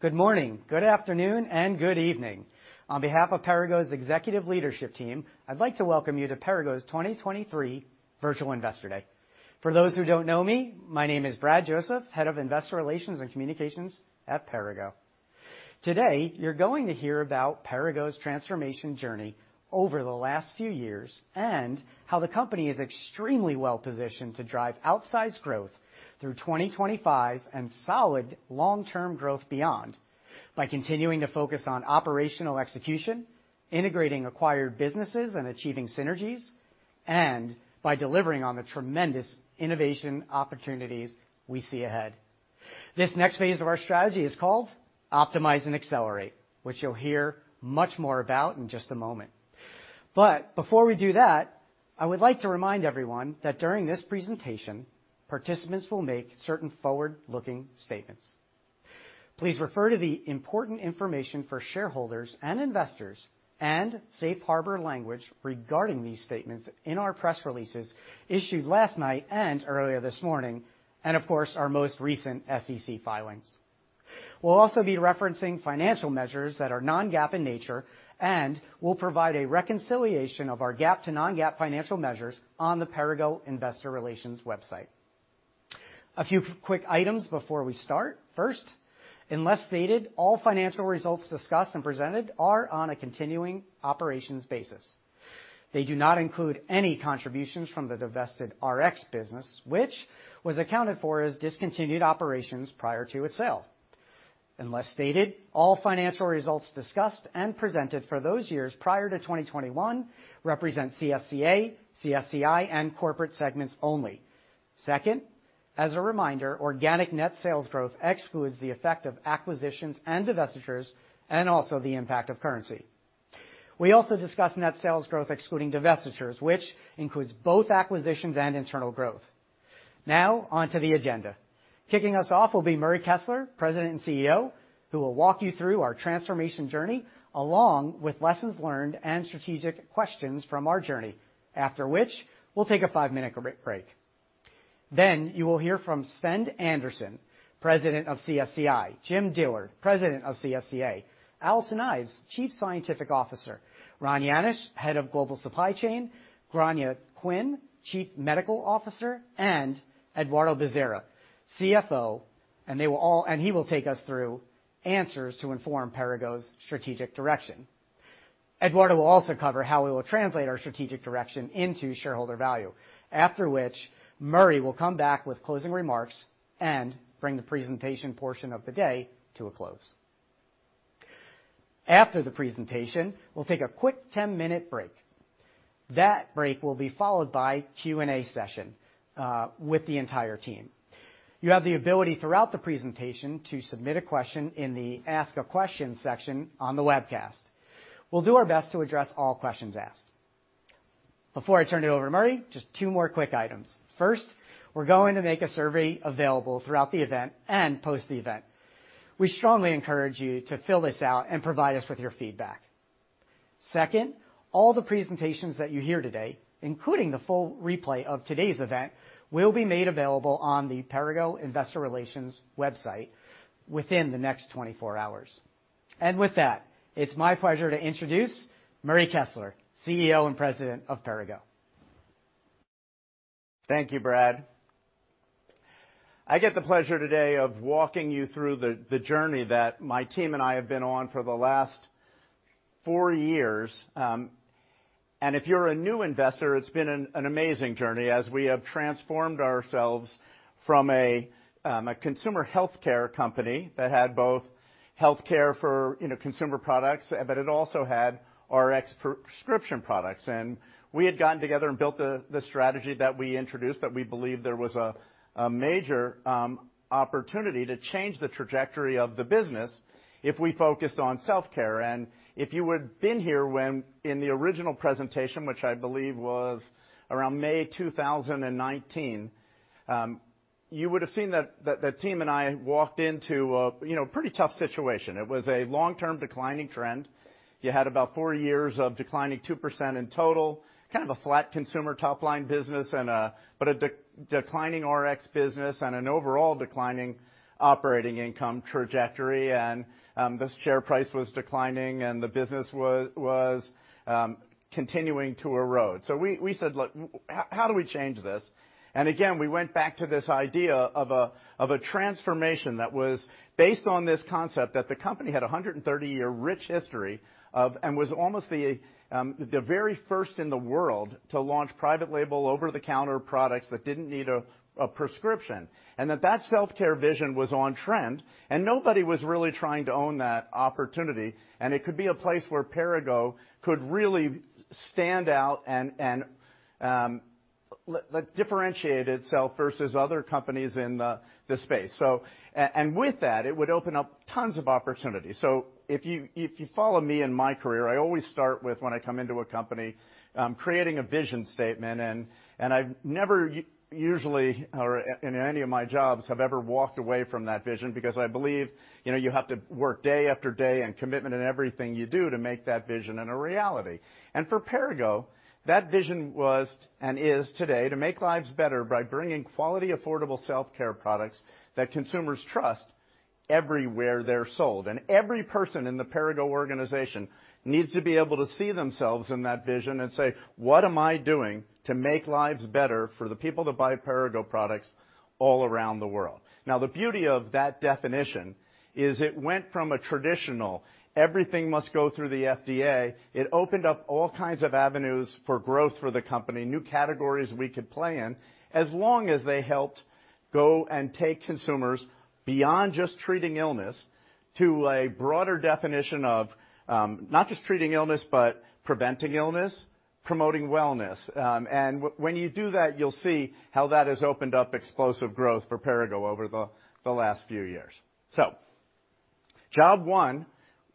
Good morning, good afternoon, and good evening. On behalf of Perrigo's executive leadership team, I'd like to welcome you to Perrigo's 2023 Virtual Investor Day. For those who don't know me, my name is Brad Joseph, Head of Investor Relations and Communications at Perrigo. Today, you're going to hear about Perrigo's transformation journey over the last few years, how the company is extremely well-positioned to drive outsized growth through 2025 and solid long-term growth beyond by continuing to focus on operational execution, integrating acquired businesses and achieving synergies, and by delivering on the tremendous innovation opportunities we see ahead. This next phase of our strategy is called Optimize and Accelerate, which you'll hear much more about in just a moment. Before we do that, I would like to remind everyone that during this presentation, participants will make certain forward-looking statements. Please refer to the important information for shareholders and investors and safe harbor language regarding these statements in our press releases issued last night and earlier this morning, and of course, our most recent SEC filings. We'll also be referencing financial measures that are non-GAAP in nature, and we'll provide a reconciliation of our GAAP to non-GAAP financial measures on the Perrigo Investor Relations website. A few quick items before we start. First, unless stated, all financial results discussed and presented are on a continuing operations basis. They do not include any contributions from the divested Rx business, which was accounted for as discontinued operations prior to its sale. Unless stated, all financial results discussed and presented for those years prior to 2021 represent CSCA, CSCI, and Corporate segments only. Second, as a reminder, organic net sales growth excludes the effect of acquisitions and divestitures, and also the impact of currency. We also discuss net sales growth excluding divestitures, which includes both acquisitions and internal growth. On to the agenda. Kicking us off will be Murray Kessler, President and CEO, who will walk you through our transformation journey along with lessons learned and strategic questions from our journey. After which, we'll take a five-minute break. You will hear from Svend Andersen, President of CSCI, Jim Dillard, President of CSCA, Alison Ives, Chief Scientific Officer, Ron Janish, Head of Global Supply Chain, Grainne Quinn, Chief Medical Officer, and Eduardo Bezerra, CFO, he will take us through answers to inform Perrigo's strategic direction. Eduardo will also cover how we will translate our strategic direction into shareholder value. Murray will come back with closing remarks and bring the presentation portion of the day to a close. After the presentation, we'll take a quick 10-minute break. That break will be followed by Q&A session with the entire team. You have the ability throughout the presentation to submit a question in the Ask a Question section on the webcast. We'll do our best to address all questions asked. Before I turn it over to Murray, just two more quick items. First, we're going to make a survey available throughout the event and post the event. We strongly encourage you to fill this out and provide us with your feedback. Second, all the presentations that you hear today, including the full replay of today's event, will be made available on the Perrigo Investor Relations website within the next 24 hours. With that, it's my pleasure to introduce Murray Kessler, CEO and President of Perrigo. Thank you, Brad. I get the pleasure today of walking you through the journey that my team and I have been on for the last four years. If you're a new investor, it's been an amazing journey as we have transformed ourselves from a consumer healthcare company that had both healthcare for, you know, consumer products, but it also had Rx prescription products. We had gotten together and built the strategy that we introduced, that we believe there was a major opportunity to change the trajectory of the business if we focused on self-care. If you would been here when, in the original presentation, which I believe was around May 2019, you would have seen that the team and I walked into a, you know, pretty tough situation. It was a long-term declining trend. You had about four years of declining, 2% in total. Kind of a flat consumer top-line business, a declining Rx business and an overall declining operating income trajectory. The share price was declining and the business was continuing to erode. We said, "Look, how do we change this?" Again, we went back to this idea of a transformation that was based on this concept that the company had a 130 year rich history of, and was almost the very first in the world to launch private label over-the-counter products that didn't need a prescription. That self-care vision was on trend, and nobody was really trying to own that opportunity. It could be a place where Perrigo could really stand out and differentiate itself versus other companies in the space. With that, it would open up tons of opportunities. If you follow me and my career, I always start with, when I come into a company, creating a vision statement and I've never usually or in any of my jobs, have ever walked away from that vision because I believe. You know, you have to work day after day and commitment in everything you do to make that vision into reality. For Perrigo, that vision was and is today to make lives better by bringing quality, affordable self-care products that consumers trust everywhere they're sold. Every person in the Perrigo organization needs to be able to see themselves in that vision and say, "What am I doing to make lives better for the people that buy Perrigo products all around the world?" The beauty of that definition is it went from a traditional everything must go through the FDA. It opened up all kinds of avenues for growth for the company, new categories we could play in, as long as they helped go and take consumers beyond just treating illness to a broader definition of not just treating illness, but preventing illness, promoting wellness. When you do that, you'll see how that has opened up explosive growth for Perrigo over the last few years. Job one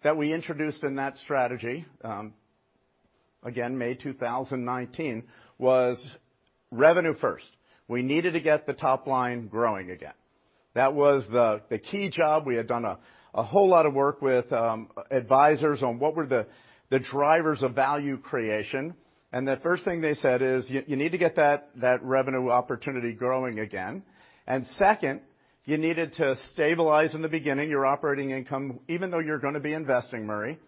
that we introduced in that strategy, again, May 2019, was revenue first. We needed to get the top line growing again. That was the key job. We had done a whole lot of work with advisors on what were the drivers of value creation. The first thing they said is, "You need to get that revenue opportunity growing again, and second, you needed to stabilize in the beginning your operating income, even though you're gonna be investing, Murray.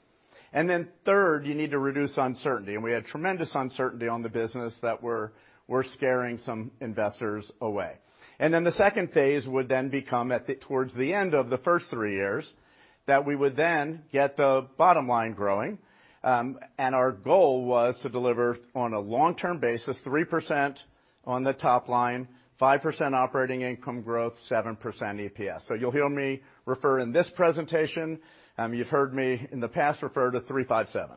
Then third, you need to reduce uncertainty." We had tremendous uncertainty on the business that were scaring some investors away. The second phase would then become towards the end of the first three years, that we would then get the bottom line growing. Our goal was to deliver on a long-term basis, 3% on the top line, 5% operating income growth, 7% EPS. You'll hear me refer in this presentation, you've heard me in the past refer to 3%, 5%, 7%.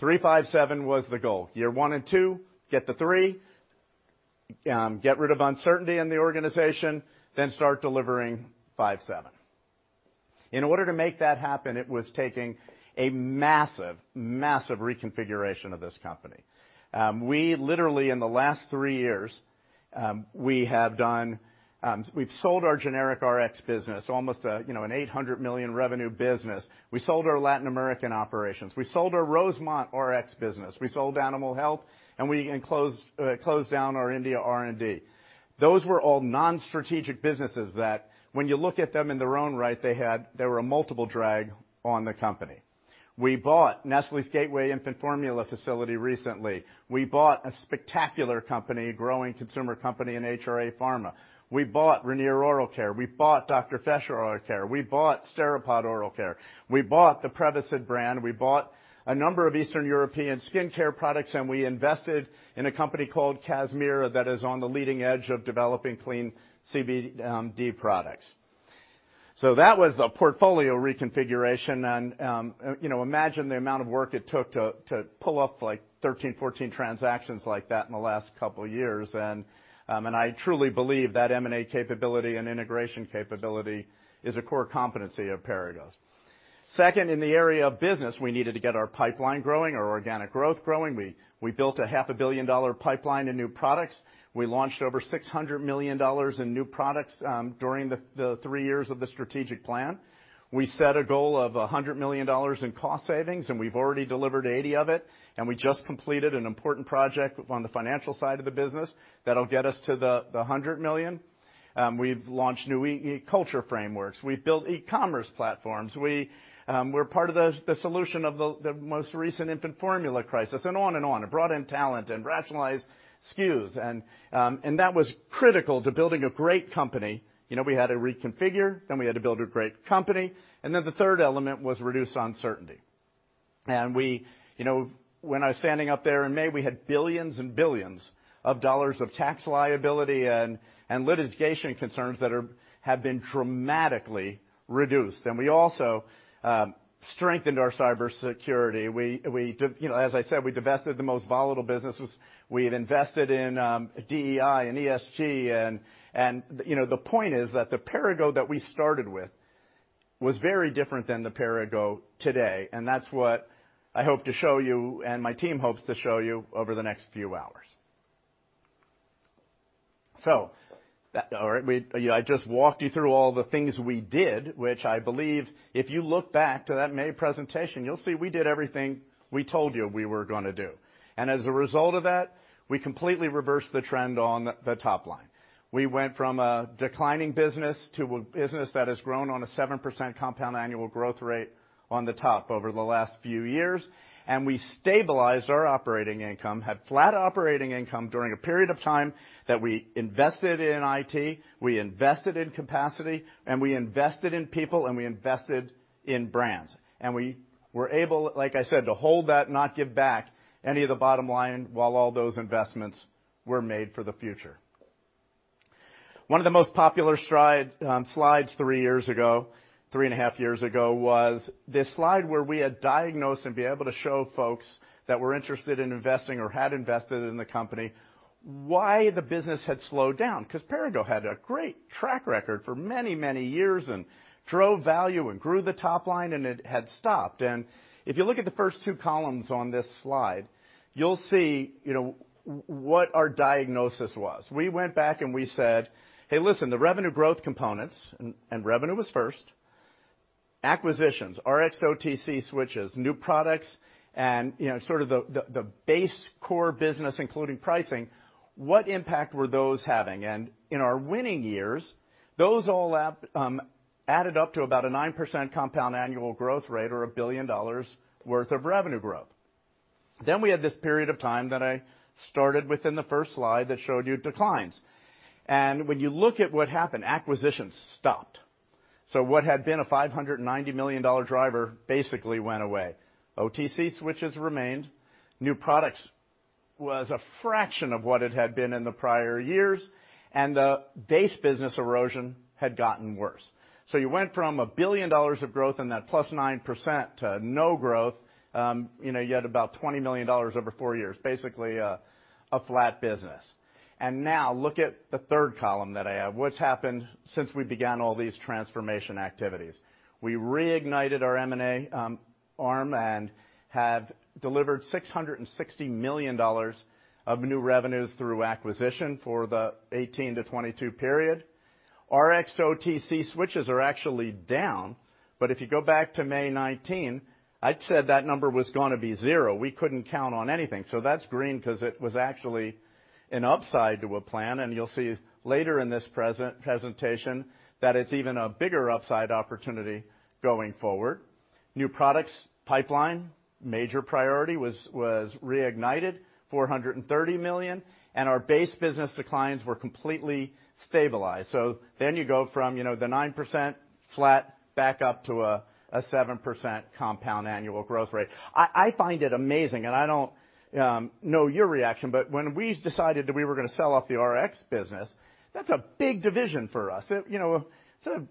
3%, 5%, 7% was the goal. Year one and two, get the 3%, get rid of uncertainty in the organization, then start delivering 5%, 7%. In order to make that happen, it was taking a massive reconfiguration of this company. We literally, in the last three years, we have done. We've sold our generic Rx business, almost a, you know, an $800 million revenue business. We sold our Latin American operations. We sold our Rosemont Rx business. We sold Animal Health, and we closed down our India R&D. Those were all non-strategic businesses that when you look at them in their own right, they were a multiple drag on the company. We bought Nestlé's Gateway infant formula facility recently. We bought a spectacular company, growing consumer company in HRA Pharma. We bought Ranir Oral Care. We bought Dr. Fresh Oral Care. We bought Steripod Oral Care. We bought the Prevacid brand. We bought a number of Eastern European skincare products. We invested in a company called Kazmira that is on the leading edge of developing clean CBD products. That was a portfolio reconfiguration and, you know, imagine the amount of work it took to pull off like 13, 14 transactions like that in the last couple years. I truly believe that M&A capability and integration capability is a core competency of Perrigo's. Second, in the area of business, we needed to get our pipeline growing, our organic growth growing. We built a half a billion-dollar pipeline in new products. We launched over $600 million in new products during the three years of the strategic plan. We set a goal of $100 million in cost savings, and we've already delivered $80 million of it, and we just completed an important project on the financial side of the business that'll get us to the $100 million. We've launched new e-culture frameworks. We've built e-commerce platforms. We're part of the solution of the most recent infant formula crisis, and on and on. It brought in talent and rationalized SKUs, and that was critical to building a great company. You know, we had to reconfigure, then we had to build a great company, and then the third element was reduce uncertainty. We, you know, when I was standing up there in May, we had billions and billions of dollars of tax liability and litigation concerns that have been dramatically reduced. We also strengthened our cybersecurity. We, you know, as I said, we divested the most volatile businesses. We had invested in DEI and ESG and, you know, the point is that the Perrigo that we started with was very different than the Perrigo today. That's what I hope to show you, and my team hopes to show you over the next few hours. All right. I just walked you through all the things we did, which I believe if you look back to that May presentation, you'll see we did everything we told you we were gonna do. As a result of that, we completely reversed the trend on the top line. We went from a declining business to a business that has grown on a 7% compound annual growth rate on the top over the last few years. We stabilized our operating income. Had flat operating income during a period of time that we invested in IT, we invested in capacity, and we invested in people, and we invested in brands. We were able, like I said, to hold that, not give back any of the bottom line while all those investments were made for the future. One of the most popular slide, slides three years ago, three and a half years ago, was this slide where we had diagnosed and be able to show folks that were interested in investing or had invested in the company why the business had slowed down. Perrigo had a great track record for many, many years and drove value and grew the top line and it had stopped. If you look at the first two columns on this slide, you'll see, you know, what our diagnosis was. We went back and we said, "Hey, listen, the revenue growth components," and revenue was first. Acquisitions, Rx-to-OTC switches, new products, and, you know, sort of the base core business, including pricing, what impact were those having? In our winning years, those all added up to about a 9% compound annual growth rate or $1 billion worth of revenue growth. We had this period of time that I started within the first slide that showed you declines. When you look at what happened, acquisitions stopped. What had been a $590 million driver basically went away. OTC switches remained. New products was a fraction of what it had been in the prior years, and the base business erosion had gotten worse. You went from $1 billion of growth and that +9% to no growth. You know, you had about $20 million over four years, basically, a flat business. Now look at the third column that I have. What's happened since we began all these transformation activities? We reignited our M&A arm have delivered $660 million of new revenues through acquisition for the 2018-2022 period. Rx-to-OTC switches are actually down, if you go back to May 2019, I'd said that number was gonna be zero. We couldn't count on anything. That's green 'cause it was actually an upside to a plan, and you'll see later in this presentation that it's even a bigger upside opportunity going forward. New products pipeline, major priority was reignited, $430 million, our base business declines were completely stabilized. You go from, you know, the 9% flat back up to a 7% compound annual growth rate. I find it amazing, and I don't know your reaction, but when we decided that we were gonna sell off the Rx business, that's a big division for us. You know, sort of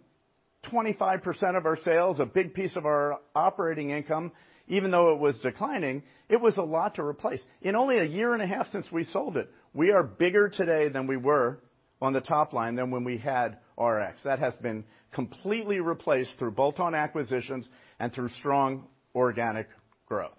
25% of our sales, a big piece of our operating income. Even though it was declining, it was a lot to replace. In only a year and a half since we sold it, we are bigger today than we were on the top line than when we had Rx. That has been completely replaced through bolt-on acquisitions and through strong organic growth.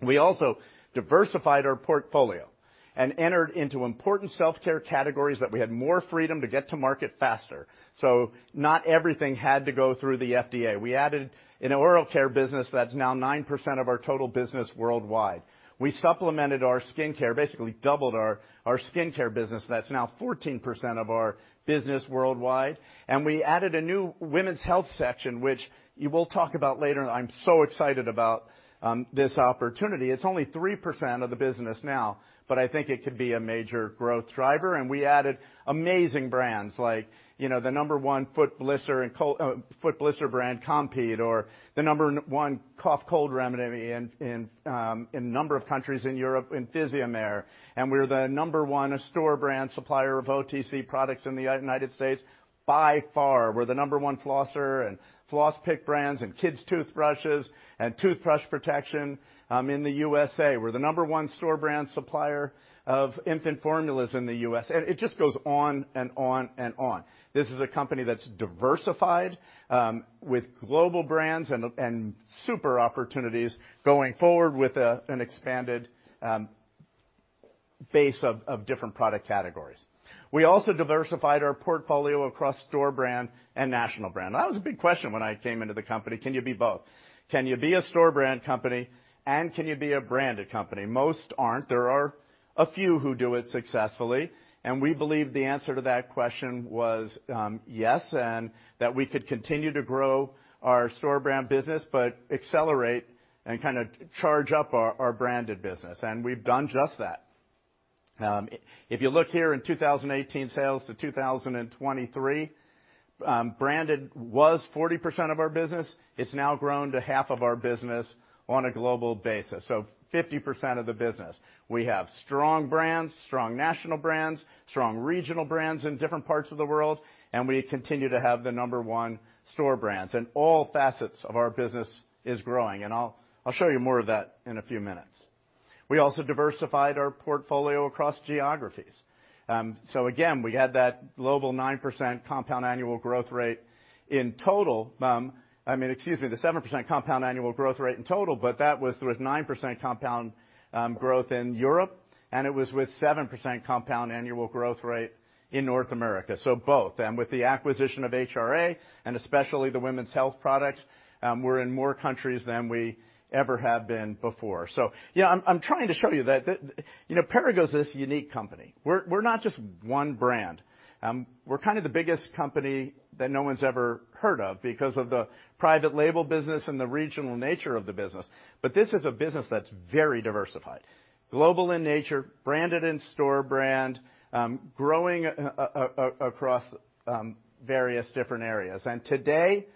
We also diversified our portfolio and entered into important self-care categories that we had more freedom to get to market faster, so not everything had to go through the FDA. We added an Oral Care business that's now 9% of our total business worldwide. We supplemented our Skincare, basically doubled our Skincare business. That's now 14% of our business worldwide. We added a new Women's Health section, which we will talk about later. I'm so excited about this opportunity. It's only 3% of the business now, but I think it could be a major growth driver. We added amazing brands like, you know, the number one foot blister and foot blister brand, Compeed, or the number one cough cold remedy in a number of countries in Europe, Physiomer. We're the number one store brand supplier of OTC products in the United States by far. We're the number one flosser and floss pick brands and kids' toothbrushes and toothbrush protection in the U.S.A. We're the number one store brand supplier of infant formulas in the U.S. It just goes on and on and on. This is a company that's diversified with global brands and super opportunities going forward with an expanded base of different product categories. We also diversified our portfolio across store brand and national brand. That was a big question when I came into the company, can you be both? Can you be a store brand company and can you be a branded company? Most aren't. There are a few who do it successfully, and we believe the answer to that question was yes, and that we could continue to grow our store brand business but accelerate and kinda charge up our branded business. We've done just that. If you look here in 2018 sales to 2023, branded was 40% of our business. It's now grown to half of our business on a global basis, so 50% of the business. We have strong brands, strong national brands, strong regional brands in different parts of the world, and we continue to have the number one store brands. All facets of our business is growing, and I'll show you more of that in a few minutes. We also diversified our portfolio across geographies. Again, we had that global 9% CAGR in total. I mean, excuse me, the 7% CAGR in total, but that was with 9% compound growth in Europe, and it was with 7% CAGR in North America. Both. With the acquisition of HRA, and especially the Women's Health product, we're in more countries than we ever have been before. Yeah, I'm trying to show you that, you know, Perrigo is this unique company. We're not just one brand. We're kinda the biggest company that no one's ever heard of because of the private label business and the regional nature of the business. This is a business that's very diversified. Global in nature, branded in store brand, growing across various different areas. Today,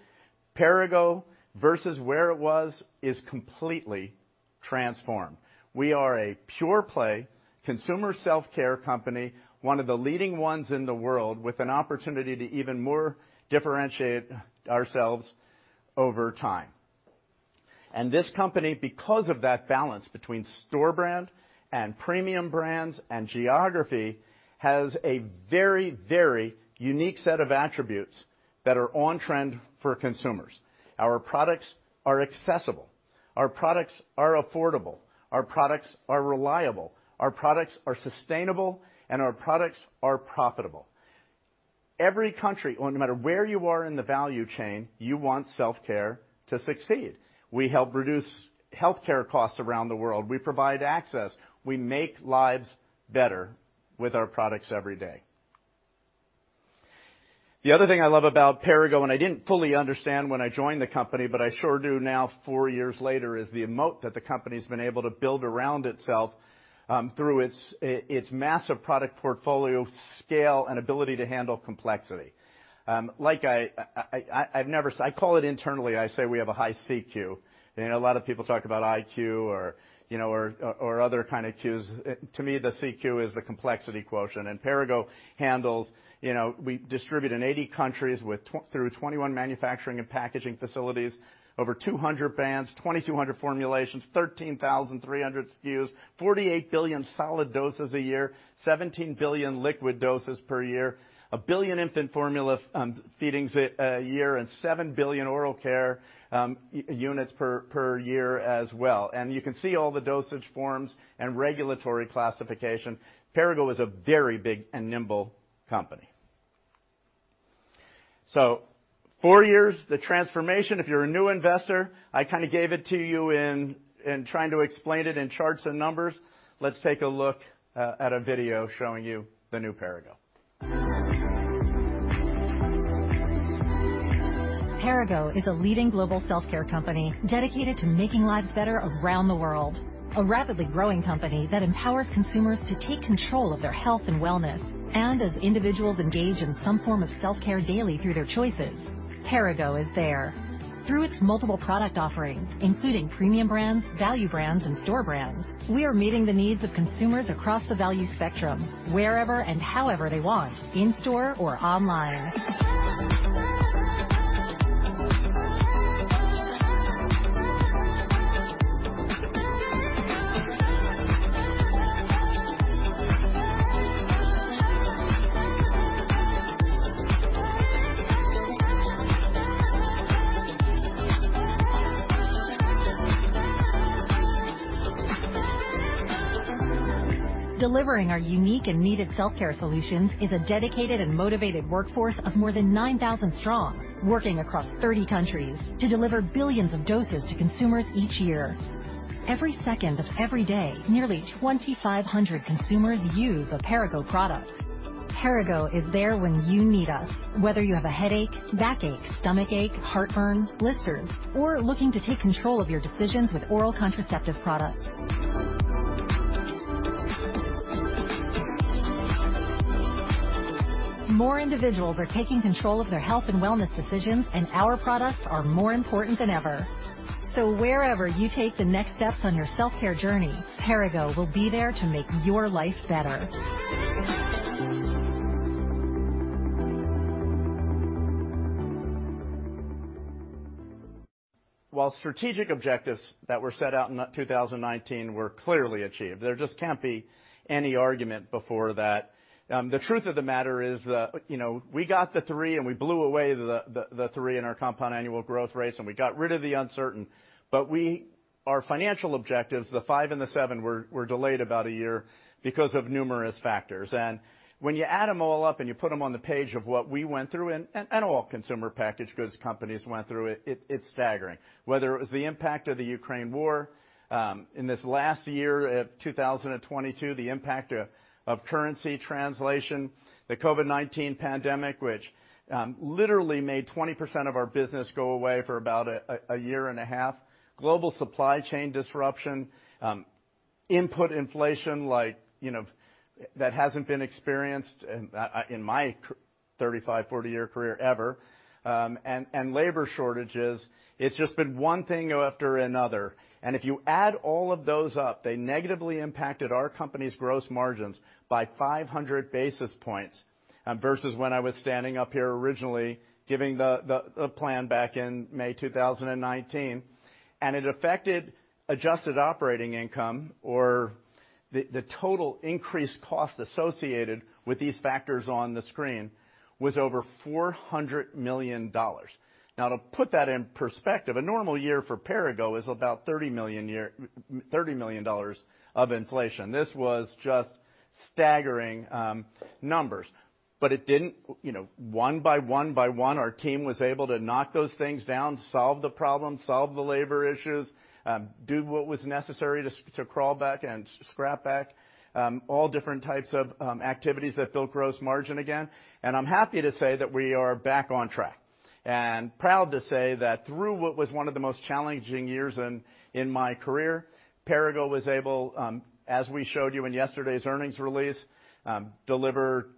Perrigo versus where it was is completely transformed. We are a pure play Consumer Self-Care company, one of the leading ones in the world, with an opportunity to even more differentiate ourselves over time. This company, because of that balance between store brand and premium brands and geography, has a very, very unique set of attributes that are on trend for consumers. Our products are accessible. Our products are affordable, our products are reliable, our products are sustainable, and our products are profitable. Every country, well, no matter where you are in the value chain, you want self-care to succeed. We help reduce healthcare costs around the world. We provide access. We make lives better with our products every day. The other thing I love about Perrigo, and I didn't fully understand when I joined the company, but I sure do now four years later, is the moat that the company's been able to build around itself, through its massive product portfolio, scale, and ability to handle complexity. I call it internally, I say we have a high CQ. You know, a lot of people talk about IQ or, you know, or other kind of Qs. To me, the CQ is the complexity quotient. Perrigo handles, you know, we distribute in 80 countries through 21 manufacturing and packaging facilities, over 200 brands, 2,200 formulations, 13,300 SKUs, 48 billion solid doses a year, 17 billion liquid doses per year, 1 billion infant formula feedings a year, and 7 billion oral care units per year as well. You can see all the dosage forms and regulatory classification. Perrigo is a very big and nimble company. Four years, the transformation, if you're a new investor, I kind of gave it to you in trying to explain it in charts and numbers. Let's take a look at a video showing you the new Perrigo. Perrigo is a leading global self-care company dedicated to making lives better around the world. A rapidly growing company that empowers consumers to take control of their health and wellness. As individuals engage in some form of self-care daily through their choices, Perrigo is there. Through its multiple product offerings, including premium brands, value brands, and store brands, we are meeting the needs of consumers across the value spectrum wherever and however they want, in store or online. Delivering our unique and needed self-care solutions is a dedicated and motivated workforce of more than 9,000 strong, working across 30 countries to deliver billions of doses to consumers each year. Every second of every day, nearly 2,500 consumers use a Perrigo product. Perrigo is there when you need us, whether you have a headache, backache, stomachache, heartburn, blisters, or looking to take control of your decisions with oral contraceptive products. More individuals are taking control of their health and wellness decisions, and our products are more important than ever. Wherever you take the next steps on your self-care journey, Perrigo will be there to make your life better. While strategic objectives that were set out in 2019 were clearly achieved, there just can't be any argument before that. The truth of the matter is that, you know, we got the 3%, and we blew away the three in our compound annual growth rates, and we got rid of the uncertain. Our financial objectives, the 5% and the 7% were delayed about a year because of numerous factors. When you add them all up and you put them on the page of what we went through and all consumer packaged goods companies went through, it's staggering. Whether it was the impact of the Ukraine war, in this last year of 2022, the impact of currency translation, the COVID-19 pandemic, which literally made 20% of our business go away for about a year and a half. Global supply chain disruption, input inflation like, you know, that hasn't been experienced in my 35, 40-year career ever, and labor shortages, it's just been one thing after another. If you add all of those up, they negatively impacted our company's gross margins by 500 basis points versus when I was standing up here originally giving the plan back in May 2019. It affected adjusted operating income or the total increased cost associated with these factors on the screen was over $400 million. To put that in perspective, a normal year for Perrigo is about $30 million of inflation. This was just staggering numbers. It didn't. You know, one by one by one, our team was able to knock those things down, solve the problem, solve the labor issues, do what was necessary to crawl back and scrap back, all different types of activities that build gross margin again. I'm happy to say that we are back on track and proud to say that through what was one of the most challenging years in my career, Perrigo was able, as we showed you in yesterday's earnings release, deliver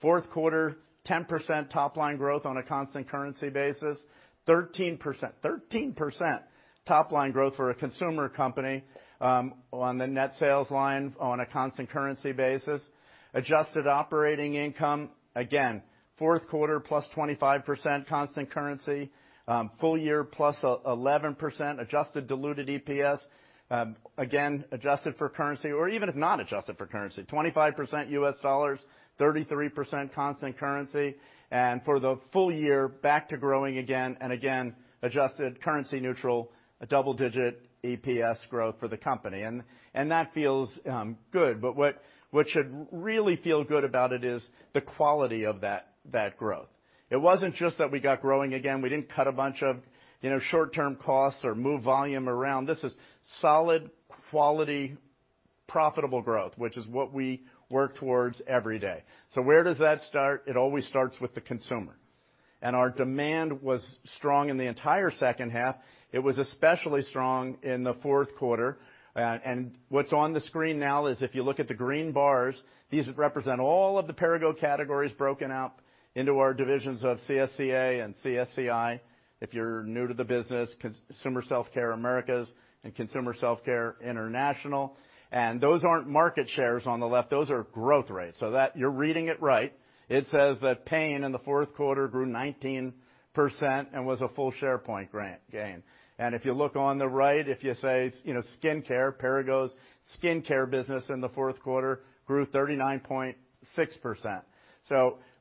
fourth quarter 10% top-line growth on a constant currency basis, 13% top-line growth for a consumer company, on the net sales line on a constant currency basis. Adjusted operating income, again, fourth quarter, +25% constant currency, full year, +11%. Adjusted diluted EPS, again, adjusted for currency, or even if not adjusted for currency, 25% U.S. dollars, 33% constant currency. For the full year back to growing again and again, adjusted currency neutral, a double-digit EPS growth for the company. That feels good. What should really feel good about it is the quality of that growth. It wasn't just that we got growing again. We didn't cut a bunch of, you know, short-term costs or move volume around. This is solid quality, profitable growth, which is what we work towards every day. Where does that start? It always starts with the consumer. Our demand was strong in the entire second half. It was especially strong in the fourth quarter. What's on the screen now is, if you look at the green bars, these represent all of the Perrigo categories broken out into our divisions of CSCA and CSCI. If you're new to the business, Consumer Self-Care Americas and Consumer Self-Care International, those aren't market shares on the left, those are growth rates. You're reading it right. It says that pain in the fourth quarter grew 19% and was a full share point gain. If you look on the right, if you say, you know, Skincare, Perrigo's Skincare business in the fourth quarter grew 39.6%.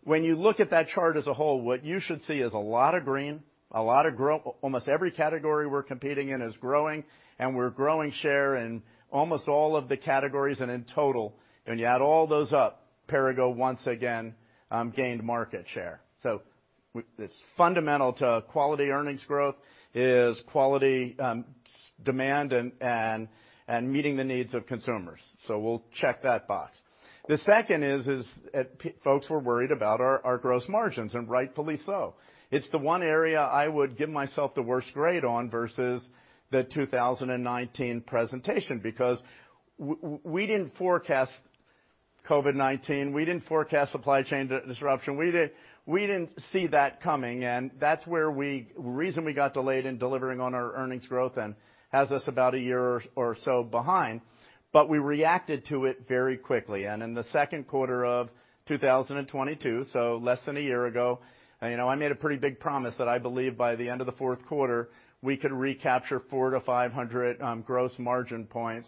When you look at that chart as a whole, what you should see is a lot of green, a lot of almost every category we're competing in is growing, and we're growing share in almost all of the categories. In total, when you add all those up, Perrigo once again gained market share. It's fundamental to quality earnings growth is quality demand and meeting the needs of consumers. We'll check that box. The second is folks were worried about our gross margins, and rightfully so. It's the one area I would give myself the worst grade on versus the 2019 presentation, because we didn't forecast COVID-19, we didn't forecast supply chain disruption. We didn't, we didn't see that coming. That's where reason we got delayed in delivering on our earnings growth and has us about a year or so behind. We reacted to it very quickly. In the second quarter of 2022, so less than a year ago, you know, I made a pretty big promise that I believe by the end of the fourth quarter, we could recapture 400-500 gross margin points.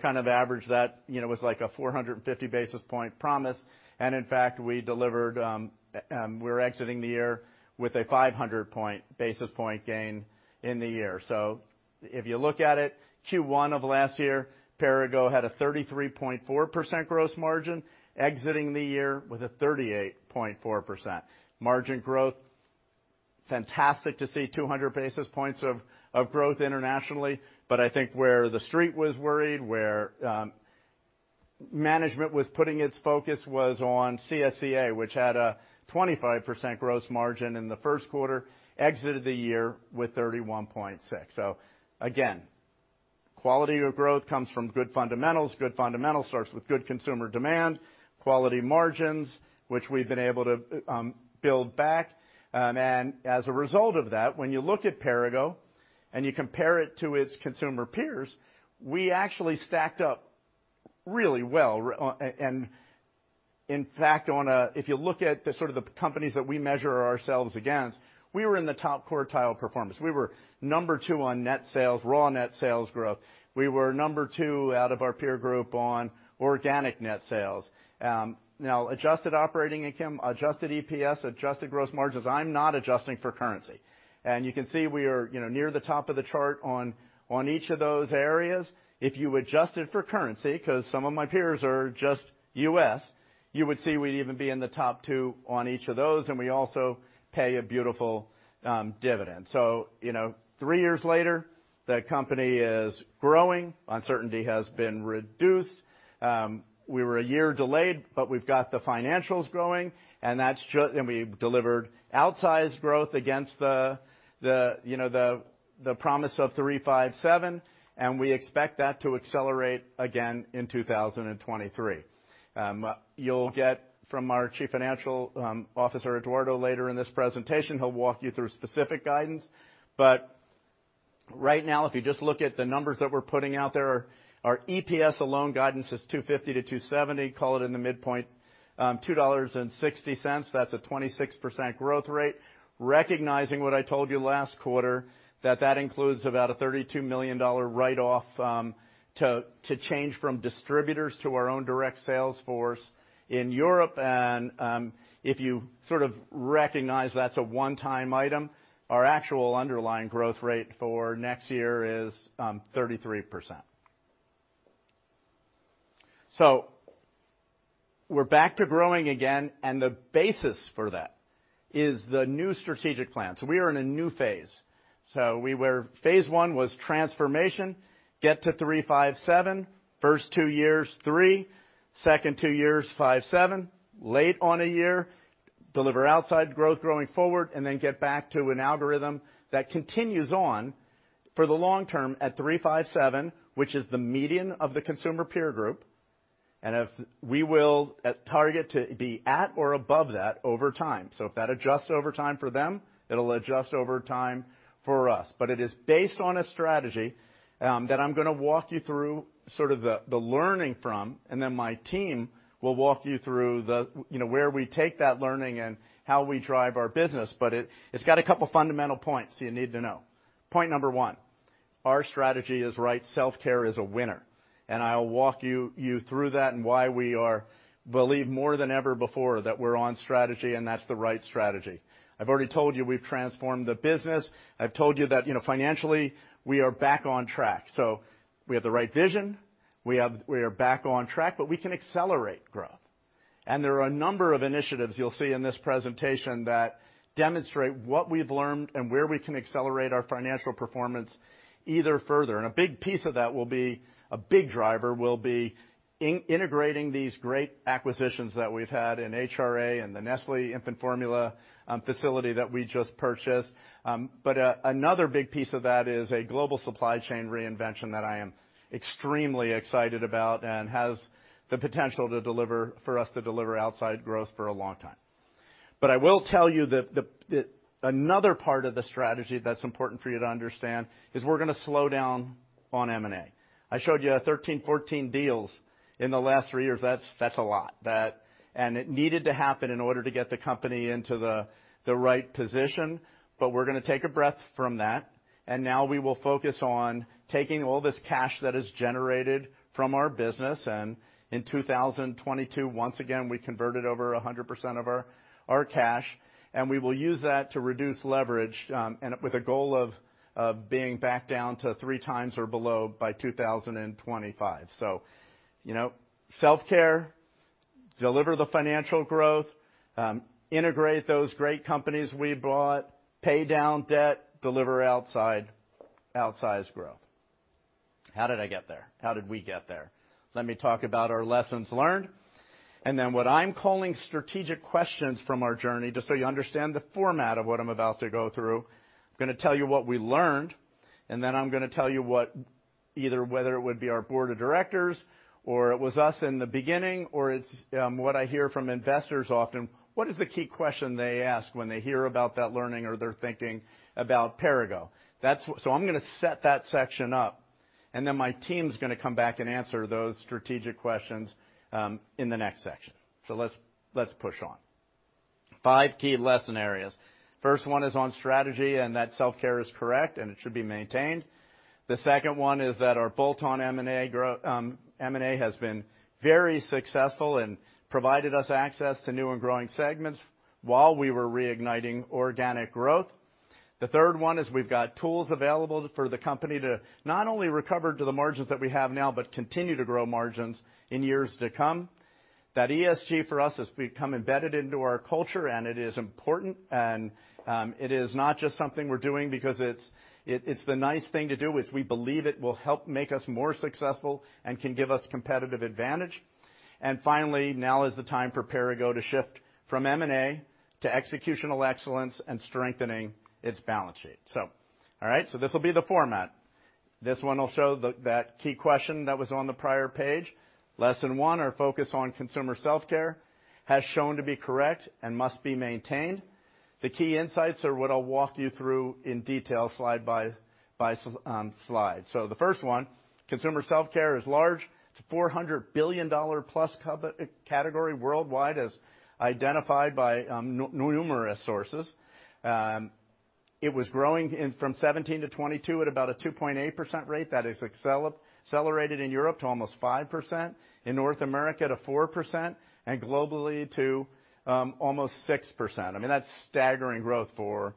Kind of average that, you know, was like a 450 basis point promise. In fact, we delivered, we're exiting the year with a 500 basis point gain in the year. If you look at it, Q1 of last year, Perrigo had a 33.4% gross margin exiting the year with a 38.4% margin growth. Fantastic to see 200 basis points of growth internationally. I think where the street was worried, where management was putting its focus was on CSCA, which had a 25% gross margin in the first quarter, exited the year with 31.6%. Again, quality of growth comes from good fundamentals, good fundamentals starts with good consumer demand, quality margins, which we've been able to build back. As a result of that, when you look at Perrigo and you compare it to its consumer peers, we actually stacked up really well. In fact, if you look at the sort of the companies that we measure ourselves against, we were in the top quartile performance. We were number two on net sales, raw net sales growth. We were number two out of our peer group on organic net sales. Now adjusted operating income, adjusted EPS, adjusted gross margins. I'm not adjusting for currency. You can see we are, you know, near the top of the chart on each of those areas. If you adjusted for currency, because some of my peers are just U.S., you would see we'd even be in the top two on each of those, and we also pay a beautiful dividend. You know, three years later, the company is growing. Uncertainty has been reduced. We were a year delayed, we've got the financials growing and we delivered outsized growth against the, you know, the promise of 3%, 5%, 7%, and we expect that to accelerate again in 2023. You'll get from our Chief Financial Officer, Eduardo, later in this presentation, he'll walk you through specific guidance. Right now, if you just look at the numbers that we're putting out there, our EPS alone guidance is $2.50-$2.70, call it in the midpoint, $2.60. That's a 26% growth rate. Recognizing what I told you last quarter, that includes about a $32 million write-off to change from distributors to our own direct sales force in Europe. If you sort of recognize that's a one-time item, our actual underlying growth rate for next year is 33%. We're back to growing again, and the basis for that is the new strategic plan. We are in a new phase. Phase I was transformation. Get to 3%, 5%, 7%. First two years, 3%, second two years, 5%, 7%. Late on a year, deliver outside growth growing forward, and then get back to an algorithm that continues on for the long term at 3%, 5%, 7%, which is the median of the consumer peer group. If we will target to be at or above that over time. If that adjusts over time for them, it'll adjust over time for us. It is based on a strategy that I'm gonna walk you through sort of the learning from, and then my team will walk you through the, you know, where we take that learning and how we drive our business. It's got a couple of fundamental points you need to know. Point number one, our strategy is right, self-care is a winner. I'll walk you through that and why we believe more than ever before that we're on strategy, and that's the right strategy. I've already told you we've transformed the business. I've told you that, you know, financially, we are back on track. We have the right vision, we are back on track, but we can accelerate growth. There are a number of initiatives you'll see in this presentation that demonstrate what we've learned and where we can accelerate our financial performance either further. A big driver will be integrating these great acquisitions that we've had in HRA and the Nestlé infant formula facility that we just purchased. Another big piece of that is a global supply chain reinvention that I am extremely excited about and has the potential for us to deliver outside growth for a long time. I will tell you that the another part of the strategy that's important for you to understand is we're gonna slow down on M&A. I showed you 13, 14 deals in the last three years. That's a lot. It needed to happen in order to get the company into the right position, but we're gonna take a breath from that, and now we will focus on taking all this cash that is generated from our business. In 2022, once again, we converted over 100% of our cash, and we will use that to reduce leverage, and with a goal of being back down to 3x or below by 2025. You know, Self-Care, deliver the financial growth, integrate those great companies we bought, pay down debt, deliver outsized growth. How did I get there? How did we get there? Let me talk about our lessons learned. What I'm calling strategic questions from our journey, just so you understand the format of what I'm about to go through, I'm gonna tell you what we learned. I'm gonna tell you what either whether it would be our board of directors or it was us in the beginning, or it's, what I hear from investors often, what is the key question they ask when they hear about that learning or they're thinking about Perrigo? That's. I'm gonna set that section up. My team's gonna come back and answer those strategic questions, in the next section. Let's push on. Five key lesson areas. First one is on strategy, and that self-care is correct, and it should be maintained. The second one is that our bolt-on M&A has been very successful and provided us access to new and growing segments while we were reigniting organic growth. The third one is we've got tools available for the company to not only recover to the margins that we have now, but continue to grow margins in years to come. That ESG for us has become embedded into our culture, and it is important, and it is not just something we're doing because it's the nice thing to do, it's we believe it will help make us more successful and can give us competitive advantage. Finally, now is the time for Perrigo to shift from M&A to executional excellence and strengthening its balance sheet. All right, this will be the format. This one will show that key question that was on the prior page. Lesson one, our focus on Consumer Self-Care has shown to be correct and must be maintained. The key insights are what I'll walk you through in detail slide by slide. The first one, Consumer Self-Care is large. It's a $400 billion plus category worldwide as identified by numerous sources. It was growing in from 2017 to 2022 at about a 2.8% rate. That has accelerated in Europe to almost 5%, in North America to 4%, and globally to almost 6%. I mean, that's staggering growth for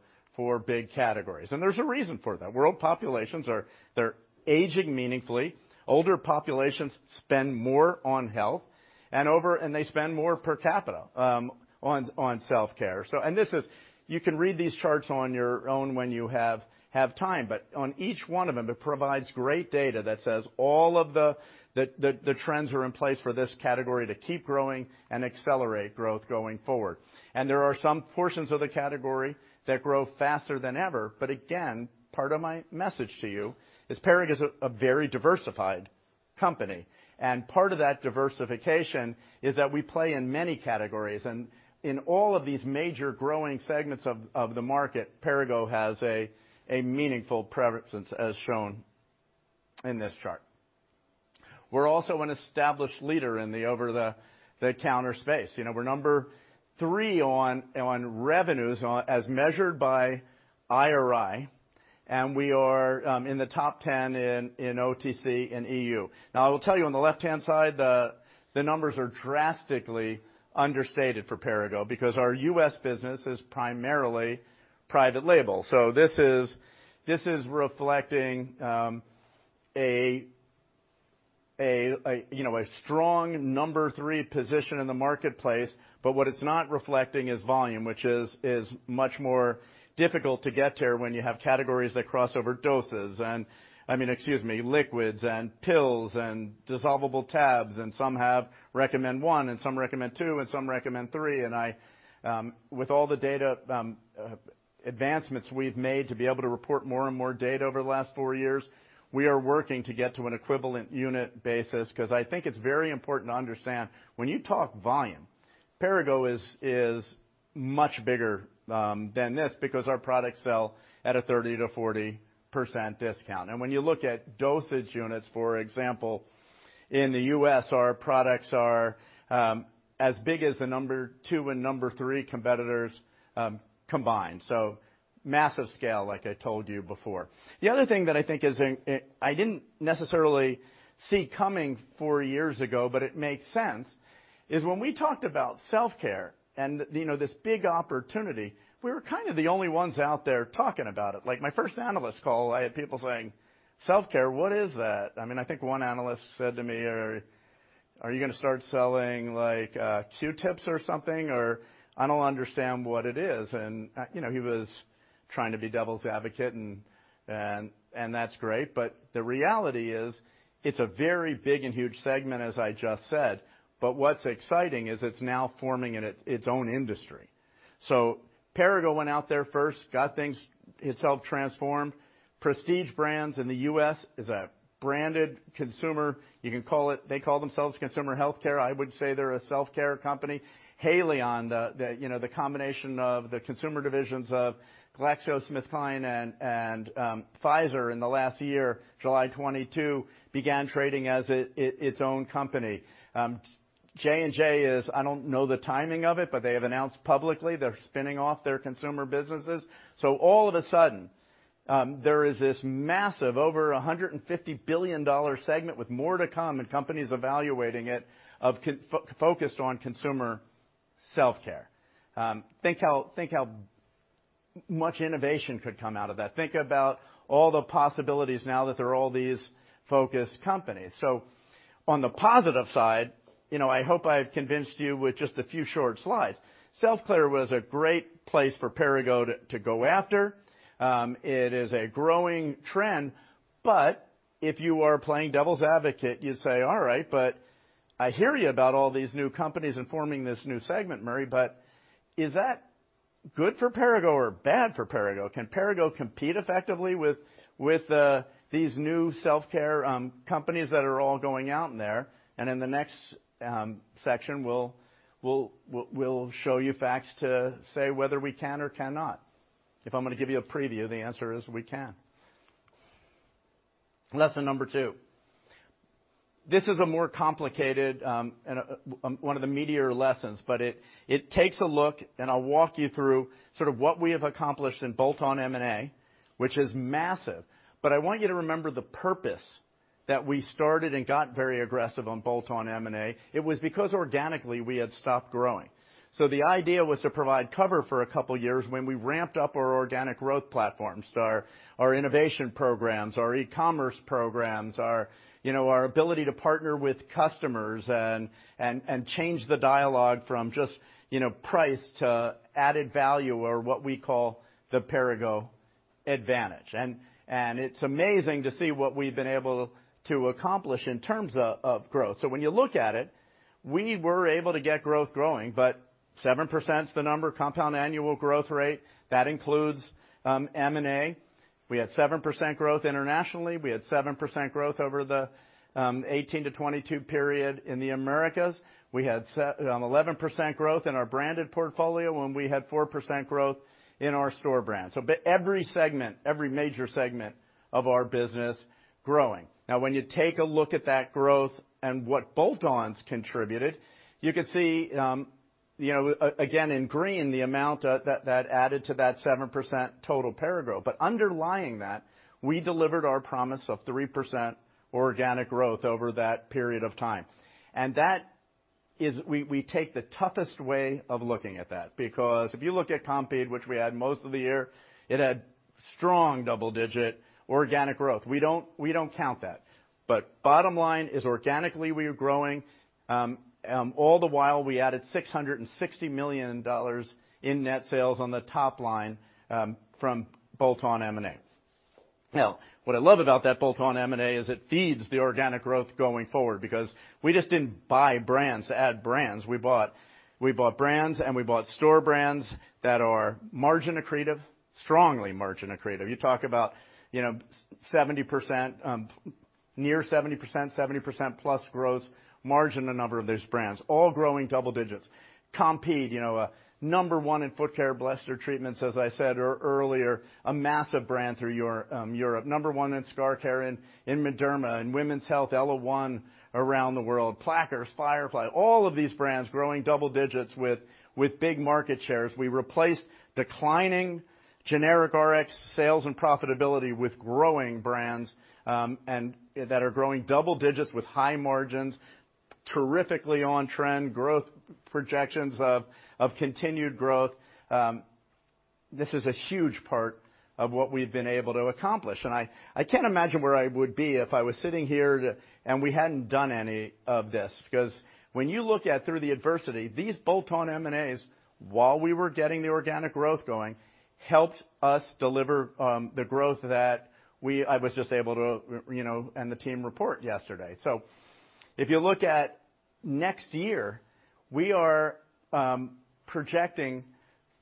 big categories. There's a reason for that. World populations, they're aging meaningfully. Older populations spend more on health and they spend more per capita on Self-Care. This is, you can read these charts on your own when you have time. On each one of them, it provides great data that says all of the trends are in place for this category to keep growing and accelerate growth going forward. There are some portions of the category that grow faster than ever. Again, part of my message to you is Perrigo is a very diversified company, and part of that diversification is that we play in many categories. In all of these major growing segments of the market, Perrigo has a meaningful presence, as shown in this chart. We're also an established leader in the over-the-counter space. You know, we're number three on revenues, as measured by IRI, and we are in the top 10 in OTC and EU. I will tell you on the left-hand side, the numbers are drastically understated for Perrigo because our U.S. business is primarily private label. This is reflecting, you know, a strong number three position in the marketplace, but what it's not reflecting is volume, which is much more difficult to get to when you have categories that cross over liquids and pills and dissolvable tabs, and some have recommend one and some recommend two and some recommend three. I, with all the data advancements we've made to be able to report more and more data over the last four years, we are working to get to an equivalent unit basis because I think it's very important to understand when you talk volume-Perrigo is much bigger than this because our products sell at a 30%-40% discount. When you look at dosage units, for example, in the U.S., our products are as big as the number two and number three competitors combined. Massive scale, like I told you before. The other thing that I think I didn't necessarily see coming four years ago, but it makes sense, is when we talked about self-care and, you know, this big opportunity, we were kinda the only ones out there talking about it. Like, my first analyst call, I had people saying, "Self-care, what is that?" I mean, I think one analyst said to me, "Are you gonna start selling, like, Q-tips or something? Or I don't understand what it is." You know, he was trying to be devil's advocate and that's great, but the reality is it's a very big and huge segment, as I just said. What's exciting is it's now forming its own industry. Perrigo went out there first, got things itself transformed. Prestige Brands in the U.S. is a branded consumer. They call themselves consumer healthcare. I would say they're a self-care company. Haleon, the, you know, the combination of the consumer divisions of GlaxoSmithKline and Pfizer in the last year, July 2022, began trading as its own company. J&J is, I don't know the timing of it, but they have announced publicly they're spinning off their consumer businesses. All of a sudden, there is this massive over a $150 billion segment with more to come and companies evaluating it of focused on Consumer Self-Care. Think how much innovation could come out of that. Think about all the possibilities now that there are all these focused companies. On the positive side, you know, I hope I've convinced you with just a few short slides. Self-care was a great place for Perrigo to go after. It is a growing trend, but if you are playing devil's advocate, you say, "All right, I hear you about all these new companies and forming this new segment, Murray, is that good for Perrigo or bad for Perrigo? Can Perrigo compete effectively with these new self-care companies that are all going out there? In the next section, we'll show you facts to say whether we can or cannot. If I'm gonna give you a preview, the answer is we can. Lesson number two. This is a more complicated and one of the meatier lessons, but it takes a look, and I'll walk you through sort of what we have accomplished in bolt-on M&A, which is massive. I want you to remember the purpose that we started and got very aggressive on bolt-on M&A. It was because organically, we had stopped growing. The idea was to provide cover for a couple years when we ramped up our organic growth platforms, our innovation programs, our e-commerce programs, our, you know, ability to partner with customers and change the dialogue from just, you know, price to added value or what we call the Perrigo advantage. And it's amazing to see what we've been able to accomplish in terms of growth. When you look at it, we were able to get growth growing, but 7%'s the number, compound annual growth rate. That includes M&A. We had 7% growth internationally. We had 7% growth over the 2018-2022 period in the Americas. We had 11% growth in our branded portfolio, and we had 4% growth in our store brand. Every segment, every major segment of our business growing. Now, when you take a look at that growth and what bolt-ons contributed, you can see, you know, in green, the amount that added to that 7% total Perrigo. Underlying that, we delivered our promise of 3% organic growth over that period of time. That is, we take the toughest way of looking at that because if you look at Compeed, which we had most of the year, it had strong double-digit organic growth. We don't count that. Bottom line is organically, we are growing. All the while, we added $660 million in net sales on the top line from bolt-on M&A. What I love about that bolt-on M&A is it feeds the organic growth going forward because we just didn't buy brands to add brands. We bought brands, and we bought store brands that are margin accretive, strongly margin accretive. You talk about, you know, 70%, near 70%, 70%+ gross margin a number of these brands, all growing double digits. Compeed, you know, number one in foot care blister treatments, as I said earlier, a massive brand through Europe. Number one in scar care in Mederma. In women's health, ellaOne around the world. Plackers, Firefly, all of these brands growing double digits with big market shares. We replaced declining generic Rx sales and profitability with growing brands that are growing double digits with high margins, terrifically on trend, growth projections of continued growth. This is a huge part of what we've been able to accomplish. I can't imagine where I would be if I was sitting here and we hadn't done any of this. When you look at through the adversity, these bolt-on M&As, while we were getting the organic growth going, helped us deliver the growth that I was just able to, you know, and the team report yesterday. If you look at next year, we are projecting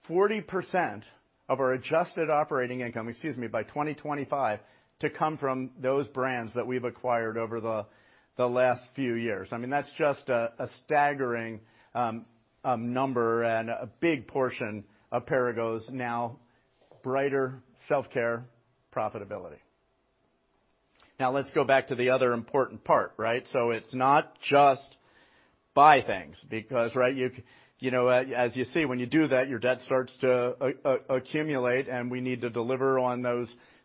40% of our adjusted operating income, excuse me, by 2025 to come from those brands that we've acquired over the last few years. I mean, that's just a staggering number and a big portion of Perrigo's now brighter self-care profitability. Let's go back to the other important part, right? It's not just buy things because, right, you know, as you see, when you do that, your debt starts to accumulate, and we need to deliver on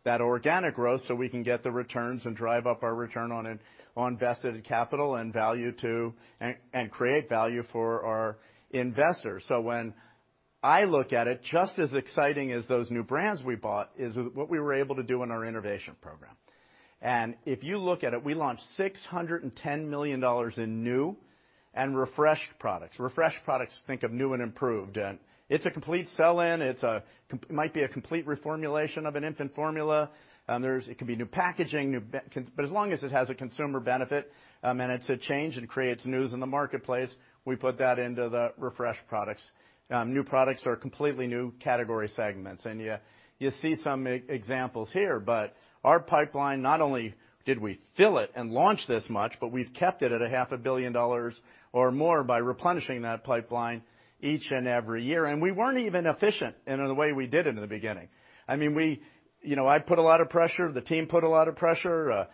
that organic growth so we can get the returns and drive up our return on invested capital and create value for our investors. When I look at it, just as exciting as those new brands we bought is what we were able to do in our innovation program. If you look at it, we launched $610 million in new and refreshed products. Refreshed products, think of new and improved. It's a complete sell-in, might be a complete reformulation of an infant formula, it could be new packaging, but as long as it has a consumer benefit, and it's a change and creates news in the marketplace, we put that into the refreshed products. New products are completely new category segments. You see some examples here, but our pipeline, not only did we fill it and launch this much, but we've kept it at a half a billion dollars or more by replenishing that pipeline each and every year. We weren't even efficient in the way we did it in the beginning. I mean, you know, I put a lot of pressure, the team put a lot of pressure,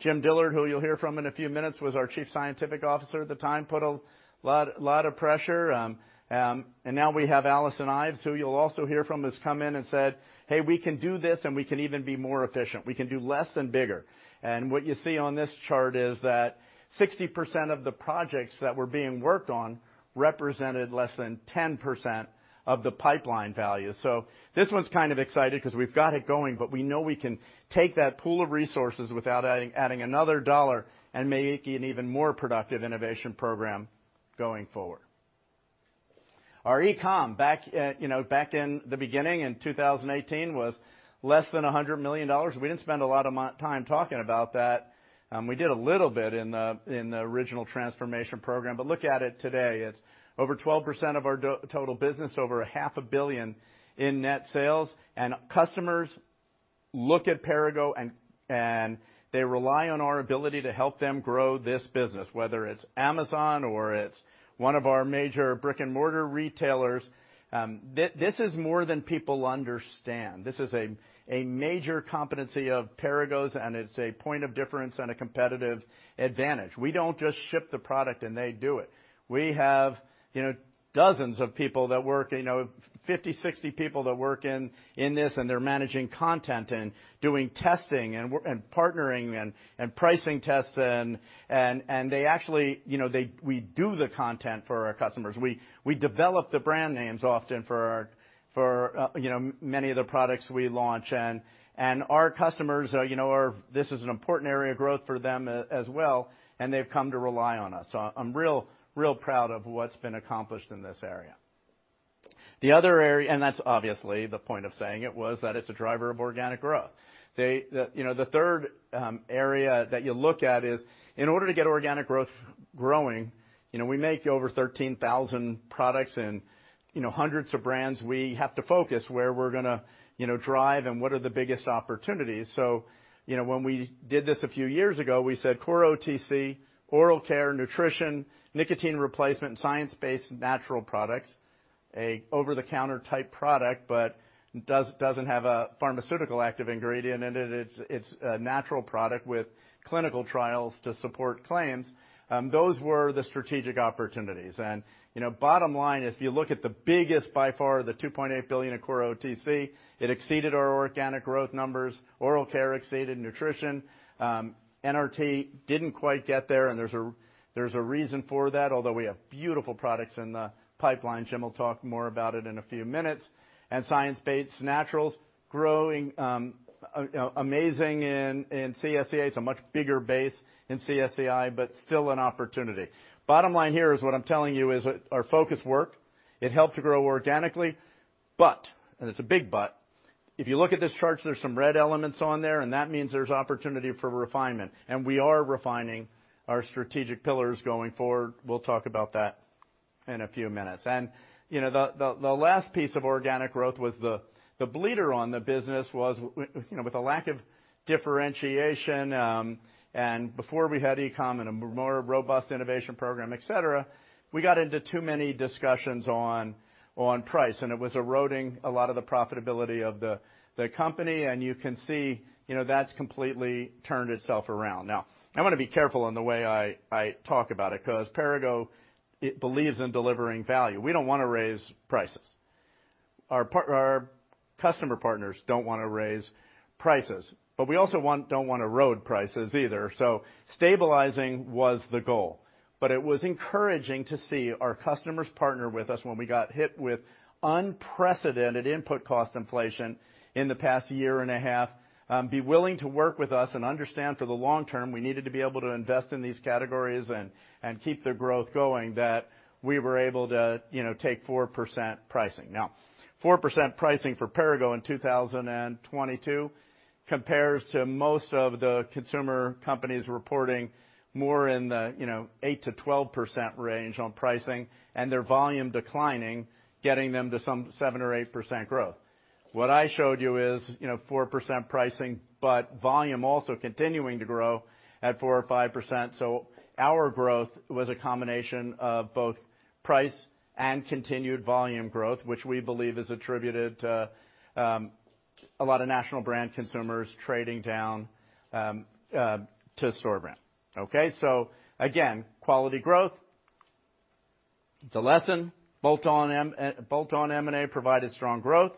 Jim Dillard, who you'll hear from in a few minutes, was our Chief Scientific Officer at the time, put a lot of pressure. Now we have Alison Ives, who you'll also hear from, has come in and said, "Hey, we can do this, and we can even be more efficient. We can do less and bigger." What you see on this chart is that 60% of the projects that were being worked on represented less than 10% of the pipeline value. This one's kind of exciting because we've got it going, but we know we can take that pool of resources without adding another $1 and make an even more productive innovation program going forward. Our e-com back, you know, back in the beginning in 2018 was less than $100 million. We didn't spend a lot of time talking about that. We did a little bit in the original transformation program, but look at it today. It's over 12% of our total business, over a half a billion in net sales. Customers look at Perrigo, and they rely on our ability to help them grow this business, whether it's Amazon or it's one of our major brick-and-mortar retailers. This is more than people understand. This is a major competency of Perrigo's, and it's a point of difference and a competitive advantage. We don't just ship the product and they do it. We have, you know, dozens of people that work, you know, 50, 60 people that work in this, and they're managing content and doing testing and partnering and pricing tests, and they actually, you know, we do the content for our customers. We develop the brand names often for, you know, many of the products we launch. Our customers, you know, are. This is an important area of growth for them as well, and they've come to rely on us. I'm real proud of what's been accomplished in this area. The other area, and that's obviously the point of saying it, was that it's a driver of organic growth. You know, the third area that you look at is in order to get organic growth growing, you know, we make over 13,000 products and, you know, hundreds of brands, we have to focus where we're gonna, you know, drive and what are the biggest opportunities. You know, when we did this a few years ago, we said core OTC, Oral Care, Nutrition, nicotine replacement, and Science-Based Natural products, a over-the-counter type product, but doesn't have a pharmaceutical active ingredient in it. It's a natural product with clinical trials to support claims. Those were the strategic opportunities. You know, bottom line, if you look at the biggest by far, the $2.8 billion of core OTC, it exceeded our organic growth numbers. Oral Care exceeded Nutrition. NRT didn't quite get there, and there's a reason for that, although we have beautiful products in the pipeline. Jim will talk more about it in a few minutes. Science-Based Naturals growing, you know, amazing in CSCI. It's a much bigger base in CSCI, still an opportunity. Bottom line here is what I'm telling you is our focus worked, it helped to grow organically. It's a big but, if you look at this chart, there's some red elements on there. That means there's opportunity for refinement, and we are refining our strategic pillars going forward. We'll talk about that in a few minutes. You know, the last piece of organic growth was the bleeder on the business was with, you know, with the lack of differentiation, and before we had e-com and a more robust innovation program, et cetera, we got into too many discussions on price, and it was eroding a lot of the profitability of the company. You can see, you know, that's completely turned itself around. Now, I wanna be careful in the way I talk about it, because Perrigo, it believes in delivering value. We don't wanna raise prices. Our customer partners don't wanna raise prices, but we also don't wanna erode prices either. Stabilizing was the goal. It was encouraging to see our customers partner with us when we got hit with unprecedented input cost inflation in the past year and a half, be willing to work with us and understand for the long term, we needed to be able to invest in these categories and keep the growth going, that we were able to, you know, take 4% pricing. 4% pricing for Perrigo in 2022 compares to most of the consumer companies reporting more in the, you know, 8%-12% range on pricing and their volume declining, getting them to some 7% or 8% growth. What I showed you is, you know, 4% pricing, but volume also continuing to grow at 4% or 5%. Our growth was a combination of both price and continued volume growth, which we believe is attributed to a lot of national brand consumers trading down to store brand. Okay? Again, quality growth. It's a lesson. Bolt-on M&A provided strong growth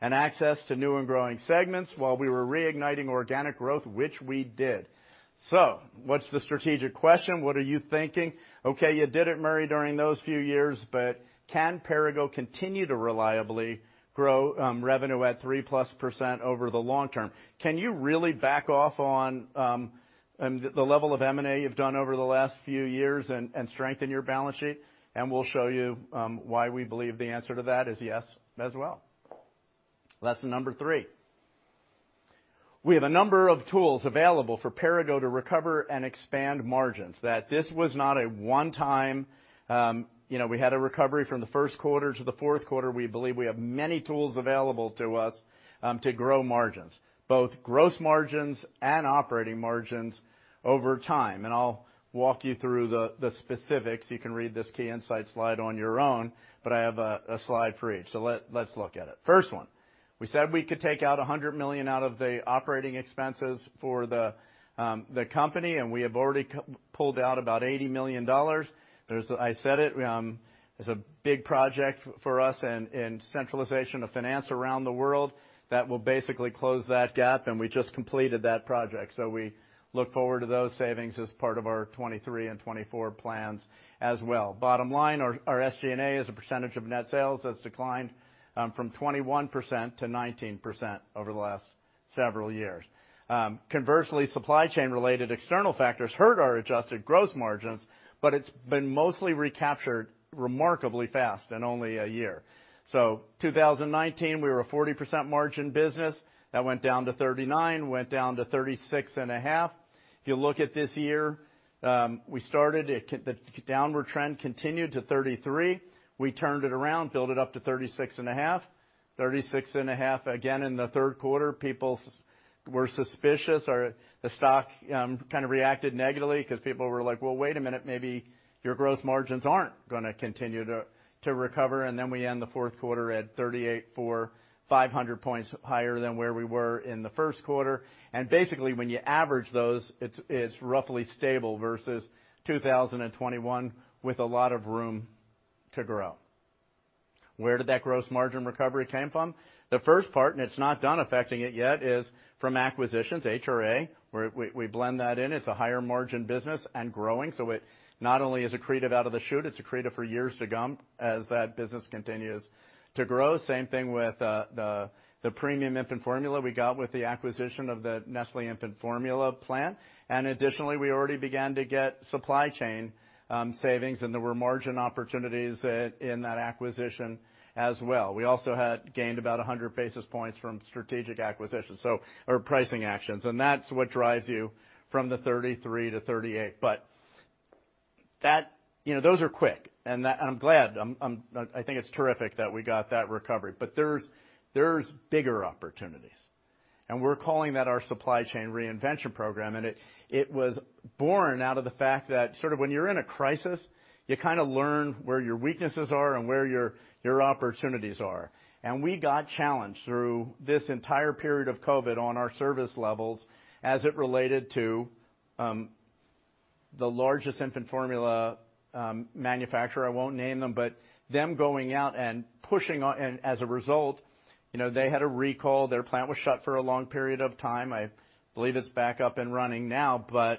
and access to new and growing segments while we were reigniting organic growth, which we did. What's the strategic question? What are you thinking? You did it, Murray, during those few years, but can Perrigo continue to reliably grow revenue at 3%+ over the long term? Can you really back off on the level of M&A you've done over the last few years and strengthen your balance sheet? We'll show you why we believe the answer to that is yes as well. Lesson number three. We have a number of tools available for Perrigo to recover and expand margins, that this was not a one-time, you know, we had a recovery from the first quarter to the fourth quarter. We believe we have many tools available to us to grow margins, both gross margins and operating margins over time. I'll walk you through the specifics. You can read this key insight slide on your own, but I have a slide for each. Let's look at it. First one, we said we could take out $100 million out of the operating expenses for the company, and we have already pulled out about $80 million. I said it is a big project for us in centralization of finance around the world that will basically close that gap, and we just completed that project. We look forward to those savings as part of our 2023 and 2024 plans as well. Bottom line, our SG&A as a percentage of net sales has declined from 21% to 19% over the last several years. Conversely, supply chain-related external factors hurt our adjusted gross margins, but it's been mostly recaptured remarkably fast in only a year. In 2019, we were a 40% margin business that went down to 39%, went down to 36.5%. If you look at this year, we started it the downward trend continued to 33%. We turned it around, built it up to 36.5%. 36.5% again in the third quarter. People were suspicious or the stock kind of reacted negatively because people were like, "Well, wait a minute. Maybe your gross margins aren't gonna continue to recover." Then we end the fourth quarter at 38 for 500 basis points higher than where we were in the first quarter. Basically, when you average those, it's roughly stable versus 2021 with a lot of room to grow. Where did that gross margin recovery came from? The first part, and it's not done affecting it yet, is from acquisitions, HRA, where we blend that in. It's a higher margin business and growing, so it not only is accretive out of the chute, it's accretive for years to come as that business continues to grow. Same thing with the premium infant formula we got with the acquisition of the Nestlé infant formula plant. Additionally, we already began to get supply chain savings, and there were margin opportunities in that acquisition as well. We also had gained about 100 basis points from strategic acquisitions. Or pricing actions, and that's what drives you from the 33 to 38. That, you know, those are quick, and I'm glad. I think it's terrific that we got that recovery, but there's bigger opportunities, and we're calling that our supply chain reinvention program. It was born out of the fact that sort of when you're in a crisis, you kinda learn where your weaknesses are and where your opportunities are. We got challenged through this entire period of COVID on our service levels as it related to the largest infant formula manufacturer. I won't name them, but them going out and pushing as a result, you know, they had a recall. Their plant was shut for a long period of time. I believe it's back up and running now, but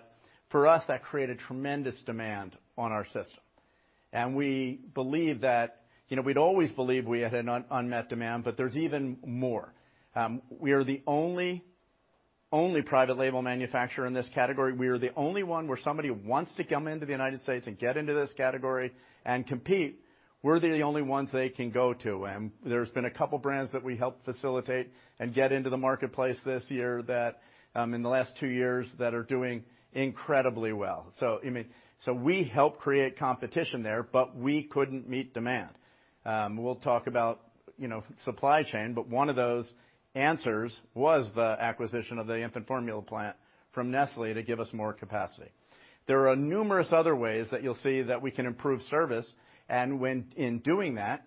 for us, that created tremendous demand on our system. We believe that, you know, we'd always believe we had an unmet demand, but there's even more. We are the only private label manufacturer in this category. We are the only one where somebody wants to come into the United States and get into this category and compete, we're the only ones they can go to. There's been a couple brands that we helped facilitate and get into the marketplace this year that in the last two years that are doing incredibly well. I mean, so we helped create competition there, but we couldn't meet demand. We'll talk about, you know, supply chain, but one of those answers was the acquisition of the infant formula plant from Nestlé to give us more capacity. There are numerous other ways that you'll see that we can improve service and when in doing that,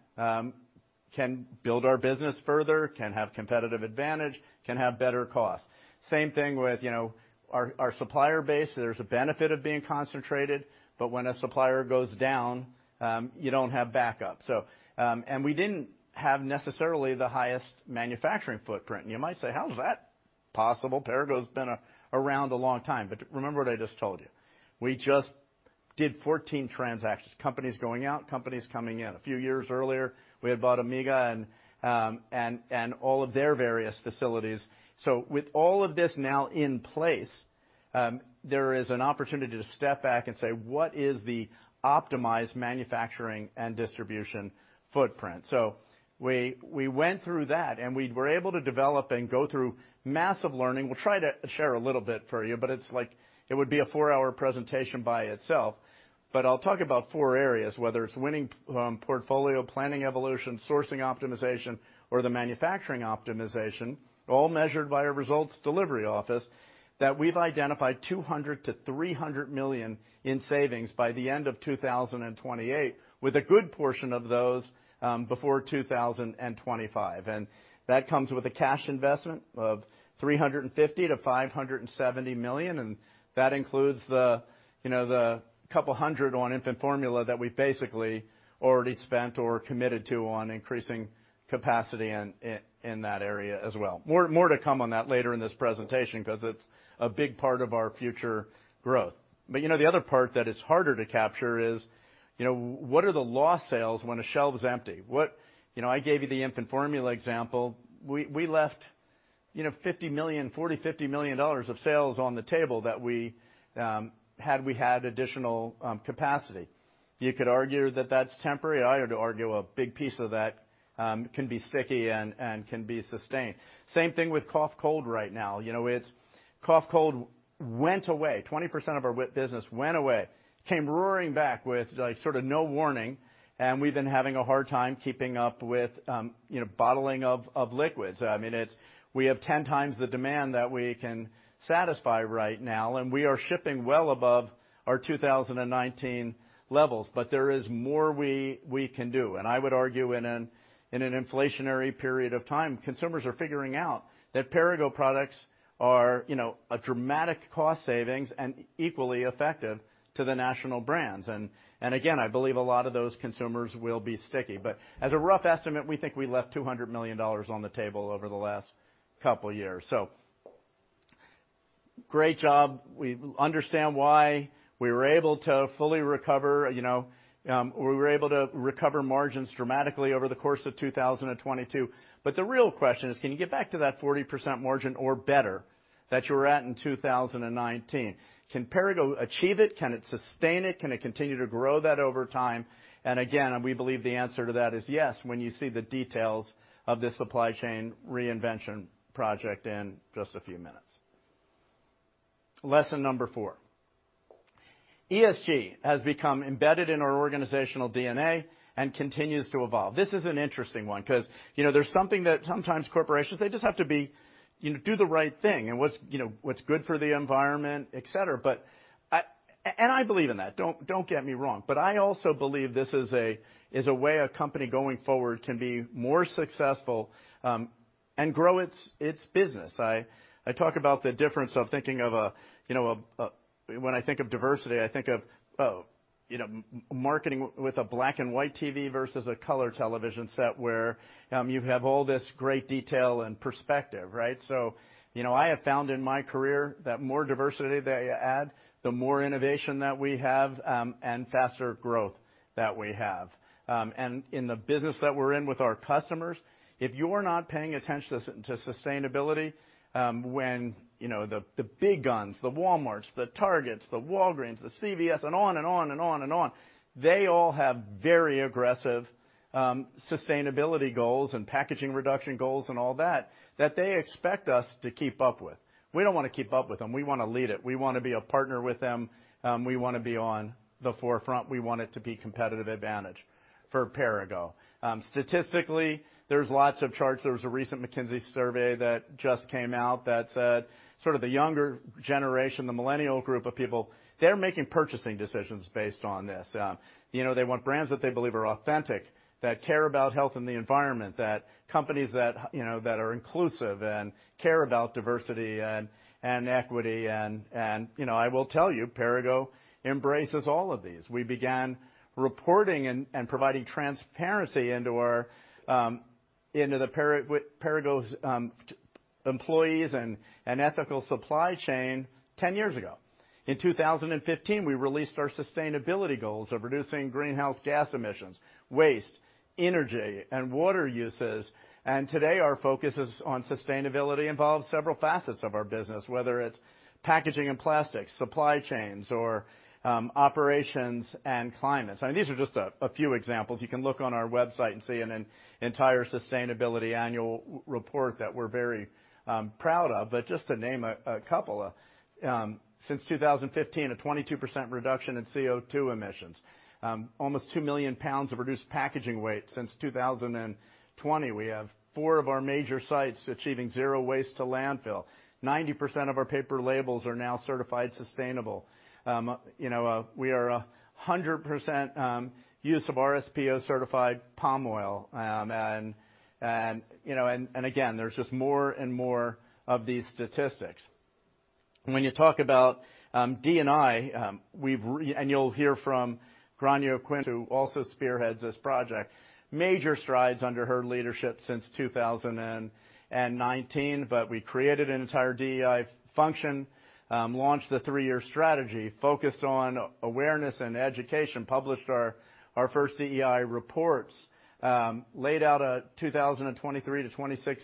can build our business further, can have competitive advantage, can have better cost. Same thing with, you know, our supplier base. There's a benefit of being concentrated, but when a supplier goes down, you don't have backup. And we didn't have necessarily the highest manufacturing footprint. And you might say, "How is that possible? Perrigo's been around a long time." Remember what I just told you. We just did 14 transactions, companies going out, companies coming in. A few years earlier, we had bought Omega and all of their various facilities. With all of this now in place. There is an opportunity to step back and say, what is the optimized manufacturing and distribution footprint? We went through that, and we were able to develop and go through massive learning. We'll try to share a little bit for you, but it's like it would be a four-hour presentation by itself. I'll talk about four areas, whether it's winning, portfolio planning evolution, sourcing optimization, or the manufacturing optimization, all measured by our results delivery office, that we've identified $200 million-$300 million in savings by the end of 2028, with a good portion of those before 2025. That comes with a cash investment of $350 million-$570 million, and that includes the, you know, the $200 million on infant formula that we basically already spent or committed to on increasing capacity in that area as well. More to come on that later in this presentation because it's a big part of our future growth. You know, the other part that is harder to capture is, you know, what are the lost sales when a shelf is empty? You know, I gave you the infant formula example. We left, you know, $50 million, $40 million-$50 million of sales on the table that we had we had additional capacity. You could argue that that's temporary. I would argue a big piece of that can be sticky and can be sustained. Same thing with cough cold right now. It's cough cold went away. 20% of our business went away, came roaring back with, like, sort of no warning, and we've been having a hard time keeping up with, you know, bottling of liquids. It's we have 10x the demand that we can satisfy right now, and we are shipping well above our 2019 levels. There is more we can do. I would argue in an inflationary period of time, consumers are figuring out that Perrigo products are, you know, a dramatic cost savings and equally effective to the national brands. Again, I believe a lot of those consumers will be sticky. As a rough estimate, we think we left $200 million on the table over the last couple years. Great job. We understand why we were able to fully recover, you know, we were able to recover margins dramatically over the course of 2022. The real question is, can you get back to that 40% margin or better that you were at in 2019? Can Perrigo achieve it? Can it sustain it? Can it continue to grow that over time? Again, we believe the answer to that is yes when you see the details of this supply chain reinvention project in just a few minutes. Lesson number four. ESG has become embedded in our organizational DNA and continues to evolve. This is an interesting one because, you know, there's something that sometimes corporations, they just have to be, you know, do the right thing and what's, you know, what's good for the environment, et cetera. I believe in that, don't get me wrong. I also believe this is a way a company going forward can be more successful and grow its business. I talk about the difference of thinking of a, you know, When I think of diversity, I think of, you know, marketing with a black and white TV versus a color television set where you have all this great detail and perspective, right? You know, I have found in my career that more diversity that you add, the more innovation that we have and faster growth that we have. In the business that we're in with our customers, if you're not paying attention to sustainability, when, you know, the big guns, the Walmarts, the Targets, the Walgreens, the CVS, and on and on and on and on, they all have very aggressive sustainability goals and packaging reduction goals and all that they expect us to keep up with. We don't wanna keep up with them. We wanna lead it. We wanna be a partner with them, we wanna be on the forefront. We want it to be competitive advantage for Perrigo. Statistically, there's lots of charts. There was a recent McKinsey survey that just came out that said, sort of the younger generation, the millennial group of people, they're making purchasing decisions based on this. You know, they want brands that they believe are authentic, that care about health and the environment, that companies that, you know, that are inclusive and care about diversity and equity. You know, I will tell you, Perrigo embraces all of these. We began reporting and providing transparency into our into Perrigo's employees and ethical supply chain 10 years ago. In 2015, we released our sustainability goals of reducing greenhouse gas emissions, waste, energy, and water uses. Today, our focus on sustainability involves several facets of our business, whether it's packaging and plastics, supply chains or operations and climates. These are just a few examples. You can look on our website and see an entire sustainability annual report that we're very proud of. just to name a couple, since 2015, a 22% reduction in CO2 emissions, almost 2 million pounds of reduced packaging weight since 2020. We have four of our major sites achieving zero waste to landfill. 90% of our paper labels are now certified sustainable. you know, we are 100% use of RSPO-certified palm oil. and, you know, again, there's just more and more of these statistics. When you talk about D&I, and you'll hear from Grainne Quinn, who also spearheads this project, major strides under her leadership since 2019. We created an entire DEI function, launched the three-year strategy, focused on awareness and education, published our first DEI reports, laid out a 2023-26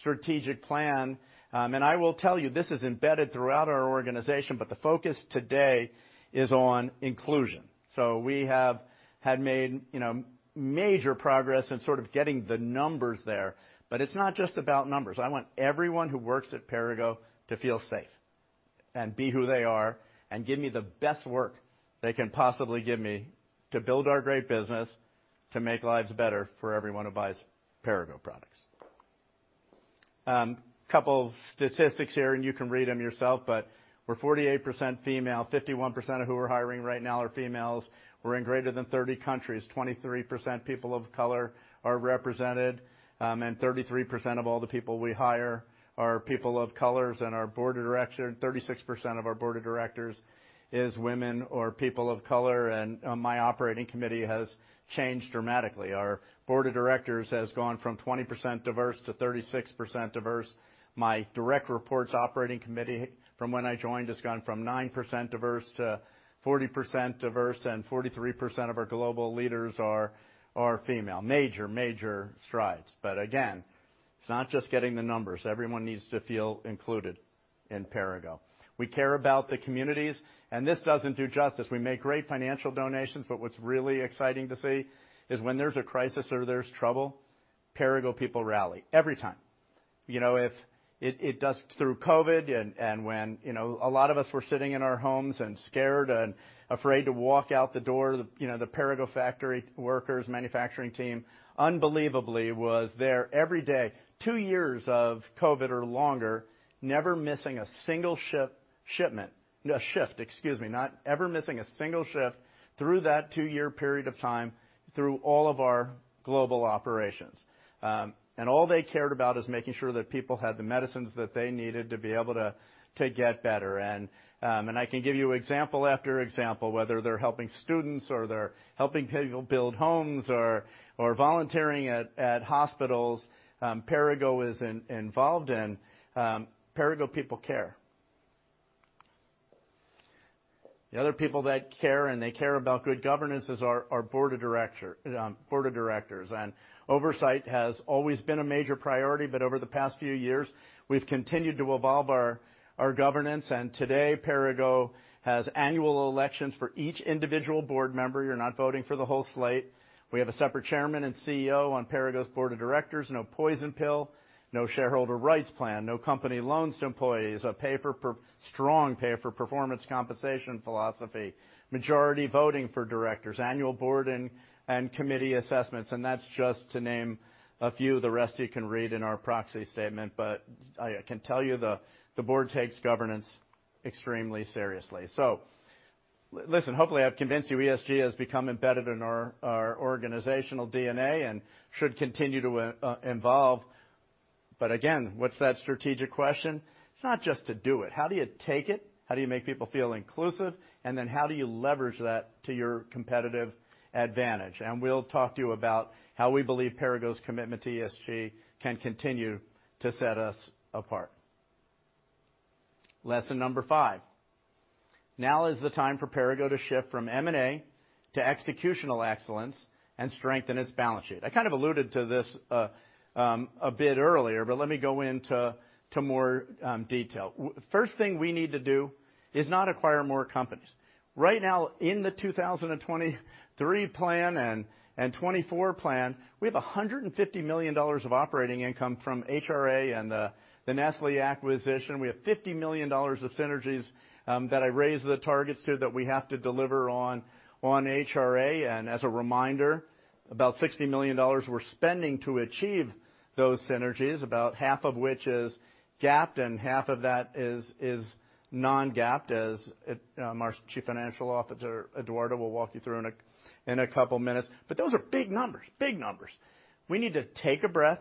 strategic plan. I will tell you, this is embedded throughout our organization. The focus today is on inclusion. We have had made, you know, major progress in sort of getting the numbers there. It's not just about numbers. I want everyone who works at Perrigo to feel safe and be who they are and give me the best work they can possibly give me to build our great business to make lives better for everyone who buys Perrigo products. Couple statistics here, you can read them yourself, we're 48% female. 51% of who we're hiring right now are females. We're in greater than 30 countries. 23% people of color are represented, 33% of all the people we hire are people of colors, 36% of our board of directors is women or people of color. My operating committee has changed dramatically. Our board of directors has gone from 20% diverse to 36% diverse. My direct reports operating committee from when I joined has gone from 9% diverse to 40% diverse, 43% of our global leaders are female. Major strides. Again, it's not just getting the numbers. Everyone needs to feel included in Perrigo. We care about the communities, this doesn't do justice. We make great financial donations. What's really exciting to see is when there's a crisis or there's trouble, Perrigo people rally every time. You know, through COVID and when, you know, a lot of us were sitting in our homes and scared and afraid to walk out the door, you know, the Perrigo factory workers, manufacturing team, unbelievably was there every day, two years of COVID or longer, never missing a single ship, shipment. A shift, excuse me. Not ever missing a single shift through that two-year period of time, through all of our global operations. All they cared about is making sure that people had the medicines that they needed to get better. I can give you example after example, whether they're helping students or they're helping people build homes or volunteering at hospitals, Perrigo is involved in. Perrigo people care. The other people that care, and they care about good governance, is our board of directors. Oversight has always been a major priority, but over the past few years, we've continued to evolve our governance. Today, Perrigo has annual elections for each individual board member. You're not voting for the whole slate. We have a separate chairman and CEO on Perrigo's board of directors. No poison pill, no shareholder rights plan, no company loans to employees, a strong pay-for-performance compensation philosophy, majority voting for directors, annual board and committee assessments, that's just to name a few. The rest you can read in our proxy statement. I can tell you the Board takes governance extremely seriously. listen, hopefully, I've convinced you ESG has become embedded in our organizational DNA and should continue to involve. Again, what's that strategic question? It's not just to do it. How do you take it? How do you make people feel inclusive? How do you leverage that to your competitive advantage? We'll talk to you about how we believe Perrigo's commitment to ESG can continue to set us apart. Lesson number five. Now is the time for Perrigo to shift from M&A to executional excellence and strengthen its balance sheet. I kind of alluded to this a bit earlier, but let me go into more detail. First thing we need to do is not acquire more companies. Right now, in the 2023 plan and 2024 plan, we have $150 million of operating income from HRA and the Nestlé acquisition. We have $50 million of synergies that I raised the targets to that we have to deliver on HRA. As a reminder, about $60 million we're spending to achieve those synergies, about half of which is GAAP, and half of that is non-GAAP, as our Chief Financial Officer, Eduardo, will walk you through in a couple minutes. Those are big numbers. Big numbers. We need to take a breath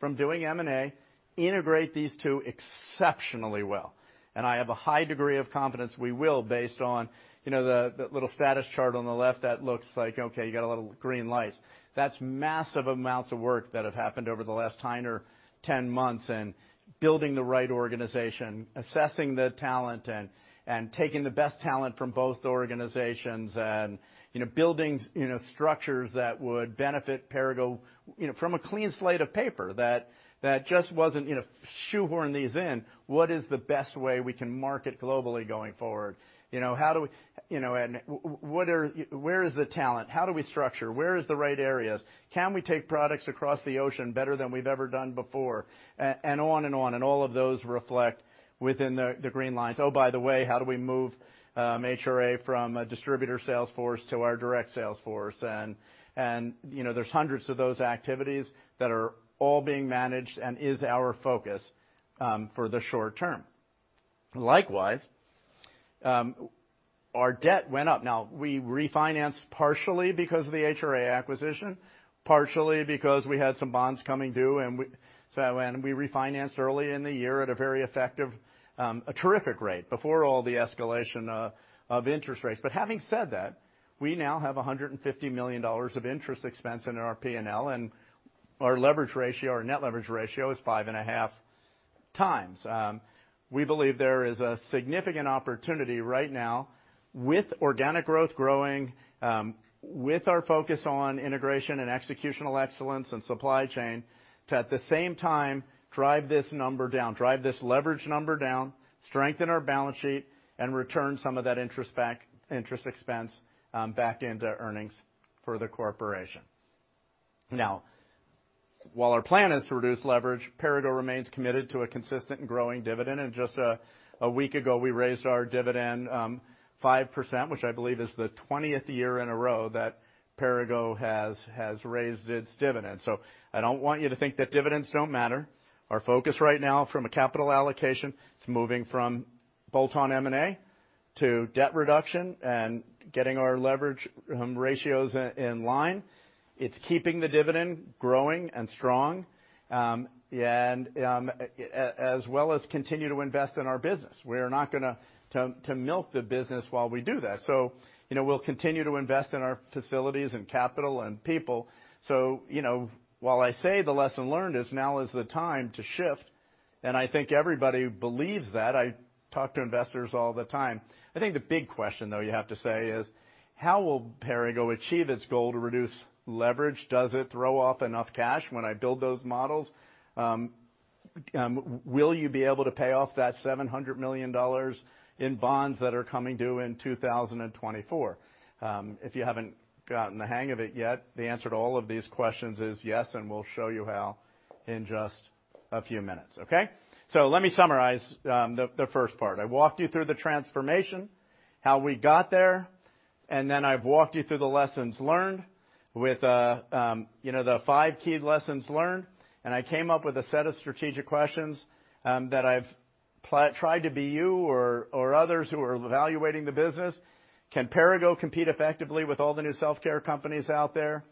from doing M&A, integrate these two exceptionally well. I have a high degree of confidence we will, based on, you know, the little status chart on the left that looks like, okay, you got a little green lights. That's massive amounts of work that have happened over the last nine or 10 months and building the right organization, assessing the talent and taking the best talent from both organizations and, you know, building, you know, structures that would benefit Perrigo, you know, from a clean slate of paper that just wasn't, you know, shoehorn these in. What is the best way we can market globally going forward? Where is the talent? How do we structure? Where is the right areas? Can we take products across the ocean better than we've ever done before? And on and on, and all of those reflect within the green lines. Oh, by the way, how do we move HRA from a distributor sales force to our direct sales force? You know, there's hundreds of those activities that are all being managed and is our focus for the short term. Likewise, our debt went up. Now, we refinanced partially because of the HRA acquisition, partially because we had some bonds coming due, and we refinanced early in the year at a very effective, a terrific rate before all the escalation of interest rates. Having said that, we now have $150 million of interest expense in our P&L, and our leverage ratio, our net leverage ratio is 5.5x. We believe there is a significant opportunity right now with organic growth growing, with our focus on integration and executional excellence and supply chain to at the same time drive this number down, drive this leverage number down, strengthen our balance sheet, and return some of that interest expense back into earnings for the corporation. While our plan is to reduce leverage, Perrigo remains committed to a consistent and growing dividend. Just a week ago, we raised our dividend 5%, which I believe is the 20th year in a row that Perrigo has raised its dividend. I don't want you to think that dividends don't matter. Our focus right now from a capital allocation is moving from bolt-on M&A to debt reduction and getting our leverage ratios in line. It's keeping the dividend growing and strong. As well as continue to invest in our business. We're not gonna to milk the business while we do that. You know, we'll continue to invest in our facilities and capital and people. You know, while I say the lesson learned is now is the time to shift, and I think everybody believes that. I talk to investors all the time. I think the big question, though, you have to say is, how will Perrigo achieve its goal to reduce leverage? Does it throw off enough cash when I build those models? Will you be able to pay off that $700 million in bonds that are coming due in 2024? If you haven't gotten the hang of it yet, the answer to all of these questions is yes, and we'll show you how in just a few minutes, okay? Let me summarize the first part. I walked you through the transformation, how we got there, and then I've walked you through the lessons learned with, you know, the five key lessons learned. I came up with a set of strategic questions that I've tried to be you or others who are evaluating the business. Can Perrigo compete effectively with all the new self-care companies out there?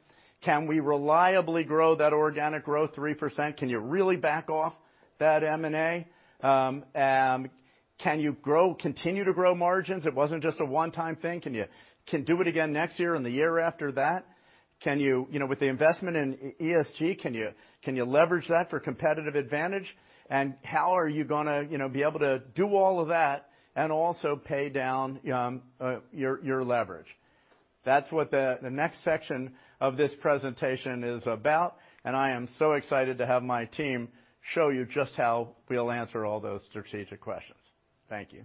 Can we reliably grow that organic growth 3%? Can you really back off that M&A? Can you continue to grow margins? It wasn't just a one-time thing. Can you do it again next year and the year after that? You know, with the investment in ESG, can you leverage that for competitive advantage? How are you gonna, you know, be able to do all of that and also pay down your leverage? That's what the next section of this presentation is about, I am so excited to have my team show you just how we'll answer all those strategic questions. Thank you.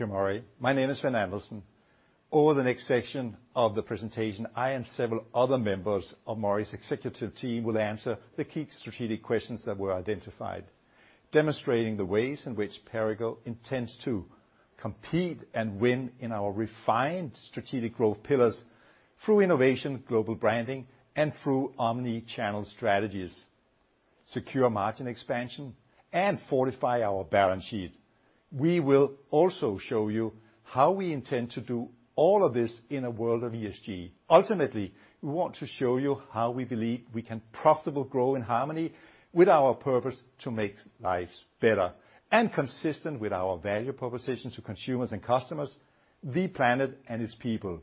Thank you, Murray. My name is Svend Andersen. Over the next section of the presentation, I and several other members of Murray's executive team will answer the key strategic questions that were identified, demonstrating the ways in which Perrigo intends to compete and win in our refined strategic growth pillars through innovation, global branding, and through omni-channel strategies, secure margin expansion, and fortify our balance sheet. We will also show you how we intend to do all of this in a world of ESG. Ultimately, we want to show you how we believe we can profitably grow in harmony with our purpose to make lives better, and consistent with our value propositions to consumers and customers, the planet and its people.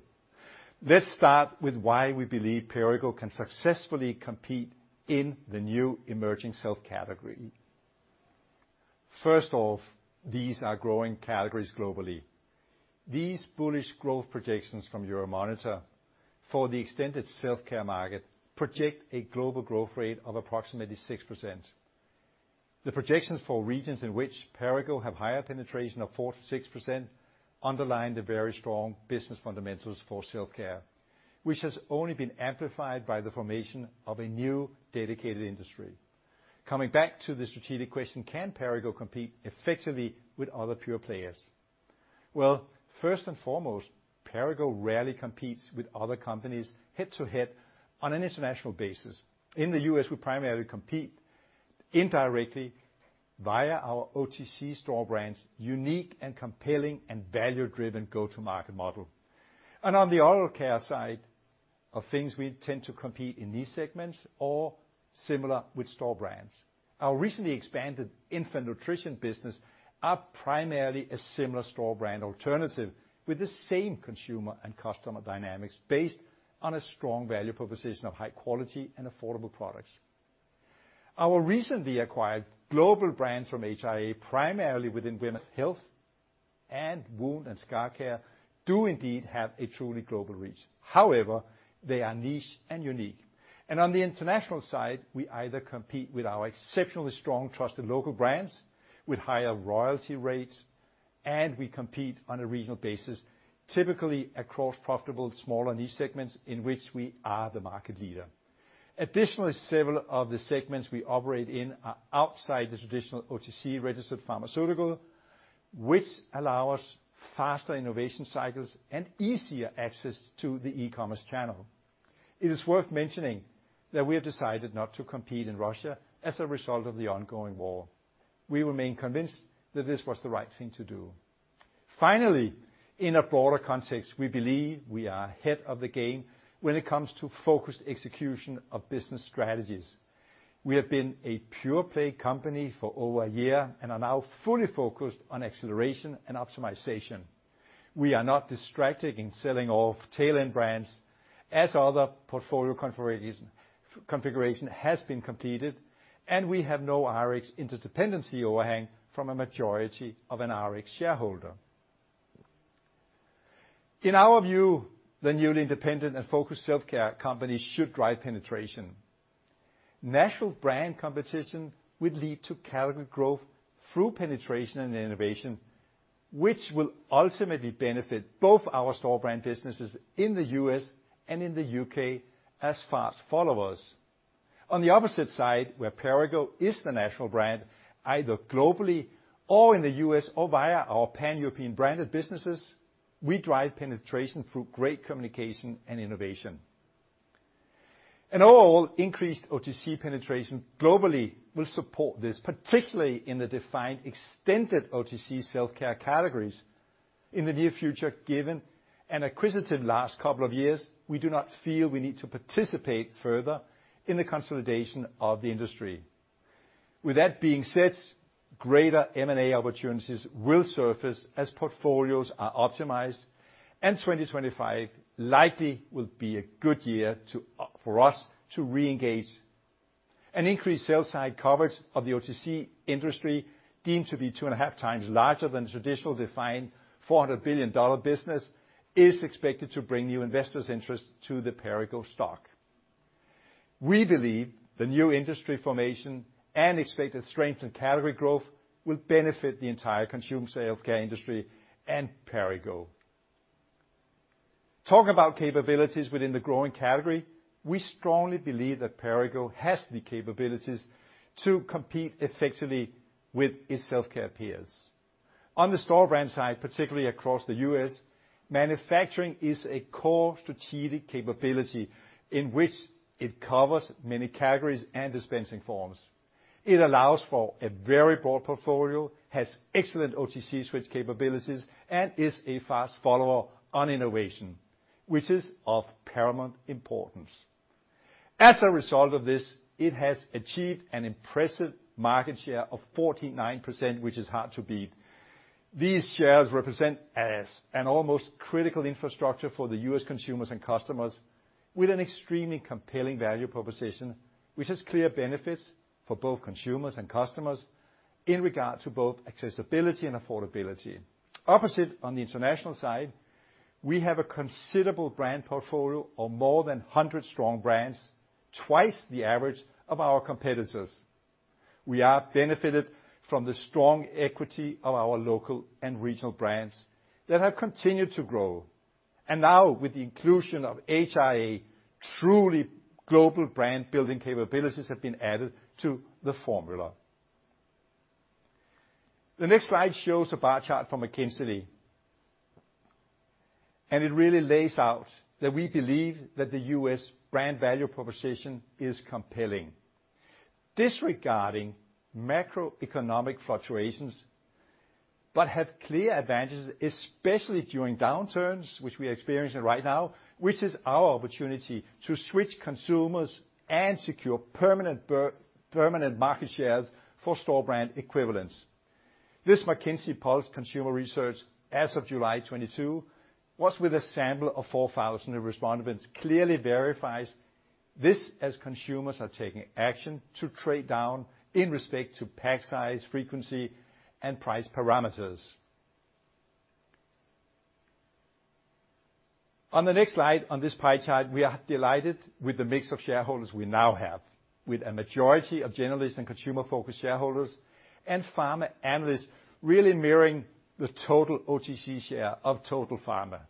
Let's start with why we believe Perrigo can successfully compete in the new emerging self category. First off, these are growing categories globally. These bullish growth projections from Euromonitor for the extended self-care market project a global growth rate of approximately 6%. The projections for regions in which Perrigo have higher penetration of 4%-6% underline the very strong business fundamentals for self-care, which has only been amplified by the formation of a new, dedicated industry. Coming back to the strategic question, can Perrigo compete effectively with other pure players? Well, first and foremost, Perrigo rarely competes with other companies head-to-head on an international basis. In the U.S., we primarily compete indirectly via our OTC store brands, unique and compelling, and value-driven go-to-market model. On the Oral Care side of things, we tend to compete in these segments or similar with store brands. Our recently expanded Infant Nutrition business are primarily a similar store brand alternative with the same consumer and customer dynamics based on a strong value proposition of high quality and affordable products. Our recently acquired global brands from HRA, primarily within women's health and wound and scar care, do indeed have a truly global reach. They are niche and unique. On the international side, we either compete with our exceptionally strong trusted local brands with higher royalty rates, and we compete on a regional basis, typically across profitable smaller niche segments in which we are the market leader. Several of the segments we operate in are outside the traditional OTC registered pharmaceutical, which allow us faster innovation cycles and easier access to the e-commerce channel. It is worth mentioning that we have decided not to compete in Russia as a result of the ongoing war. We remain convinced that this was the right thing to do. In a broader context, we believe we are ahead of the game when it comes to focused execution of business strategies. We have been a pure play company for over a year and are now fully focused on acceleration and optimization. We are not distracted in selling off tail-end brands as other portfolio configuration has been completed, and we have no Rx interdependency overhang from a majority of an Rx shareholder. In our view, the newly independent and focused self-care companies should drive penetration. National brand competition would lead to category growth through penetration and innovation, which will ultimately benefit both our store brand businesses in the U.S. and in the U.K. as fast followers. On the opposite side, where Perrigo is the national brand, either globally or in the U.S. or via our Pan-European branded businesses, we drive penetration through great communication and innovation. In all, increased OTC penetration globally will support this, particularly in the defined extended OTC self-care categories. In the near future, given an acquisitive last couple of years, we do not feel we need to participate further in the consolidation of the industry. With that being said, greater M&A opportunities will surface as portfolios are optimized, and 2025 likely will be a good year for us to reengage. An increased sales side coverage of the OTC industry deemed to be two and a half times larger than traditional defined $400 billion business is expected to bring new investors' interest to the Perrigo stock. We believe the new industry formation and expected strength and category growth will benefit the entire consumer self-care industry and Perrigo. Talk about capabilities within the growing category, we strongly believe that Perrigo has the capabilities to compete effectively with its self-care peers. On the store brand side, particularly across the U.S., manufacturing is a core strategic capability in which it covers many categories and dispensing forms. It allows for a very broad portfolio, has excellent OTC switch capabilities, and is a fast follower on innovation, which is of paramount importance. As a result of this, it has achieved an impressive market share of 49%, which is hard to beat. These shares represent as an almost critical infrastructure for the U.S. consumers and customers with an extremely compelling value proposition, which has clear benefits for both consumers and customers in regard to both accessibility and affordability. Opposite on the international side, we have a considerable brand portfolio of more than 100 strong brands, twice the average of our competitors. We are benefited from the strong equity of our local and regional brands that have continued to grow. Now with the inclusion of HRA, truly global brand building capabilities have been added to the formula. The next slide shows a bar chart from McKinsey, it really lays out that we believe that the U.S. brand value proposition is compelling. Disregarding macroeconomic fluctuations, have clear advantages, especially during downturns, which we are experiencing right now, which is our opportunity to switch consumers and secure permanent market shares for store brand equivalents. This McKinsey Pulse Consumer Research as of July 2022 was with a sample of 4,000 respondents, clearly verifies this as consumers are taking action to trade down in respect to pack size, frequency, and price parameters. On the next slide, on this pie chart, we are delighted with the mix of shareholders we now have, with a majority of generalist and consumer-focused shareholders and pharma analysts really mirroring the total OTC share of total pharma.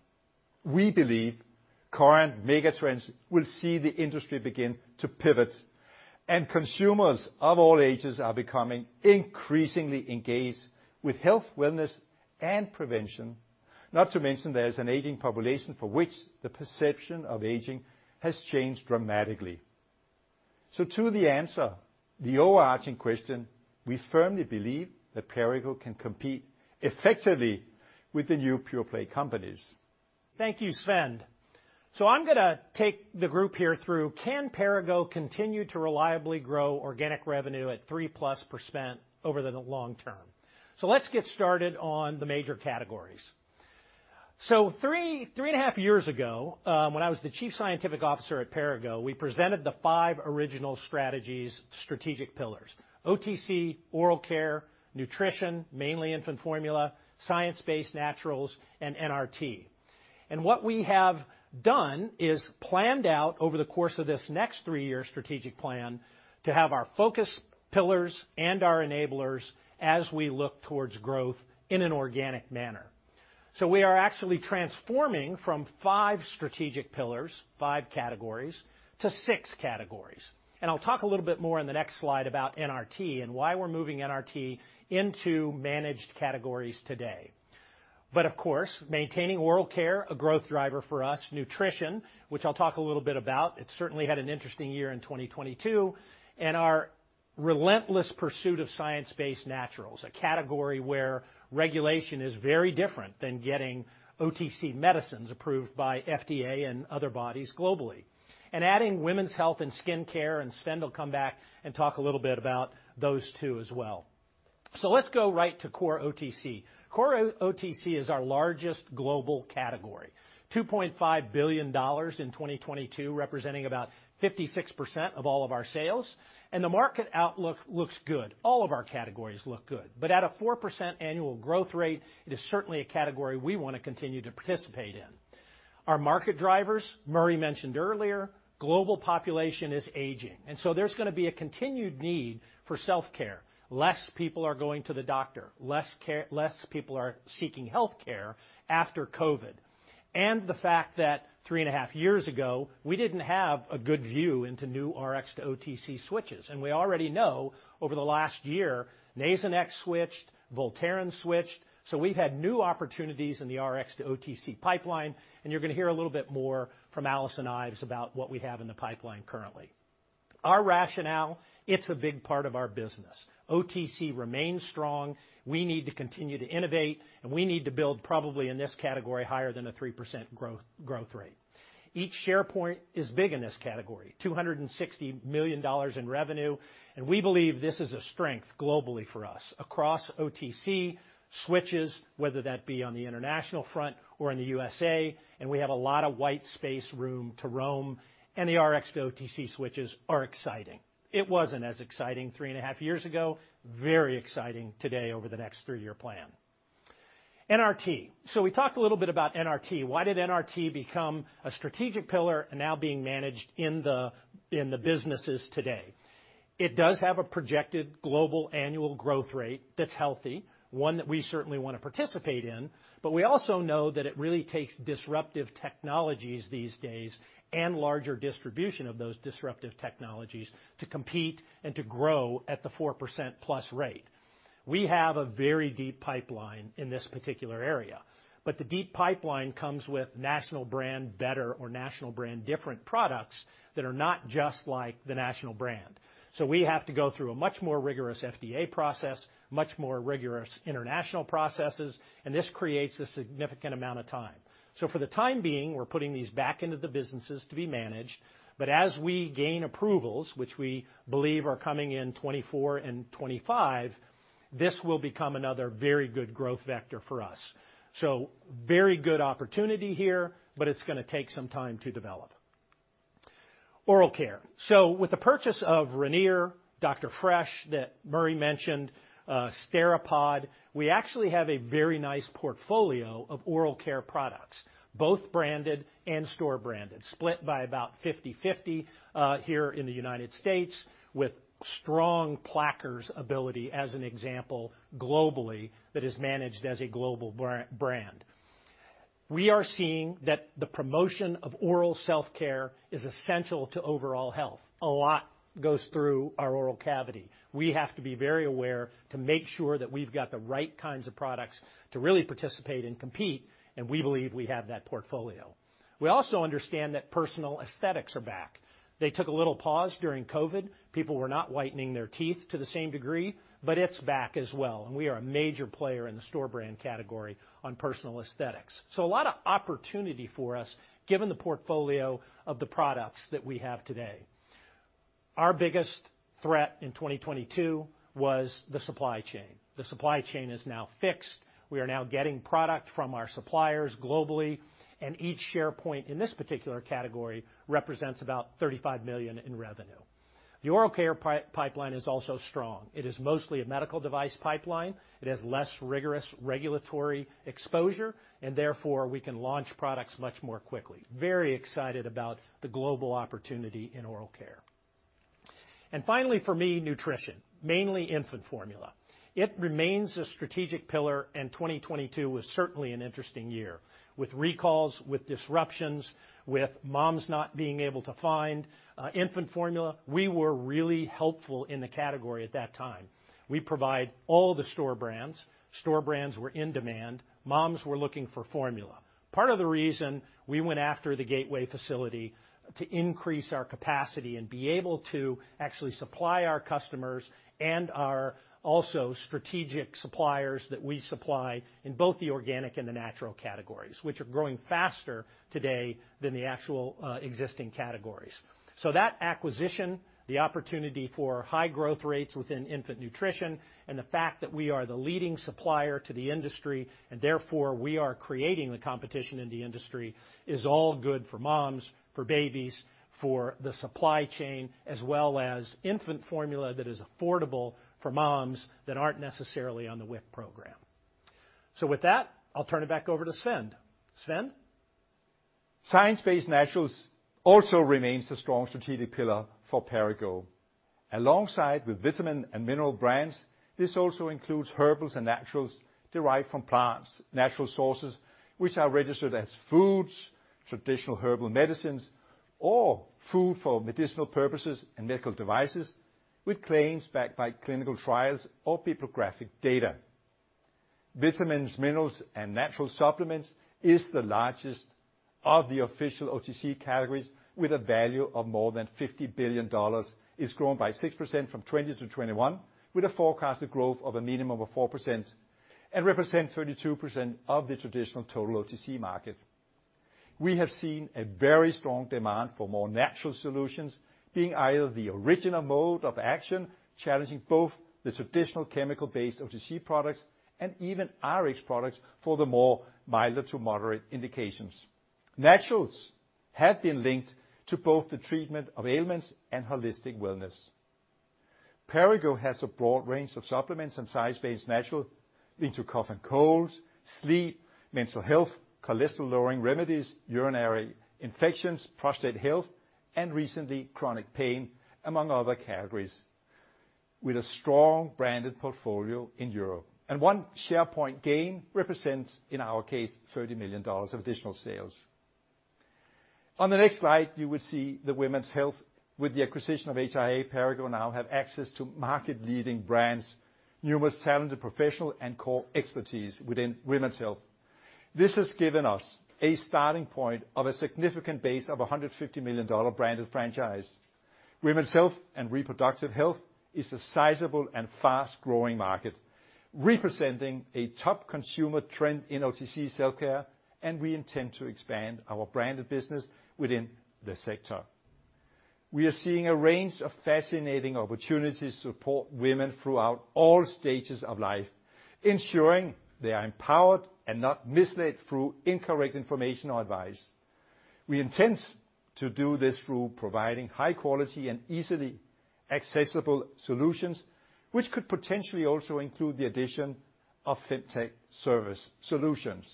Consumers of all ages are becoming increasingly engaged with health, wellness, and prevention. Not to mention there is an aging population for which the perception of aging has changed dramatically. To the answer, the overarching question, we firmly believe that Perrigo can compete effectively with the new pure-play companies. Thank you, Svend. I'm gonna take the group here through can Perrigo continue to reliably grow organic revenue at 3%+ over the long term? Let's get started on the major categories. Three, three and a half years ago, when I was the chief scientific officer at Perrigo, we presented the five original strategies, strategic pillars: OTC, Oral Care, Nutrition, mainly infant formula, Science-Based Naturals, and NRT. What we have done is planned out over the course of this next three-year strategic plan to have our focus pillars and our enablers as we look towards growth in an organic manner. We are actually transforming from five strategic pillars, five categories to six categories. I'll talk a little bit more in the next slide about NRT and why we're moving NRT into managed categories today. Of course, maintaining Oral Care, a growth driver for us, Nutrition, which I'll talk a little bit about. It certainly had an interesting year in 2022, and our relentless pursuit of Science-Based Naturals, a category where regulation is very different than getting OTC medicines approved by FDA and other bodies globally. Adding Women's Health and Skincare, and Svend will come back and talk a little bit about those two as well. Let's go right to core OTC. Core OTC is our largest global category, $2.5 billion in 2022, representing about 56% of all of our sales. The market outlook looks good. All of our categories look good. At a 4% annual growth rate, it is certainly a category we wanna continue to participate in. Our market drivers, Murray mentioned earlier, global population is aging. There's gonna be a continued need for self-care. Less people are going to the doctor, less people are seeking healthcare after COVID. The fact that three and a half years ago, we didn't have a good view into new Rx-to-OTC switches. We already know over the last year, Nasonex switched, Voltaren switched, so we've had new opportunities in the Rx-to-OTC pipeline, and you're gonna hear a little bit more from Alison Ives about what we have in the pipeline currently. Our rationale, it's a big part of our business. OTC remains strong. We need to continue to innovate, and we need to build probably in this category higher than a 3% growth rate. Each share point is big in this category, $260 million in revenue. We believe this is a strength globally for us across OTC, switches, whether that be on the international front or in the U.S.A. We have a lot of white space room to roam. The Rx-to-OTC switches are exciting. It wasn't as exciting three and a half years ago, very exciting today over the next three-year plan. NRT. We talked a little bit about NRT. Why did NRT become a strategic pillar and now being managed in the businesses today? It does have a projected global annual growth rate that's healthy, one that we certainly wanna participate in, but we also know that it really takes disruptive technologies these days and larger distribution of those disruptive technologies to compete and to grow at the 4%+ rate. We have a very deep pipeline in this particular area, but the deep pipeline comes with national brand better or national brand different products that are not just like the national brand. We have to go through a much more rigorous FDA process, much more rigorous international processes, and this creates a significant amount of time. For the time being, we're putting these back into the businesses to be managed, but as we gain approvals, which we believe are coming in 2024 and 2025, this will become another very good growth vector for us. Very good opportunity here, but it's gonna take some time to develop. Oral Care. With the purchase of Ranir, Dr. Fresh that Murray mentioned, Steripod, we actually have a very nice portfolio of Oral Care products, both branded and store branded, split by about 50/50 here in the United States, with strong Plackers ability as an example globally that is managed as a global brand. We are seeing that the promotion of oral self-care is essential to overall health. A lot goes through our oral cavity. We have to be very aware to make sure that we've got the right kinds of products to really participate and compete, and we believe we have that portfolio. We also understand that personal aesthetics are back. They took a little pause during COVID. People were not whitening their teeth to the same degree. It's back as well. We are a major player in the store brand category on personal aesthetics. A lot of opportunity for us given the portfolio of the products that we have today. Our biggest threat in 2022 was the supply chain. The supply chain is now fixed. We are now getting product from our suppliers globally. Each share point in this particular category represents about $35 million in revenue. The Oral Care pipeline is also strong. It is mostly a medical device pipeline. It has less rigorous regulatory exposure. Therefore, we can launch products much more quickly. Very excited about the global opportunity in Oral Care. Finally, for me, Nutrition, mainly infant formula. It remains a strategic pillar, and 2022 was certainly an interesting year with recalls, with disruptions, with moms not being able to find infant formula. We were really helpful in the category at that time. We provide all the store brands. Store brands were in demand. Moms were looking for formula. Part of the reason we went after the Gateway facility to increase our capacity and be able to actually supply our customers and our also strategic suppliers that we supply in both the organic and the natural categories, which are growing faster today than the actual existing categories. That acquisition, the opportunity for high growth rates within infant nutrition, and the fact that we are the leading supplier to the industry, and therefore, we are creating the competition in the industry, is all good for moms, for babies, for the supply chain, as well as infant formula that is affordable for moms that aren't necessarily on the WIC program. With that, I'll turn it back over to Svend. Svend? Science-Based Naturals also remains a strong strategic pillar for Perrigo. Alongside with vitamin and mineral brands, this also includes herbals and naturals derived from plants, natural sources which are registered as foods, traditional herbal medicines or food for medicinal purposes and medical devices with claims backed by clinical trials or bibliographic data. Vitamins, minerals, and natural supplements is the largest of the official OTC categories with a value of more than $50 billion, it's grown by 6% from 2020 to 2021, with a forecasted growth of a minimum of 4% and represent 32% of the traditional total OTC market. We have seen a very strong demand for more natural solutions being either the original mode of action, challenging both the traditional chemical-based OTC products and even Rx products for the more milder to moderate indications. Naturals have been linked to both the treatment of ailments and holistic wellness. Perrigo has a broad range of supplements and science-based natural into cough and colds, sleep, mental health, cholesterol-lowering remedies, urinary infections, prostate health, and recently, chronic pain, among other categories with a strong branded portfolio in Europe. One share point gain represents, in our case, $30 million of additional sales. On the next slide, you will see the Women's Health. With the acquisition of HRA, Perrigo now have access to market-leading brands, numerous talented professional and core expertise within women's health. This has given us a starting point of a significant base of a $150 million branded franchise. Women's health and reproductive health is a sizable and fast-growing market, representing a top consumer trend in OTC self-care. We intend to expand our branded business within the sector. We are seeing a range of fascinating opportunities to support women throughout all stages of life, ensuring they are empowered and not misled through incorrect information or advice. We intend to do this through providing high quality and easily accessible solutions, which could potentially also include the addition of FemTech service solutions.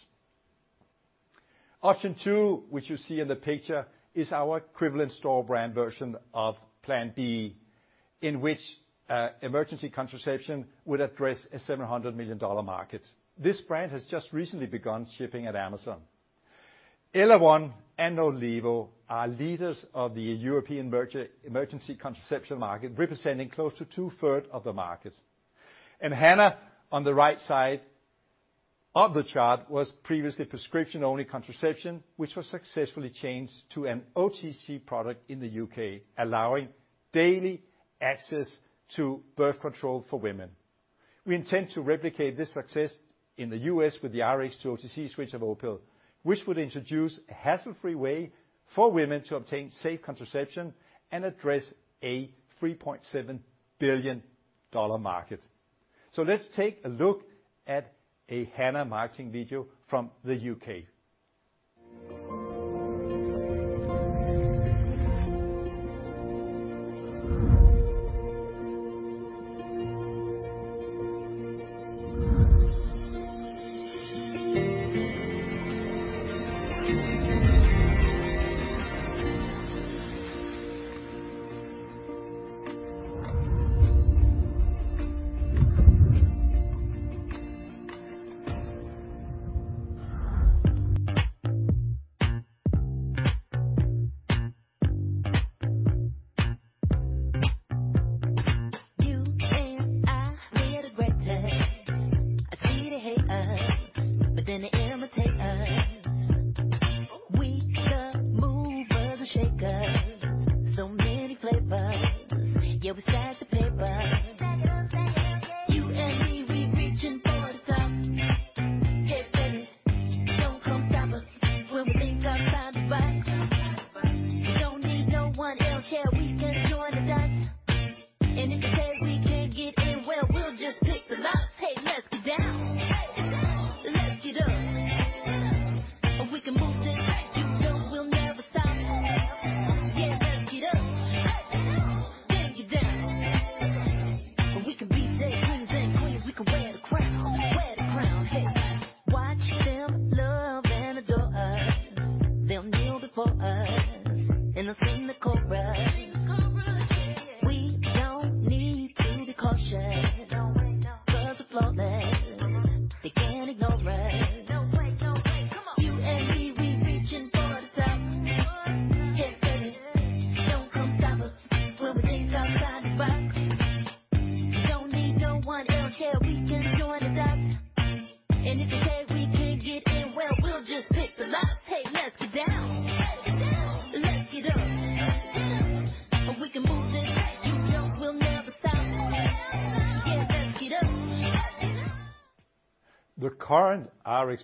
Option 2, which you see in the picture, is our equivalent store brand version of Plan B, in which emergency contraception would address a $700 million market. This brand has just recently begun shipping at Amazon. ellaOne and NorLevo are leaders of the European emergency contraception market, representing close to two-third of the market. Hana, on the right side of the chart, was previously prescription-only contraception, which was successfully changed to an OTC product in the U.K., allowing daily access to birth control for women. We intend to replicate this success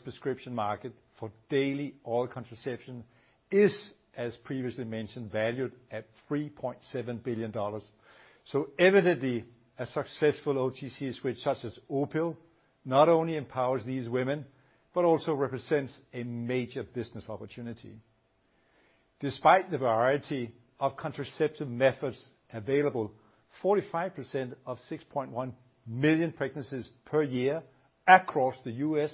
prescription market for daily all contraception is, as previously mentioned, valued at $3.7 billion. Evidently, a successful OTC switch such as Opill not only empowers these women, but also represents a major business opportunity. Despite the variety of contraceptive methods available, 45% of 6.1 million pregnancies per year across the U.S.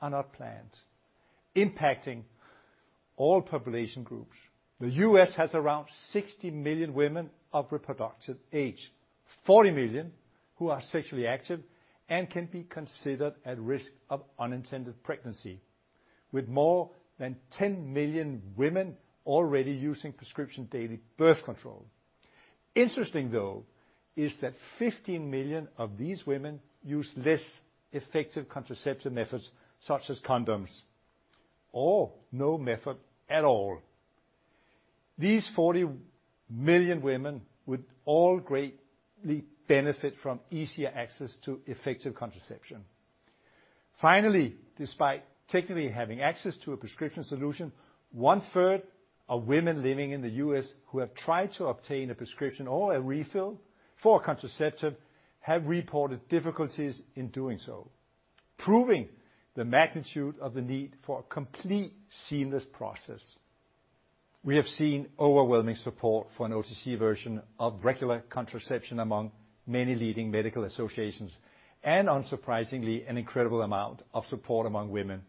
are not planned, impacting all population groups. The U.S. has around 60 million women of reproductive age, 40 million who are sexually active and can be considered at risk of unintended pregnancy, with more than 10 million women already using prescription daily birth control. Interesting, though, is that 15 million of these women use less effective contraception methods such as condoms or no method at all. These 40 million women would all greatly benefit from easier access to effective contraception. Despite technically having access to a prescription solution, one-third of women living in the U.S. who have tried to obtain a prescription or a refill for contraceptive have reported difficulties in doing so, proving the magnitude of the need for a complete seamless process. We have seen overwhelming support for an OTC version of regular contraception among many leading medical associations and unsurprisingly, an incredible amount of support among women.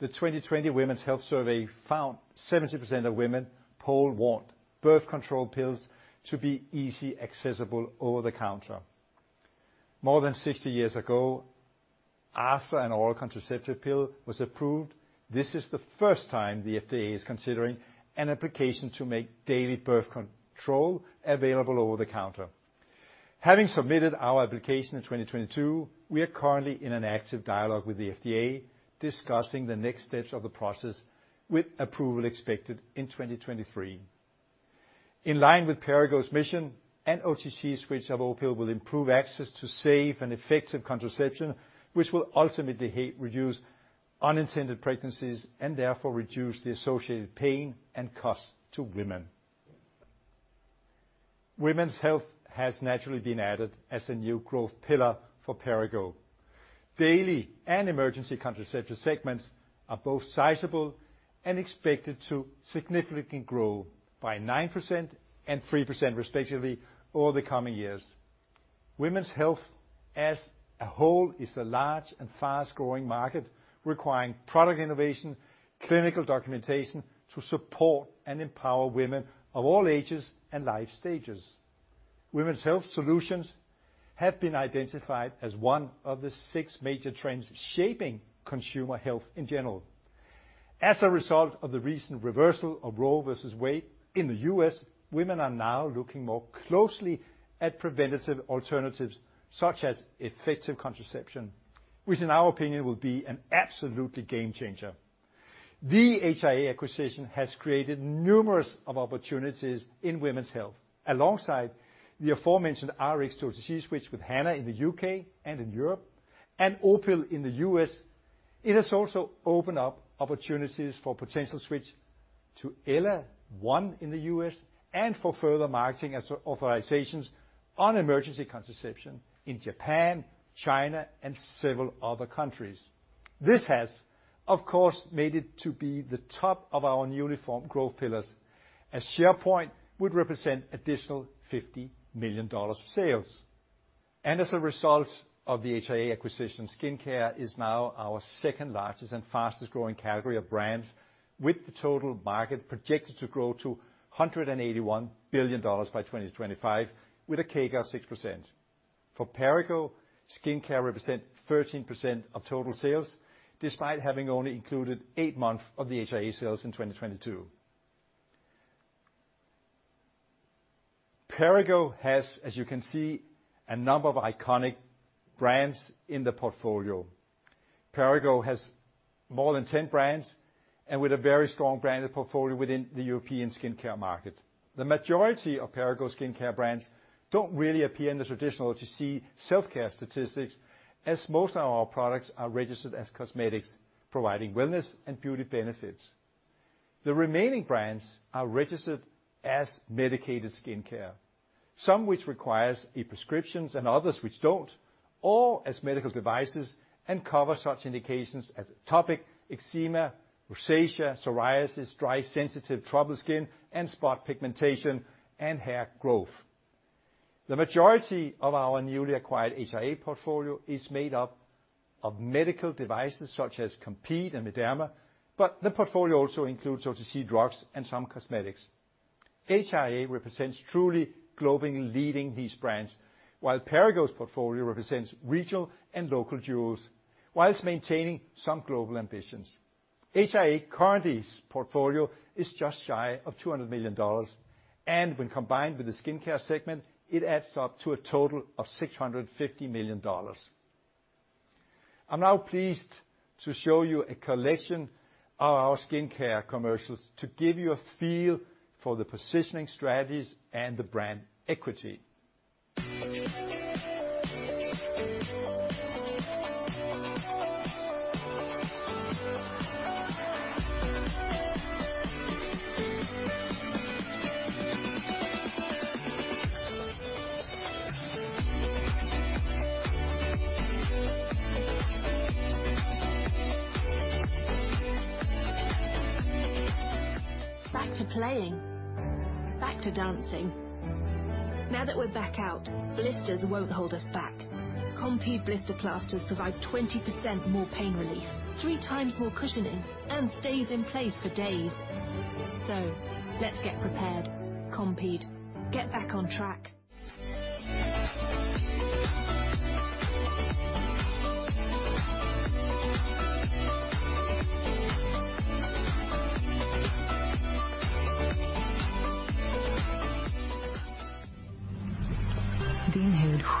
The 2020 Women's Health Survey found 70% of women poll want birth control pills to be easy, accessible over-the-counter. More than 60 years ago, after an all contraceptive pill was approved, this is the first time the FDA is considering an application to make daily birth control available over the counter. Having submitted our application in 2022, we are currently in an active dialogue with the FDA, discussing the next steps of the process with approval expected in 2023. In line with Perrigo's mission and OTC switch of Opill will improve access to safe and effective contraception, which will ultimately reduce unintended pregnancies and therefore reduce the associated pain and cost to women. Women's Health has naturally been added as a new growth pillar for Perrigo. Daily and emergency contraceptive segments are both sizable and expected to significantly grow by 9% and 3% respectively over the coming years. Women's health as a whole is a large and fast-growing market requiring product innovation, clinical documentation to support and empower women of all ages and life stages. Women's health solutions have been identified as one of the six major trends shaping consumer health in general. As a result of the recent reversal of Roe v. Wade in the U.S., women are now looking more closely at preventative alternatives such as effective contraception, which in our opinion will be an absolutely game changer. The HRA acquisition has created numerous of opportunities in Women's Health. Alongside the aforementioned Rx-to-OTC switch with Hana in the U.K. and in Europe and Opill in the U.S., it has also opened up opportunities for potential switch to ellaOne in the U.S. and for further marketing as authorizations on emergency contraception in Japan, China, and several other countries. This has, of course, made it to be the top of our newly formed growth pillars. HRA would represent additional $50 million of sales. As a result of the HRA acquisition, skincare is now our second-largest and fastest-growing category of brands, with the total market projected to grow to $181 billion by 2025, with a CAGR of 6%. For Perrigo, skincare represent 13% of total sales, despite having only included eight months of the HRA sales in 2022. Perrigo has, as you can see, a number of iconic brands in the portfolio. Perrigo has more than 10 brands and with a very strong branded portfolio within the European skincare market. The majority of Perrigo's skincare brands don't really appear in the traditional OTC self-care statistics, as most of our products are registered as cosmetics, providing wellness and beauty benefits. The remaining brands are registered as medicated skincare, some which requires e-prescriptions and others which don't, or as medical devices and cover such indications as atopic eczema, rosacea, psoriasis, dry, sensitive, troubled skin, and spot pigmentation and hair growth. The majority of our newly acquired HRA portfolio is made up of medical devices such as Compeed and Mederma, but the portfolio also includes OTC drugs and some cosmetics. HRA represents truly globally leading these brands, while Perrigo's portfolio represents regional and local jewels, whilst maintaining some global ambitions. HRA currently's portfolio is just shy of $200 million, and when combined with the Skincare segment, it adds up to a total of $650 million. I'm now pleased to show you a collection of our skincare commercials to give you a feel for the positioning strategies and the brand equity. Back to playing. Back to dancing. Now that we're back out, blisters won't hold us back. Compeed Blister Plasters provide 20% more pain relief, 3x more cushioning, and stays in place for days. Let's get prepared. Compeed, get back on track.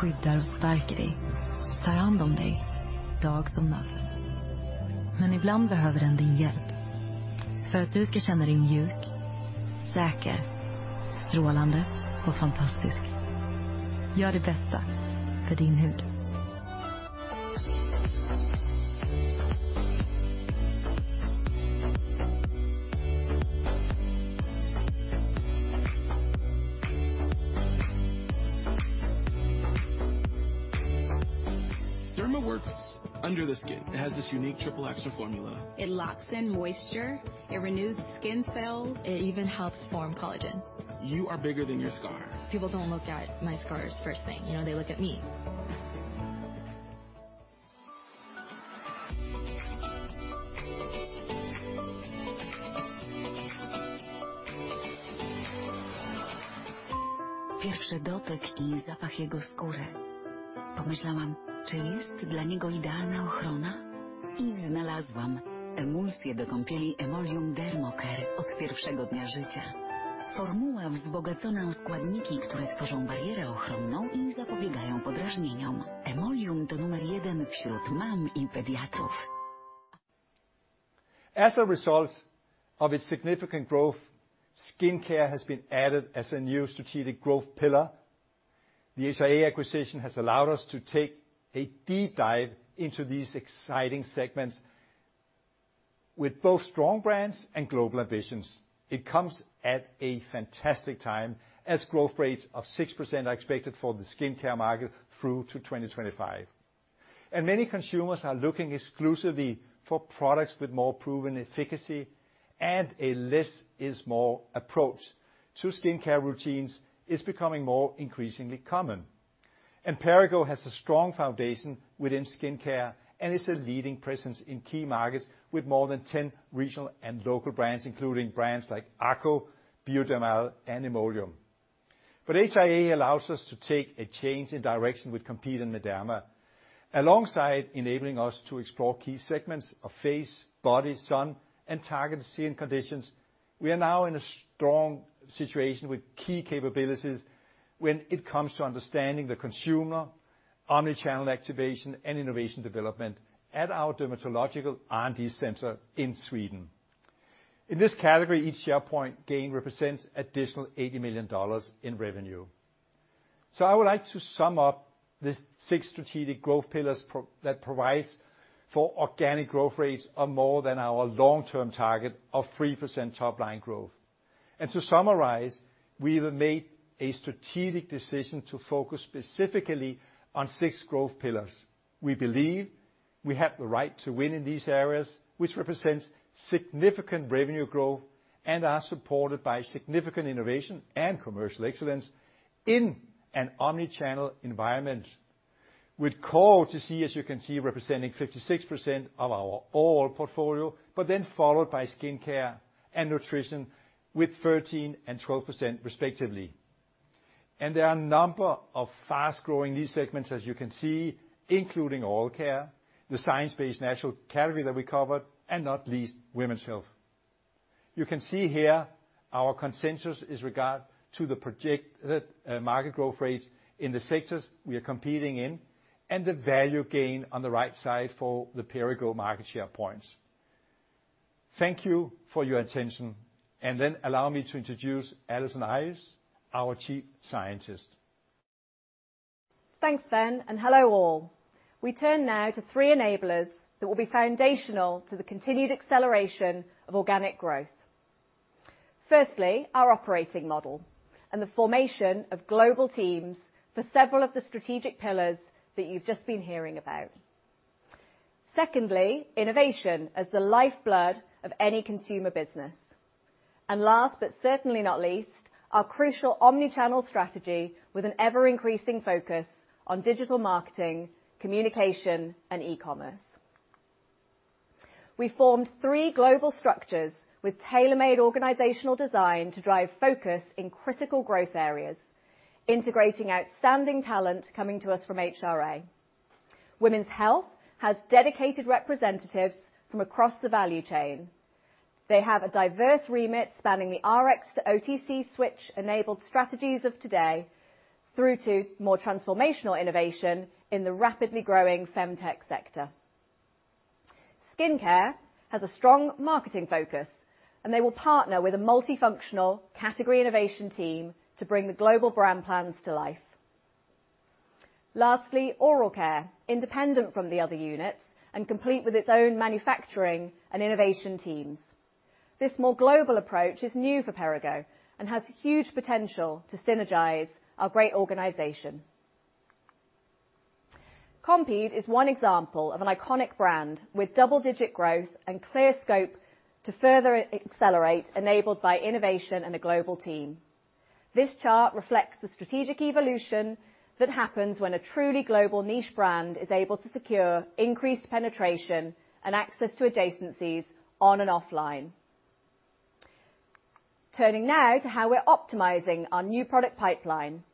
Mederma works under the skin. It has this unique triple action formula. It locks in moisture, it renews skin cells. It even helps form collagen. You are bigger than your scar. People don't look at my scars first thing, you know, they look at me. As a result of its significant growth, Skincare has been added as a new strategic growth pillar. The HRA acquisition has allowed us to take a deep dive into these exciting segments with both strong brands and global ambitions. It comes at a fantastic time as growth rates of 6% are expected for the skincare market through to 2025. Many consumers are looking exclusively for products with more proven efficacy and a less is more approach to skincare routines is becoming more increasingly common. Perrigo has a strong foundation within Skincare, and is a leading presence in key markets with more than 10 regional and local brands, including brands like Aco, Biodermal and Emolium. HRA allows us to take a change in direction with Compeed in Mederma, alongside enabling us to explore key segments of face, body, sun and targeted skin conditions. We are now in a strong situation with key capabilities when it comes to understanding the consumer omni-channel activation and innovation development at our Dermatological R&D center in Sweden. In this category, each share point gain represents additional $80 million in revenue. I would like to sum up the six strategic growth pillars that provides for organic growth rates of more than our long-term target of 3% top line growth. To summarize, we have made a strategic decision to focus specifically on six growth pillars. We believe we have the right to win in these areas, which represents significant revenue growth and are supported by significant innovation and commercial excellence in an omni-channel environment. With OTC, as you can see, representing 56% of our oral portfolio, but then followed by Skincare and Nutrition with 13% and 12% respectively. There are a number of fast-growing new segments, as you can see, including Oral Care, the Science-Based Natural category that we covered, and not least, Women's Health. You can see here our consensus is regard to the projected market growth rates in the sectors we are competing in and the value gain on the right side for the Perrigo market share points. Thank you for your attention. Allow me to introduce Alison Ives, our Chief Scientist. Thanks, Ben, and hello, all. We turn now to three enablers that will be foundational to the continued acceleration of organic growth. Firstly, our operating model and the formation of global teams for several of the strategic pillars that you've just been hearing about. Secondly, innovation as the lifeblood of any consumer business. Last, but certainly not least, our crucial omni-channel strategy with an ever-increasing focus on digital marketing, communication and e-commerce. We formed three global structures with tailormade organizational design to drive focus in critical growth areas, integrating outstanding talent coming to us from HRA. Women's Health has dedicated representatives from across the value chain. They have a diverse remit spanning the Rx-to-OTC switch-enabled strategies of today, through to more transformational innovation in the rapidly growing FemTech sector. Skincare has a strong marketing focus. They will partner with a multifunctional category innovation team to bring the global brand plans to life. Lastly, Oral Care, independent from the other units and complete with its own manufacturing and innovation teams. This more global approach is new for Perrigo and has huge potential to synergize our great organization. Compeed is one example of an iconic brand with double-digit growth and clear scope to further accelerate, enabled by innovation and a global team. This chart reflects the strategic evolution that happens when a truly global niche brand is able to secure increased penetration and access to adjacencies on and offline. Turning now to how we're optimizing our new product pipeline.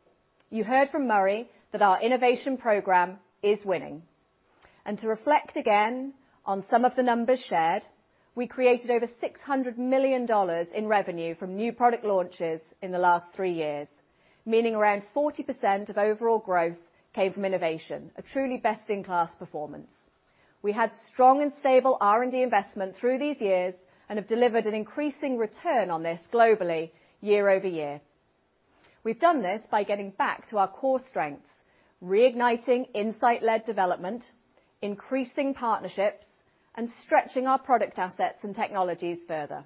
You heard from Murray that our innovation program is winning. To reflect again on some of the numbers shared, we created over $600 million in revenue from new product launches in the last three years, meaning around 40% of overall growth came from innovation, a truly best-in-class performance. We had strong and stable R&D investment through these years and have delivered an increasing return on this globally year-over-year. We've done this by getting back to our core strengths, reigniting insight-led development, increasing partnerships, and stretching our product assets and technologies further.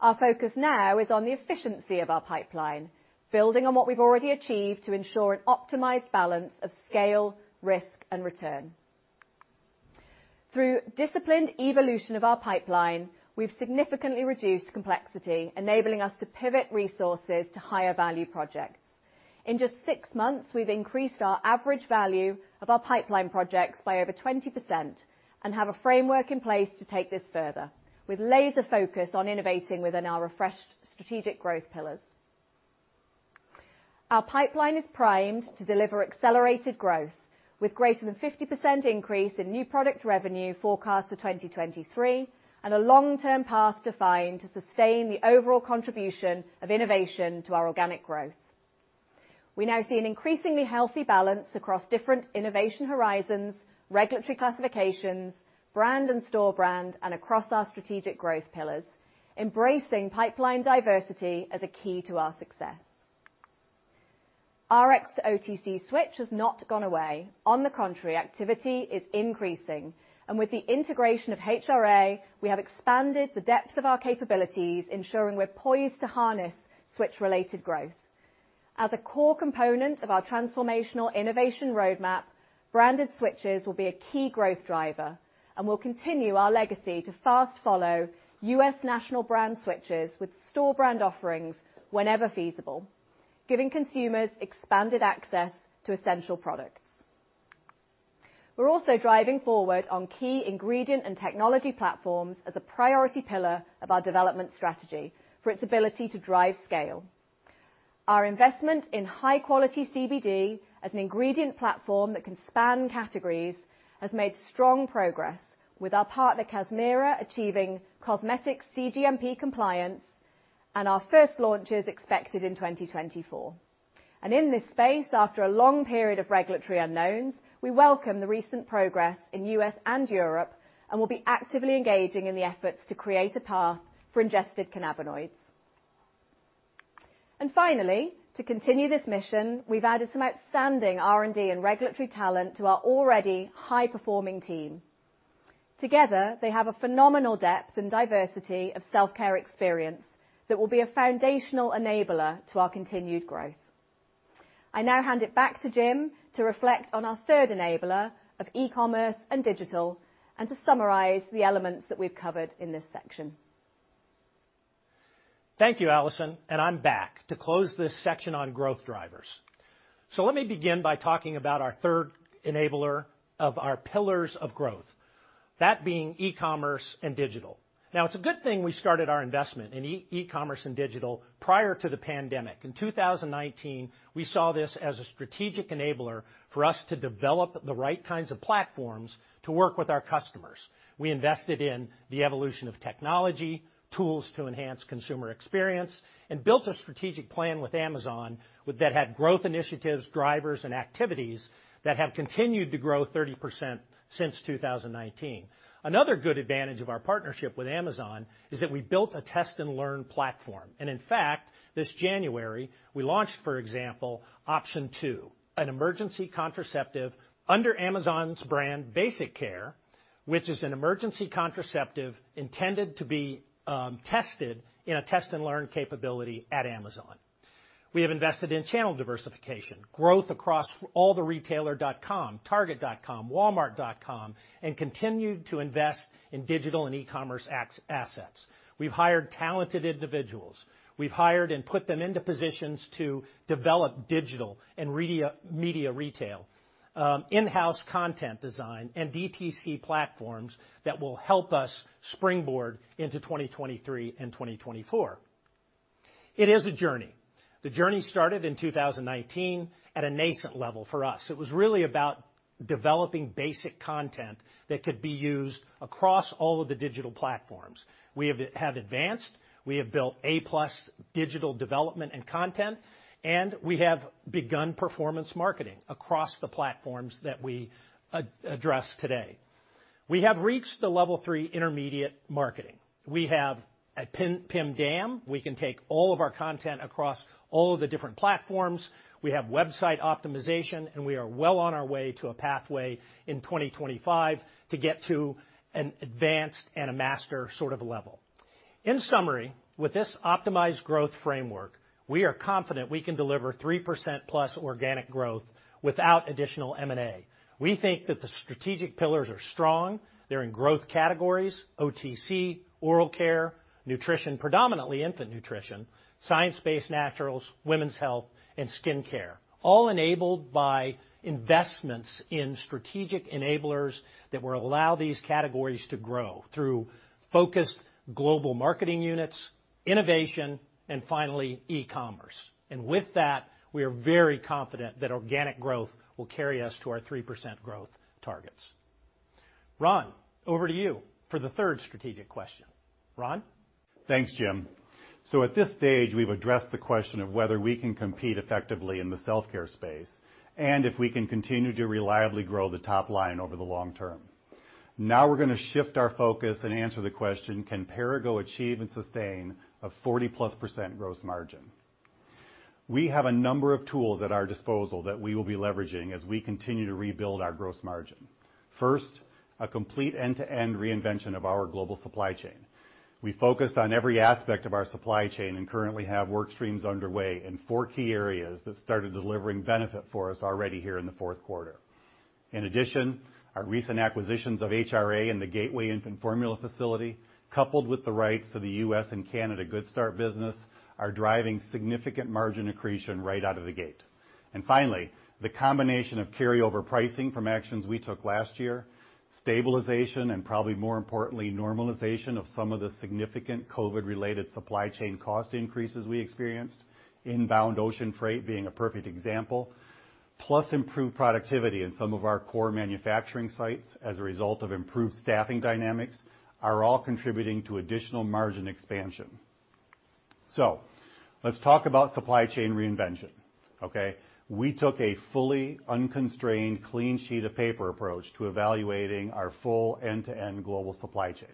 Our focus now is on the efficiency of our pipeline, building on what we've already achieved to ensure an optimized balance of scale, risk and return. Through disciplined evolution of our pipeline, we've significantly reduced complexity, enabling us to pivot resources to higher value projects. In just six months, we've increased our average value of our pipeline projects by over 20% and have a framework in place to take this further, with laser focus on innovating within our refreshed strategic growth pillars. Our pipeline is primed to deliver accelerated growth with greater than 50% increase in new product revenue forecast for 2023, and a long-term path defined to sustain the overall contribution of innovation to our organic growth. We now see an increasingly healthy balance across different innovation horizons, regulatory classifications, brand and store brand, and across our strategic growth pillars, embracing pipeline diversity as a key to our success. Rx-to-OTC switch has not gone away. On the contrary, activity is increasing, and with the integration of HRA, we have expanded the depth of our capabilities, ensuring we're poised to harness switch-related growth. As a core component of our transformational innovation roadmap, branded switches will be a key growth driver, and we'll continue our legacy to fast follow U.S. national brand switches with store brand offerings whenever feasible, giving consumers expanded access to essential products. We're also driving forward on key ingredient and technology platforms as a priority pillar of our development strategy for its ability to drive scale. Our investment in high-quality CBD as an ingredient platform that can span categories has made strong progress with our partner, Kazmira, achieving cosmetic cGMP compliance and our first launch is expected in 2024. In this space, after a long period of regulatory unknowns, we welcome the recent progress in U.S. and Europe, and we'll be actively engaging in the efforts to create a path for ingested cannabinoids. Finally, to continue this mission, we've added some outstanding R&D and regulatory talent to our already high-performing team. Together, they have a phenomenal depth and diversity of self-care experience that will be a foundational enabler to our continued growth. I now hand it back to Jim to reflect on our third enabler of e-commerce and digital, and to summarize the elements that we've covered in this section. Thank you, Alison. I'm back to close this section on growth drivers. Let me begin by talking about our third enabler of our pillars of growth, that being e-commerce and digital. It's a good thing we started our investment in e-commerce and digital prior to the pandemic. In 2019, we saw this as a strategic enabler for us to develop the right kinds of platforms to work with our customers. We invested in the evolution of technology, tools to enhance consumer experience, and built a strategic plan with Amazon that had growth initiatives, drivers, and activities that have continued to grow 30% since 2019. Another good advantage of our partnership with Amazon is that we built a test and learn platform. In fact, this January, we launched, for example, Option 2, an emergency contraceptive under Amazon's brand Basic Care, which is an emergency contraceptive intended to be tested in a test and learn capability at Amazon. We have invested in channel diversification, growth across all the retailer.com platforms, Target.com, Walmart.com, and continued to invest in digital and e-commerce assets. We've hired talented individuals. We've hired and put them into positions to develop digital and media retail, in-house content design, and DTC platforms that will help us springboard into 2023 and 2024. It is a journey. The journey started in 2019 at a nascent level for us. It was really about developing basic content that could be used across all of the digital platforms. We have advanced, we have built A+ digital development and content, and we have begun performance marketing across the platforms that we address today. We have reached the level three intermediate marketing. We have a PIM DAM. We can take all of our content across all of the different platforms. We have website optimization, and we are well on our way to a pathway in 2025 to get to an advanced and a master sort of level. In summary, with this optimized growth framework, we are confident we can deliver 3%+ organic growth without additional M&A. We think that the strategic pillars are strong. They're in growth categories, OTC, Oral Care, Nutrition, predominantly infant nutrition, Science-Based Naturals, Women's Health, and Skincare, all enabled by investments in strategic enablers that will allow these categories to grow through focused global marketing units, innovation, and finally, e-commerce. With that, we are very confident that organic growth will carry us to our 3% growth targets. Ron, over to you for the third strategic question. Ron? Thanks, Jim. At this stage, we've addressed the question of whether we can compete effectively in the self-care space and if we can continue to reliably grow the top line over the long term. Now we're gonna shift our focus and answer the question: Can Perrigo achieve and sustain a 40%+ gross margin? We have a number of tools at our disposal that we will be leveraging as we continue to rebuild our gross margin. First, a complete end-to-end reinvention of our global supply chain. We focused on every aspect of our supply chain and currently have work streams underway in four key areas that started delivering benefit for us already here in the fourth quarter. In addition, our recent acquisitions of HRA and the Gateway Infant Formula facility, coupled with the rights to the U.S. and Canada Good Start business, are driving significant margin accretion right out of the gate. Finally, the combination of carryover pricing from actions we took last year, stabilization, and probably more importantly, normalization of some of the significant COVID-related supply chain cost increases we experienced, inbound ocean freight being a perfect example, plus improved productivity in some of our core manufacturing sites as a result of improved staffing dynamics, are all contributing to additional margin expansion. Let's talk about supply chain reinvention, okay? We took a fully unconstrained clean sheet of paper approach to evaluating our full end-to-end global supply chain.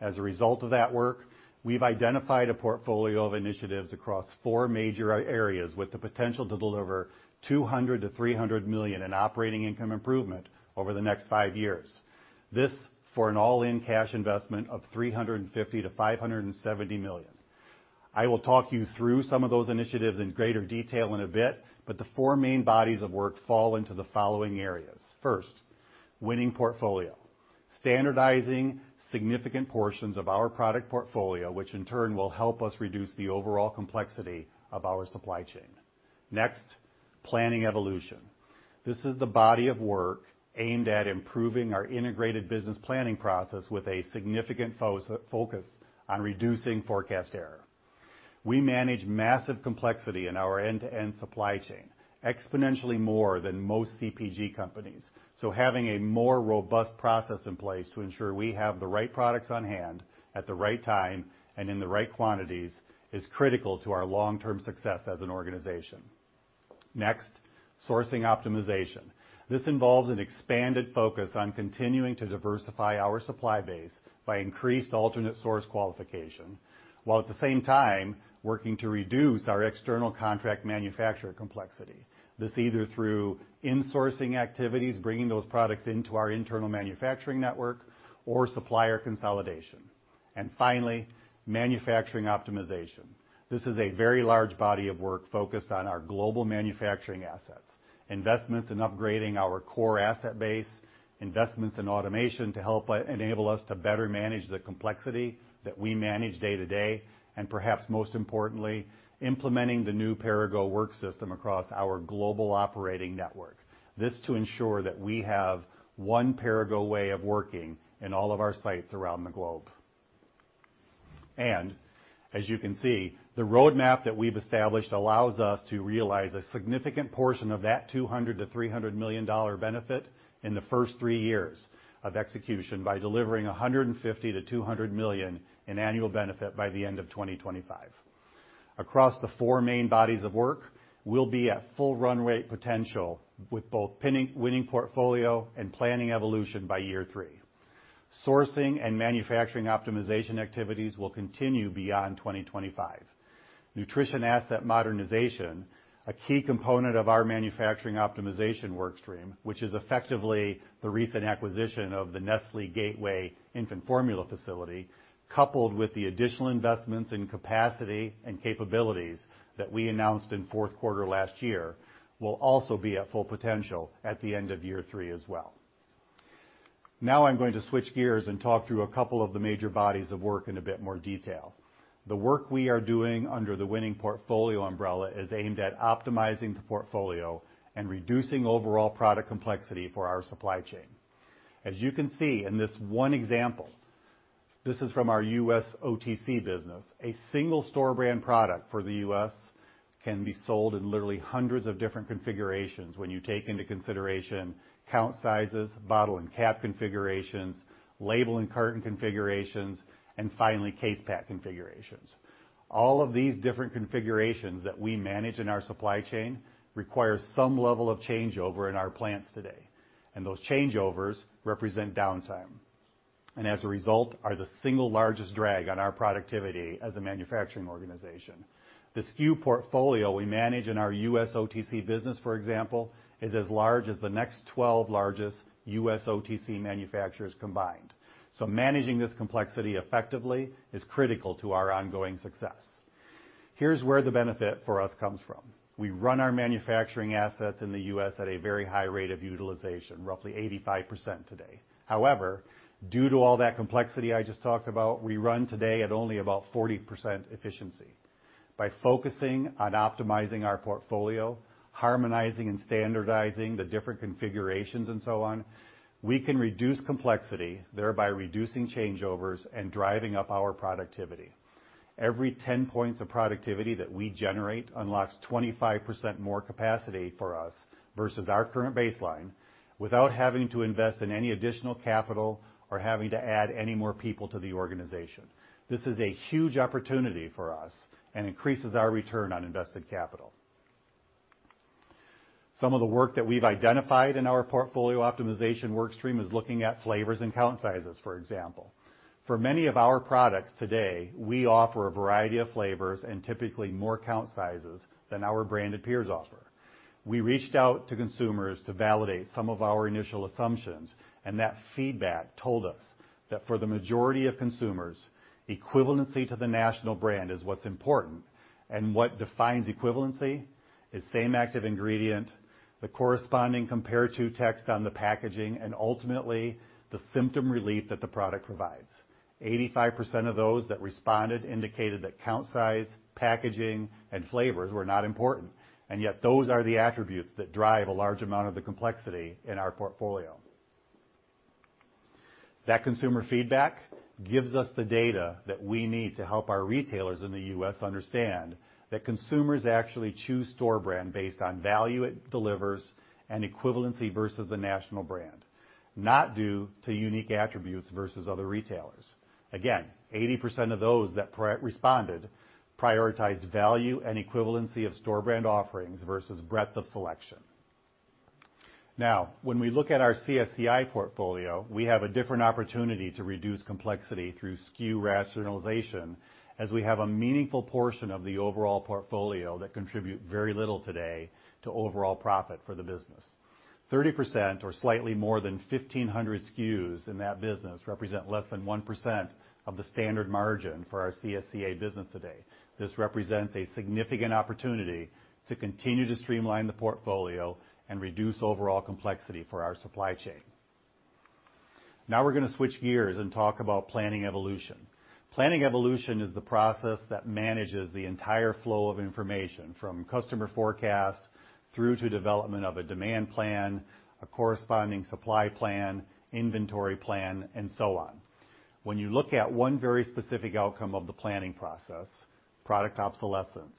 As a result of that work, we've identified a portfolio of initiatives across four major areas with the potential to deliver $200 million-$300 million in operating income improvement over the next five years. This for an all-in cash investment of $350 million-$570 million. I will talk you through some of those initiatives in greater detail in a bit, the four main bodies of work fall into the following areas. First, winning portfolio. Standardizing significant portions of our product portfolio, which in turn will help us reduce the overall complexity of our supply chain. Next, planning evolution. This is the body of work aimed at improving our integrated business planning process with a significant focus on reducing forecast error. We manage massive complexity in our end-to-end supply chain, exponentially more than most CPG companies, so having a more robust process in place to ensure we have the right products on hand at the right time and in the right quantities is critical to our long-term success as an organization. Next, sourcing optimization. This involves an expanded focus on continuing to diversify our supply base by increased alternate source qualification, while at the same time working to reduce our external contract manufacturer complexity. This either through insourcing activities, bringing those products into our internal manufacturing network or supplier consolidation. Finally, manufacturing optimization. This is a very large body of work focused on our global manufacturing assets. Investments in upgrading our core asset base, investments in automation to help enable us to better manage the complexity that we manage day to day, and perhaps most importantly, implementing the new Perrigo work system across our global operating network. This to ensure that we have one Perrigo way of working in all of our sites around the globe. As you can see, the roadmap that we've established allows us to realize a significant portion of that $200 million-$300 million benefit in the first three years of execution by delivering $150 million-$200 million in annual benefit by the end of 2025. Across the four main bodies of work, we'll be at full run rate potential with both winning portfolio and planning evolution by year three. Sourcing and manufacturing optimization activities will continue beyond 2025. Nutrition asset modernization, a key component of our manufacturing optimization work stream, which is effectively the recent acquisition of the Nestlé Gateway Infant Formula facility, coupled with the additional investments in capacity and capabilities that we announced in fourth quarter last year, will also be at full potential at the end of year three as well. I'm going to switch gears and talk through a couple of the major bodies of work in a bit more detail. The work we are doing under the winning portfolio umbrella is aimed at optimizing the portfolio and reducing overall product complexity for our supply chain. As you can see in this one example, this is from our U.S. OTC business, a single store brand product for the U.S. can be sold in literally hundreds of different configurations when you take into consideration count sizes, bottle and cap configurations, label and carton configurations, and finally case pack configurations. All of these different configurations that we manage in our supply chain require some level of changeover in our plants today, and those changeovers represent downtime, and as a result, are the single largest drag on our productivity as a manufacturing organization. The SKU portfolio we manage in our U.S. OTC business, for example, is as large as the next 12 largest U.S. OTC manufacturers combined. Managing this complexity effectively is critical to our ongoing success. Here's where the benefit for us comes from. We run our manufacturing assets in the U.S. at a very high rate of utilization, roughly 85% today. Due to all that complexity I just talked about, we run today at only about 40% efficiency. By focusing on optimizing our portfolio, harmonizing and standardizing the different configurations and so on, we can reduce complexity, thereby reducing changeovers and driving up our productivity. Every 10 points of productivity that we generate unlocks 25% more capacity for us versus our current baseline without having to invest in any additional capital or having to add any more people to the organization. This is a huge opportunity for us and increases our return on invested capital. Some of the work that we've identified in our portfolio optimization work stream is looking at flavors and count sizes, for example. For many of our products today, we offer a variety of flavors and typically more count sizes than our branded peers offer. That feedback told us that for the majority of consumers, equivalency to the national brand is what's important. What defines equivalency is same active ingredient, the corresponding compare to text on the packaging and ultimately, the symptom relief that the product provides. 85% of those that responded indicated that count size, packaging, and flavors were not important, and yet those are the attributes that drive a large amount of the complexity in our portfolio. That consumer feedback gives us the data that we need to help our retailers in the U.S. understand that consumers actually choose store brand based on value it delivers and equivalency versus the national brand, not due to unique attributes versus other retailers. Again, 80% of those that responded prioritized value and equivalency of store brand offerings versus breadth of selection. When we look at our CSCI portfolio, we have a different opportunity to reduce complexity through SKU rationalization, as we have a meaningful portion of the overall portfolio that contribute very little today to overall profit for the business. 30% or slightly more than 1,500 SKUs in that business represent less than 1% of the standard margin for our CSCA business today. This represents a significant opportunity to continue to streamline the portfolio and reduce overall complexity for our supply chain. We're gonna switch gears and talk about planning evolution. Planning evolution is the process that manages the entire flow of information from customer forecasts through to development of a demand plan, a corresponding supply plan, inventory plan, and so on. When you look at one very specific outcome of the planning process, product obsolescence,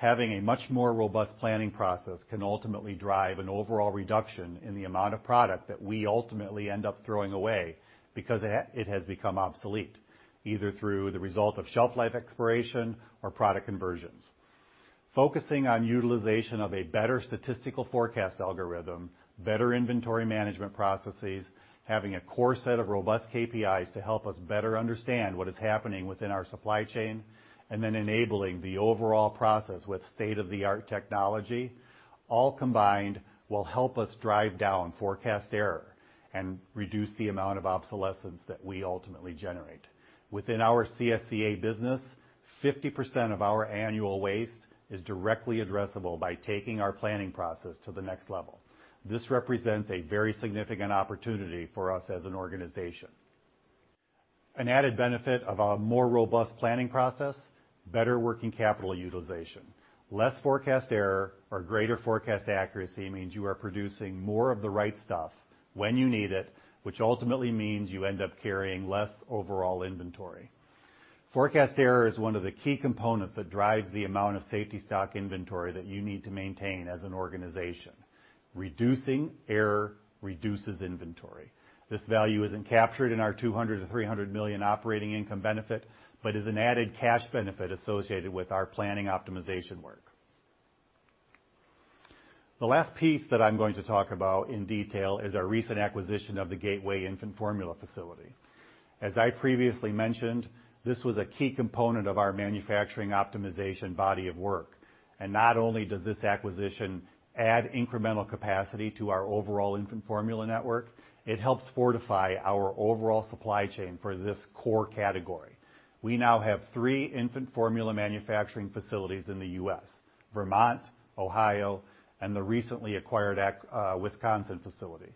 having a much more robust planning process can ultimately drive an overall reduction in the amount of product that we ultimately end up throwing away because it has become obsolete, either through the result of shelf life expiration or product conversions. Focusing on utilization of a better statistical forecast algorithm, better inventory management processes, having a core set of robust KPIs to help us better understand what is happening within our supply chain, and then enabling the overall process with state-of-the-art technology, all combined will help us drive down forecast error and reduce the amount of obsolescence that we ultimately generate. Within our CSCA business, 50% of our annual waste is directly addressable by taking our planning process to the next level. This represents a very significant opportunity for us as an organization. An added benefit of a more robust planning process, better working capital utilization. Less forecast error or greater forecast accuracy means you are producing more of the right stuff when you need it, which ultimately means you end up carrying less overall inventory. Forecast error is one of the key components that drives the amount of safety stock inventory that you need to maintain as an organization. Reducing error reduces inventory. This value isn't captured in our $200 million-$300 million operating income benefit, is an added cash benefit associated with our planning optimization work. The last piece that I'm going to talk about in detail is our recent acquisition of the Gateway Infant Formula facility. As I previously mentioned, this was a key component of our manufacturing optimization body of work. Not only does this acquisition add incremental capacity to our overall infant formula network, it helps fortify our overall supply chain for this core category. We now have three infant formula manufacturing facilities in the U.S., Vermont, Ohio, and the recently acquired Wisconsin facility.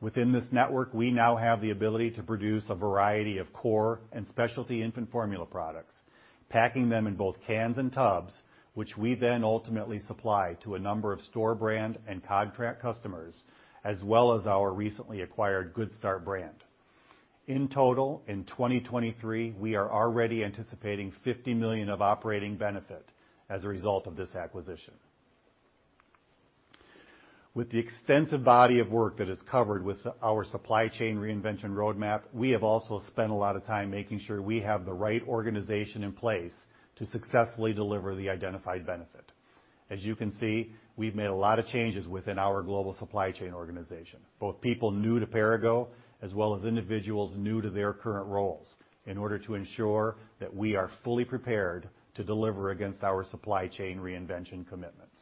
Within this network, we now have the ability to produce a variety of core and specialty infant formula products, packing them in both cans and tubs, which we then ultimately supply to a number of store brand and contract customers, as well as our recently acquired GoodStart brand. In total, in 2023, we are already anticipating $50 million of operating benefit as a result of this acquisition. With the extensive body of work that is covered with our supply chain reinvention roadmap, we have also spent a lot of time making sure we have the right organization in place to successfully deliver the identified benefit. As you can see, we've made a lot of changes within our global supply chain organization, both people new to Perrigo, as well as individuals new to their current roles, in order to ensure that we are fully prepared to deliver against our supply chain reinvention commitments.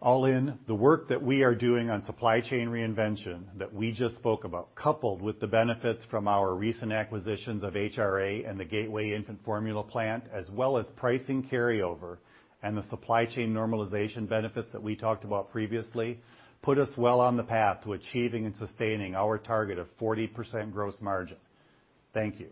All in, the work that we are doing on supply chain reinvention that we just spoke about, coupled with the benefits from our recent acquisitions of HRA and the Gateway Infant Formula plant, as well as pricing carryover and the supply chain normalization benefits that we talked about previously, put us well on the path to achieving and sustaining our target of 40% gross margin. Thank you.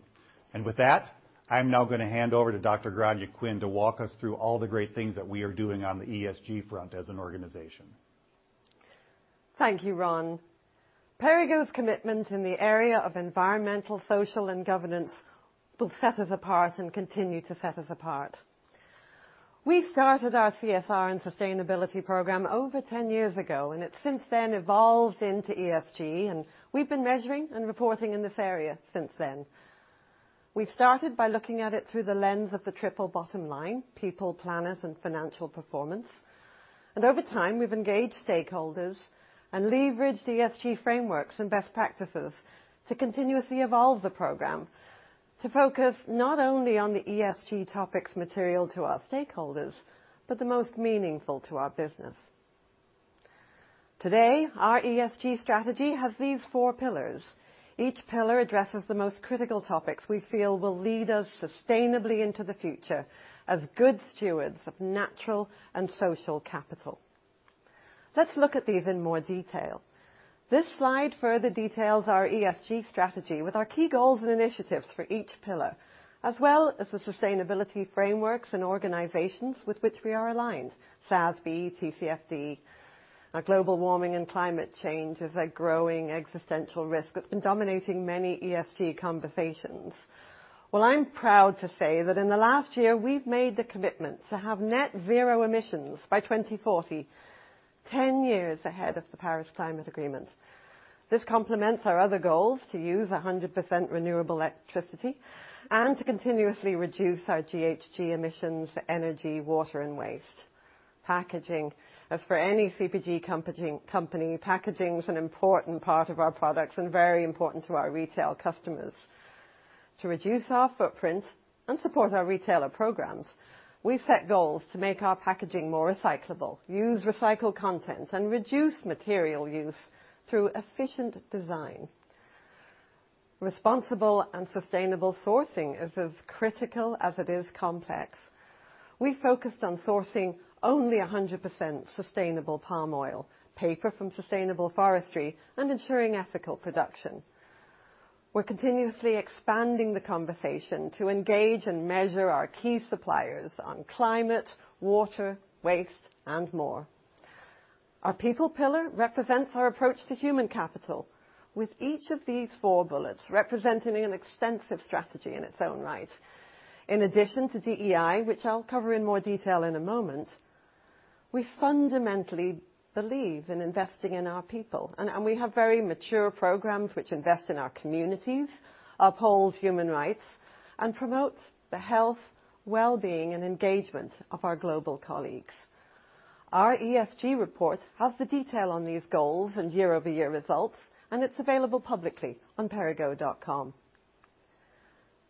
With that, I'm now gonna hand over to Dr. Grainne Quinn to walk us through all the great things that we are doing on the ESG front as an organization. Thank you, Ron. Perrigo's commitment in the area of environmental, social, and governance will set us apart and continue to set us apart. We started our CSR and sustainability program over 10 years ago. It since then evolved into ESG, and we've been measuring and reporting in this area since then. We started by looking at it through the lens of the triple bottom line, people, planet, and financial performance. Over time, we've engaged stakeholders and leveraged ESG frameworks and best practices to continuously evolve the program to focus not only on the ESG topics material to our stakeholders, but the most meaningful to our business. Today, our ESG strategy has these four pillars. Each pillar addresses the most critical topics we feel will lead us sustainably into the future as good stewards of natural and social capital. Let's look at these in more detail. This slide further details our ESG strategy with our key goals and initiatives for each pillar, as well as the sustainability frameworks and organizations with which we are aligned, SASB, TCFD. Global warming and climate change is a growing existential risk that's been dominating many ESG conversations. I'm proud to say that in the last year, we've made the commitment to have net zero emissions by 2040, 10 years ahead of the Paris Climate Agreement. This complements our other goals to use 100% renewable electricity and to continuously reduce our GHG emissions for energy, water, and waste. Packaging. As for any CPG company, packaging is an important part of our products and very important to our retail customers. To reduce our footprint and support our retailer programs, we've set goals to make our packaging more recyclable, use recycled content, and reduce material use through efficient design. Responsible and sustainable sourcing is as critical as it is complex. We focused on sourcing only 100% sustainable palm oil, paper from sustainable forestry, and ensuring ethical production. We're continuously expanding the conversation to engage and measure our key suppliers on climate, water, waste, and more. Our people pillar represents our approach to human capital, with each of these four bullets representing an extensive strategy in its own right. In addition to DEI, which I'll cover in more detail in a moment, we fundamentally believe in investing in our people, and we have very mature programs which invest in our communities, upholds human rights, and promotes the health, well-being, and engagement of our global colleagues. Our ESG report has the detail on these goals and year-over-year results. It's available publicly on perrigo.com.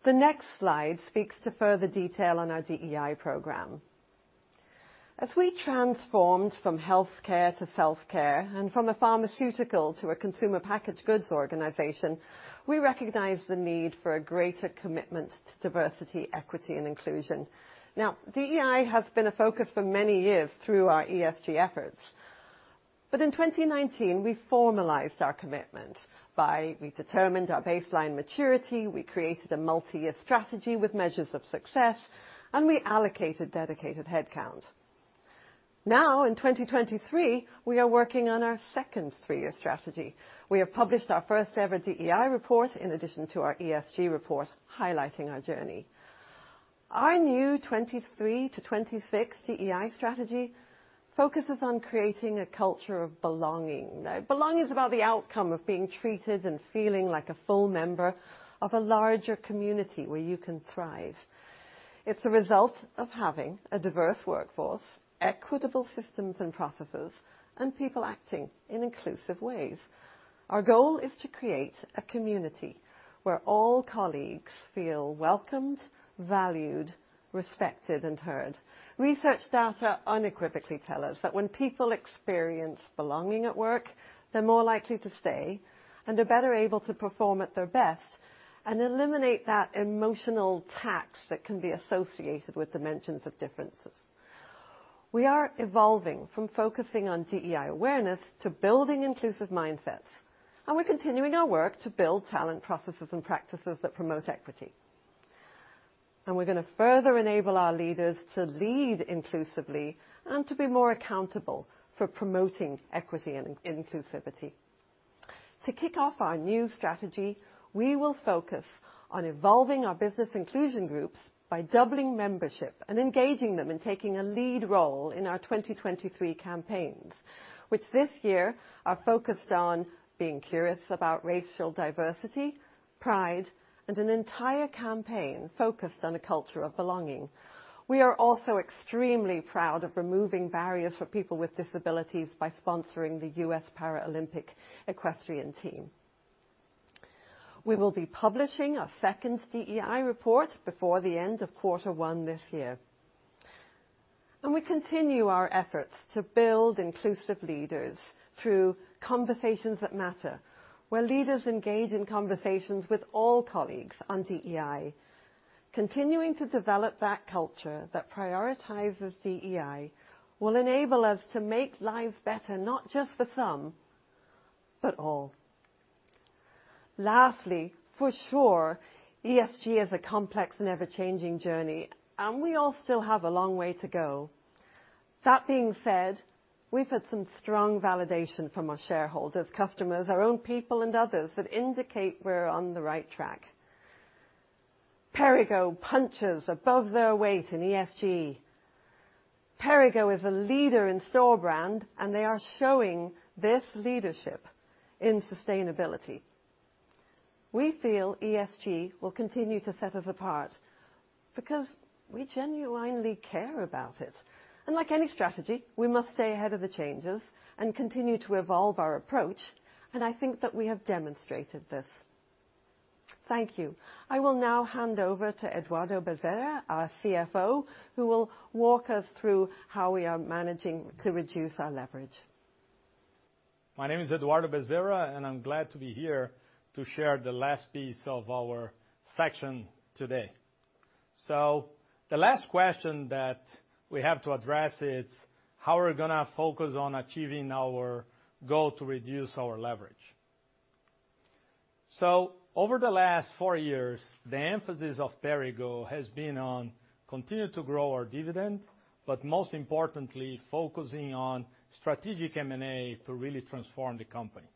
The next slide speaks to further detail on our DEI program. As we transformed from health care to self-care and from a pharmaceutical to a consumer packaged goods organization, we recognized the need for a greater commitment to diversity, equity, and inclusion. DEI has been a focus for many years through our ESG efforts. In 2019, we formalized our commitment by we determined our baseline maturity, we created a multi-year strategy with measures of success, and we allocated dedicated headcount. In 2023, we are working on our second three-year strategy. We have published our first-ever DEI report in addition to our ESG report, highlighting our journey. Our new 2023-2026 DEI strategy focuses on creating a culture of belonging. Belonging is about the outcome of being treated and feeling like a full member of a larger community where you can thrive. It's a result of having a diverse workforce, equitable systems and processes, and people acting in inclusive ways. Our goal is to create a community where all colleagues feel welcomed, valued, respected, and heard. Research data unequivocally tell us that when people experience belonging at work, they're more likely to stay and are better able to perform at their best and eliminate that emotional tax that can be associated with dimensions of differences. We are evolving from focusing on DEI awareness to building inclusive mindsets, and we're continuing our work to build talent processes and practices that promote equity. We're gonna further enable our leaders to lead inclusively and to be more accountable for promoting equity and inclusivity. To kick off our new strategy, we will focus on evolving our business inclusion groups by doubling membership and engaging them in taking a lead role in our 2023 campaigns, which this year are focused on being curious about racial diversity, pride, and an entire campaign focused on a culture of belonging. We are also extremely proud of removing barriers for people with disabilities by sponsoring the U.S. Paralympic Equestrian Team. We will be publishing our second DEI report before the end of quarter one this year. We continue our efforts to build inclusive leaders through Conversations That Matter, where leaders engage in conversations with all colleagues on DEI. Continuing to develop that culture that prioritizes DEI will enable us to make lives better, not just for some, but all. Lastly, for sure, ESG is a complex and ever-changing journey. We all still have a long way to go. That being said, we've had some strong validation from our shareholders, customers, our own people, and others that indicate we're on the right track. "Perrigo punches above their weight in ESG." "Perrigo is a leader in store brand. They are showing this leadership in sustainability." We feel ESG will continue to set us apart because we genuinely care about it. Like any strategy, we must stay ahead of the changes and continue to evolve our approach, and I think that we have demonstrated this. Thank you. I will now hand over to Eduardo Bezerra, our CFO, who will walk us through how we are managing to reduce our leverage. My name is Eduardo Bezerra, I'm glad to be here to share the last piece of our section today. The last question that we have to address is, how we're gonna focus on achieving our goal to reduce our leverage. Over the last four years, the emphasis of Perrigo has been on continue to grow our dividend, but most importantly, focusing on strategic M&A to really transform the company,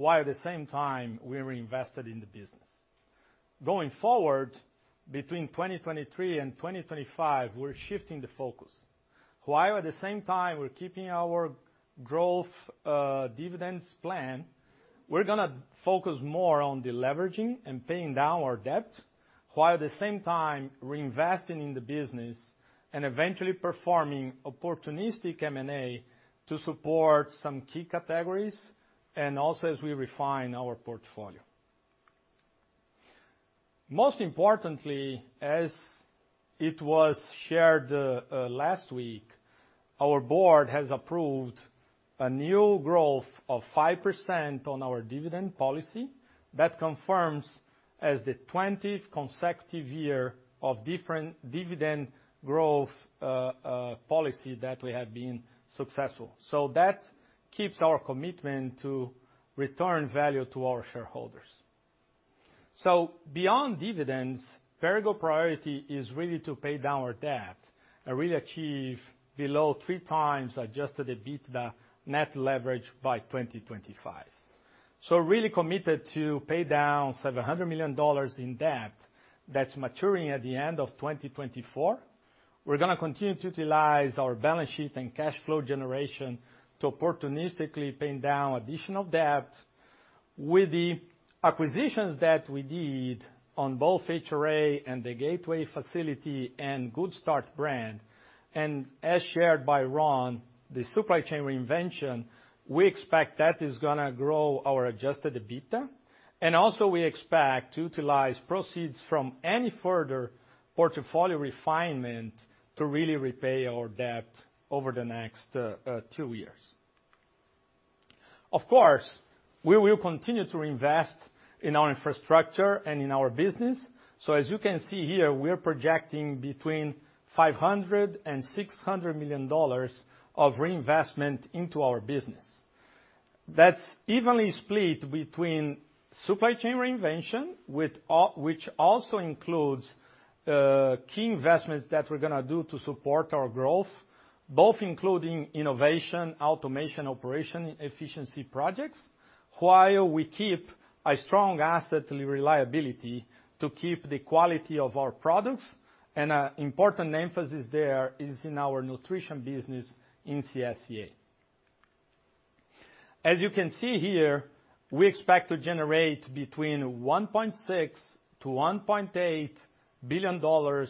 while at the same time, we reinvested in the business. Going forward, between 2023 and 2025, we're shifting the focus. While at the same time, we're keeping our growth, dividends plan, we're gonna focus more on deleveraging and paying down our debt, while at the same time reinvesting in the business and eventually performing opportunistic M&A to support some key categories, and also as we refine our portfolio. Most importantly, as it was shared, last week, our board has approved a new growth of 5% on our dividend policy. That confirms as the 20th consecutive year of different dividend growth policy that we have been successful. That keeps our commitment to return value to our shareholders. Beyond dividends, Perrigo priority is really to pay down our debt and really achieve below 3x adjusted EBITDA net leverage by 2025. Really committed to pay down $700 million in debt that's maturing at the end of 2024. We're gonna continue to utilize our balance sheet and cash flow generation to opportunistically pay down additional debt with the acquisitions that we did on both HRA and the Gateway facility and GoodStart brand. As shared by Ron, the supply chain reinvention, we expect that is going to grow our adjusted EBITDA. Also, we expect to utilize proceeds from any further portfolio refinement to really repay our debt over the next two years. Of course, we will continue to invest in our infrastructure and in our business. As you can see here, we're projecting between $500 million-$600 million of reinvestment into our business. That's evenly split between supply chain reinvention, which also includes key investments that we're going to do to support our growth, both including innovation, automation, operation efficiency projects, while we keep a strong asset reliability to keep the quality of our products. An important emphasis there is in our Nutrition business in CSCA. As you can see here, we expect to generate between $1.6 billion-$1.8 billion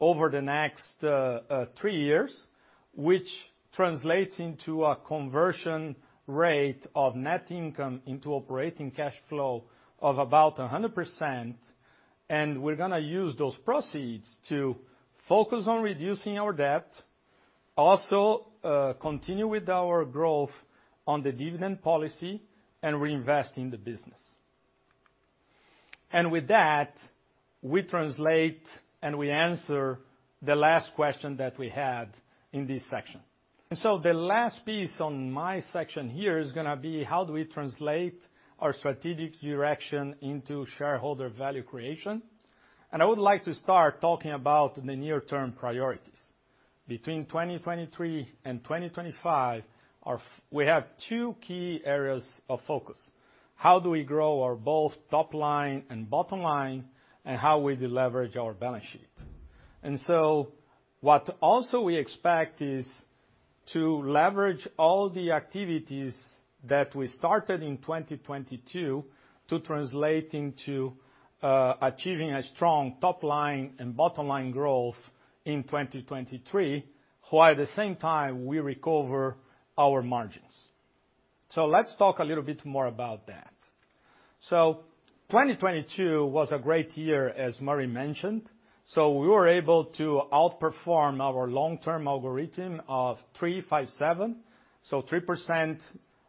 over the next three years, which translates into a conversion rate of net income into operating cash flow of about 100%. We're gonna use those proceeds to focus on reducing our debt, also, continue with our growth on the dividend policy and reinvest in the business. With that, we translate and we answer the last question that we had in this section. The last piece on my section here is gonna be, how do we translate our strategic direction into shareholder value creation? I would like to start talking about the near-term priorities. Between 2023 and 2025, we have two key areas of focus: how do we grow our both top line and bottom line, and how we deleverage our balance sheet. What also we expect is to leverage all the activities that we started in 2022 to translate into achieving a strong top line and bottom line growth in 2023, while at the same time we recover our margins. Let's talk a little bit more about that. 2022 was a great year, as Murray mentioned. We were able to outperform our long-term algorithm of 3-5-7, so 3%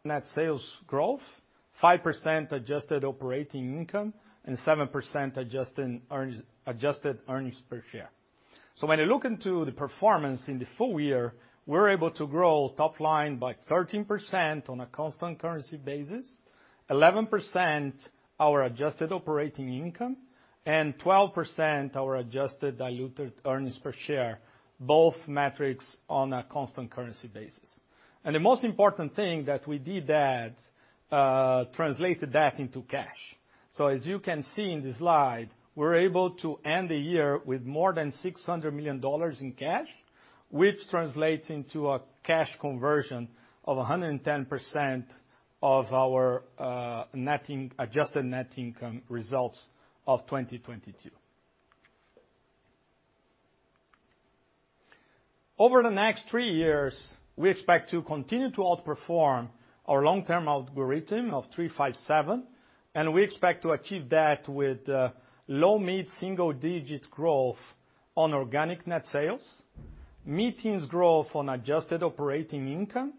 net sales growth, 5% adjusted operating income, and 7% adjusted earnings, adjusted earnings per share. When you look into the performance in the full year, we're able to grow top line by 13% on a constant currency basis, 11% our adjusted operating income, and 12% our adjusted diluted earnings per share, both metrics on a constant currency basis. The most important thing that we did that translated that into cash. As you can see in the slide, we're able to end the year with more than $600 million in cash, which translates into a cash conversion of 110% of our adjusted net income results of 2022. Over the next three years, we expect to continue to outperform our long-term algorithm of 357, and we expect to achieve that with low mid-single-digit growth on organic net sales, mid-teens growth on adjusted operating income,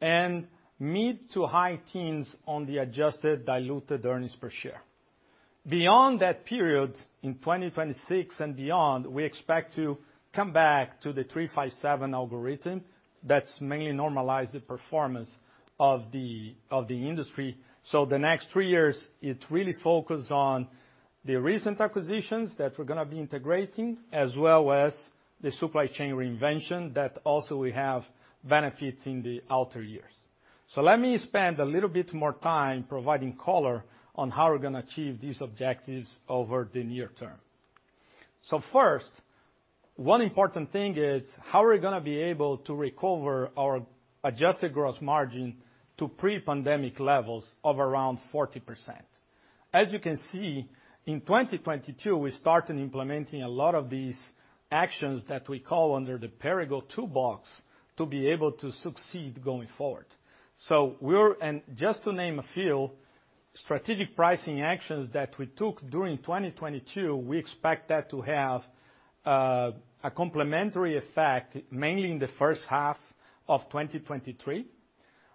and mid to high teens on the adjusted diluted earnings per share. Beyond that period, in 2026 and beyond, we expect to come back to the 357 algorithm that's mainly normalized the performance of the industry. The next three years, it really focus on the recent acquisitions that we're gonna be integrating, as well as the supply chain reinvention that also we have benefits in the outer years. Let me spend a little bit more time providing color on how we're gonna achieve these objectives over the near term. First, one important thing is how we're gonna be able to recover our adjusted gross margin to pre-pandemic levels of around 40%. As you can see, in 2022, we started implementing a lot of these actions that we call under the Perrigo toolbox to be able to succeed going forward. Just to name a few strategic pricing actions that we took during 2022, we expect that to have a complementary effect, mainly in the first half of 2023.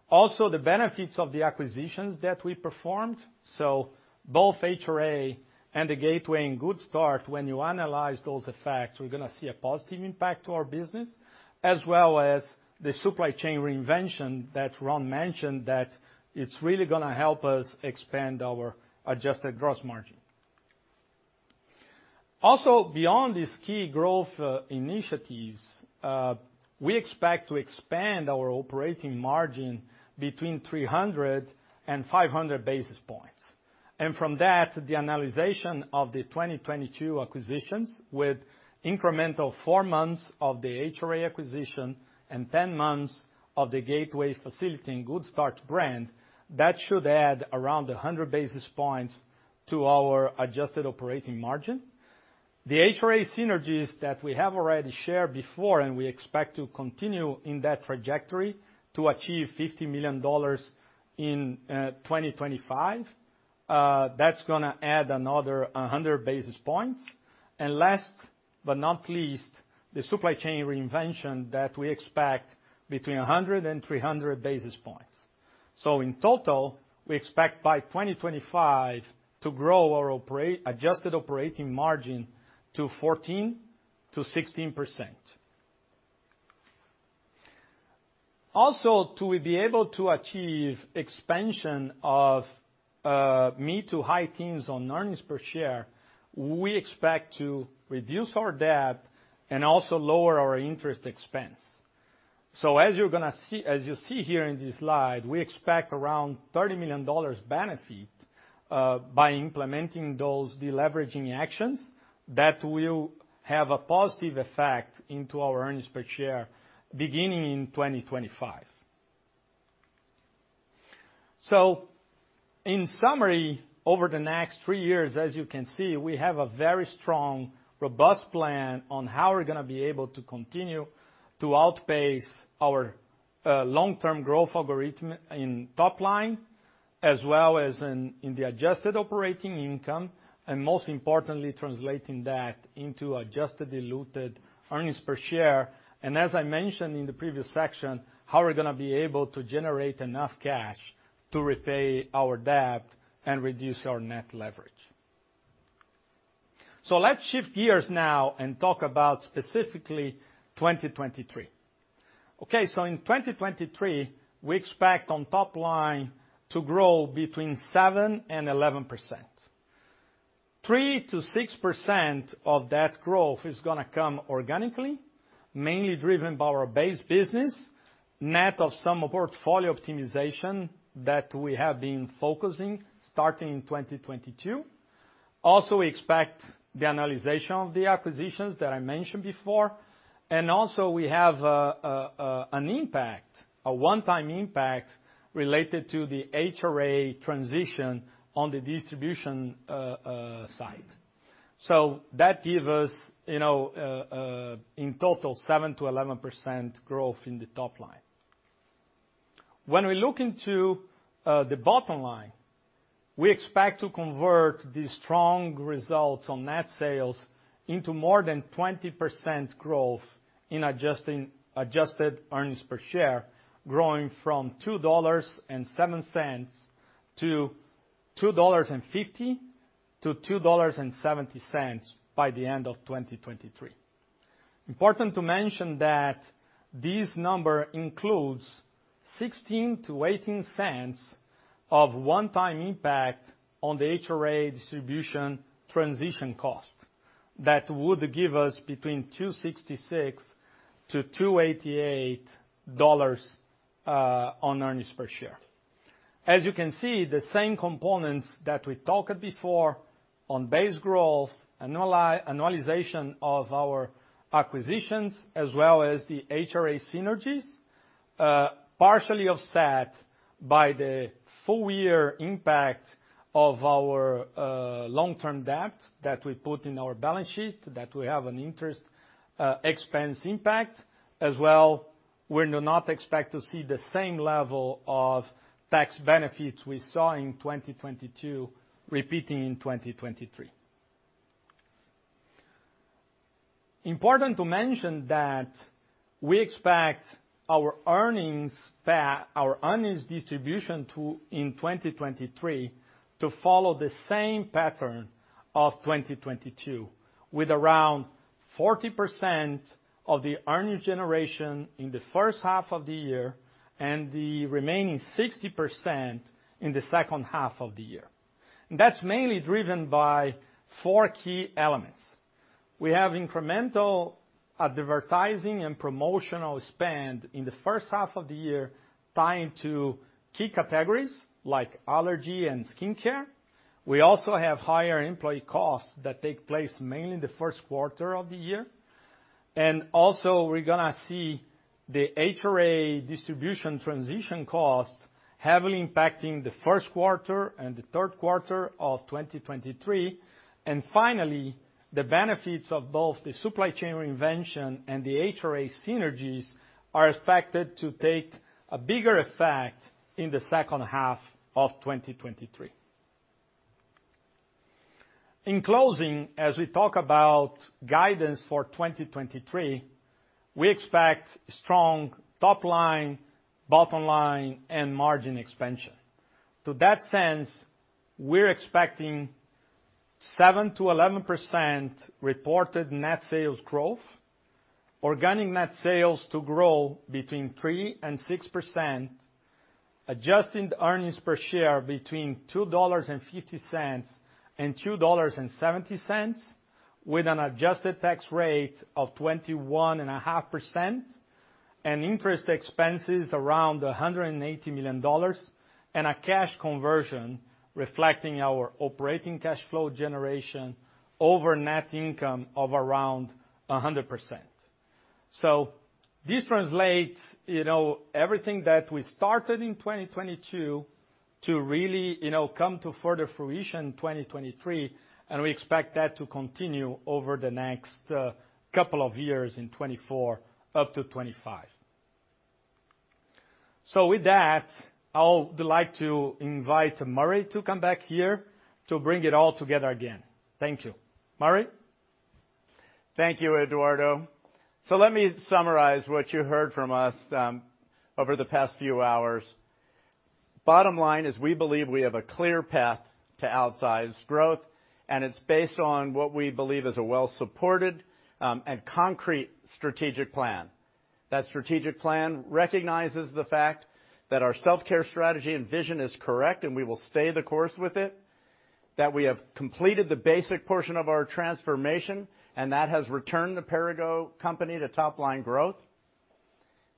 The benefits of the acquisitions that we performed. Both HRA and the Gateway and GoodStart, when you analyze those effects, we're gonna see a positive impact to our business, as well as the supply chain reinvention that Ron mentioned that it's really gonna help us expand our adjusted gross margin. Beyond these key growth initiatives, we expect to expand our operating margin between 300 and 500 basis points. From that, the annualization of the 2022 acquisitions with incremental four months of the HRA acquisition and 10 months of the Gateway facility and GoodStart brand, that should add around 100 basis points to our adjusted operating margin. The HRA synergies that we have already shared before, we expect to continue in that trajectory to achieve $50 million in 2025, that's going to add another 100 basis points. Last but not least, the supply chain reinvention that we expect between 100 and 300 basis points. In total, we expect by 2025 to grow our adjusted operating margin to 14%-16%. Also, to be able to achieve expansion of mid to high teens on earnings per share, we expect to reduce our debt and also lower our interest expense. As you see here in this slide, we expect around $30 million benefit by implementing those deleveraging actions that will have a positive effect into our earnings per share beginning in 2025. In summary, over the next three years, as you can see, we have a very strong, robust plan on how we're gonna be able to continue to outpace our long-term growth algorithm in top line as well as in the adjusted operating income, and most importantly, translating that into adjusted diluted earnings per share. As I mentioned in the previous section, how we're gonna be able to generate enough cash to repay our debt and reduce our net leverage. Let's shift gears now and talk about specifically 2023. In 2023, we expect on top line to grow between 7% and 11%. 3%-6% of that growth is gonna come organically, mainly driven by our base business, net of some portfolio optimization that we have been focusing starting in 2022. We expect the annualization of the acquisitions that I mentioned before. Also we have an impact, a one-time impact related to the HRA transition on the distribution side. That give us, you know, in total, 7%-11% growth in the top line. We look into the bottom line, we expect to convert the strong results on net sales into more than 20% growth in adjusted earnings per share, growing from $2.07 to $2.50-$2.70 by the end of 2023. Important to mention that this number includes $0.16-$0.18 of one-time impact on the HRA distribution transition cost. That would give us between $2.66-$2.88 on earnings per share. As you can see, the same components that we talked before on base growth, annualization of our acquisitions, as well as the HRA synergies, partially offset by the full year impact of our long-term debt that we put in our balance sheet, that we have an interest expense impact. As well, we do not expect to see the same level of tax benefits we saw in 2022 repeating in 2023. Important to mention that we expect our earnings distribution to, in 2023 to follow the same pattern of 2022, with around 40% of the earnings generation in the first half of the year and the remaining 60% in the second half of the year. That's mainly driven by four key elements. We have incremental advertising and promotional spend in the first half of the year tying to key categories like allergy and skincare. We also have higher employee costs that take place mainly in the first quarter of the year. Also we're gonna see the HRA distribution transition costs heavily impacting the first quarter and the third quarter of 2023. Finally, the benefits of both the supply chain invention and the HRA synergies are expected to take a bigger effect in the second half of 2023. In closing, as we talk about guidance for 2023, we expect strong top line, bottom line, and margin expansion. To that sense, we're expecting 7%-11% reported net sales growth, organic net sales to grow between 3% and 6%, adjusted earnings per share between $2.50 and $2.70 with an adjusted tax rate of 21.5%, and interest expenses around $180 million, and a cash conversion reflecting our operating cash flow generation over net income of around 100%. This translates, you know, everything that we started in 2022 to really, you know, come to further fruition in 2023, and we expect that to continue over the next couple of years in 2024 up to 2025. With that, I would like to invite Murray to come back here to bring it all together again. Thank you. Murray? Thank you, Eduardo. Let me summarize what you heard from us over the past few hours. Bottom line is we believe we have a clear path to outsize growth. It's based on what we believe is a well-supported and concrete strategic plan. That strategic plan recognizes the fact that our self-care strategy and vision is correct. We will stay the course with it, that we have completed the basic portion of our transformation. That has returned the Perrigo Company to top-line growth.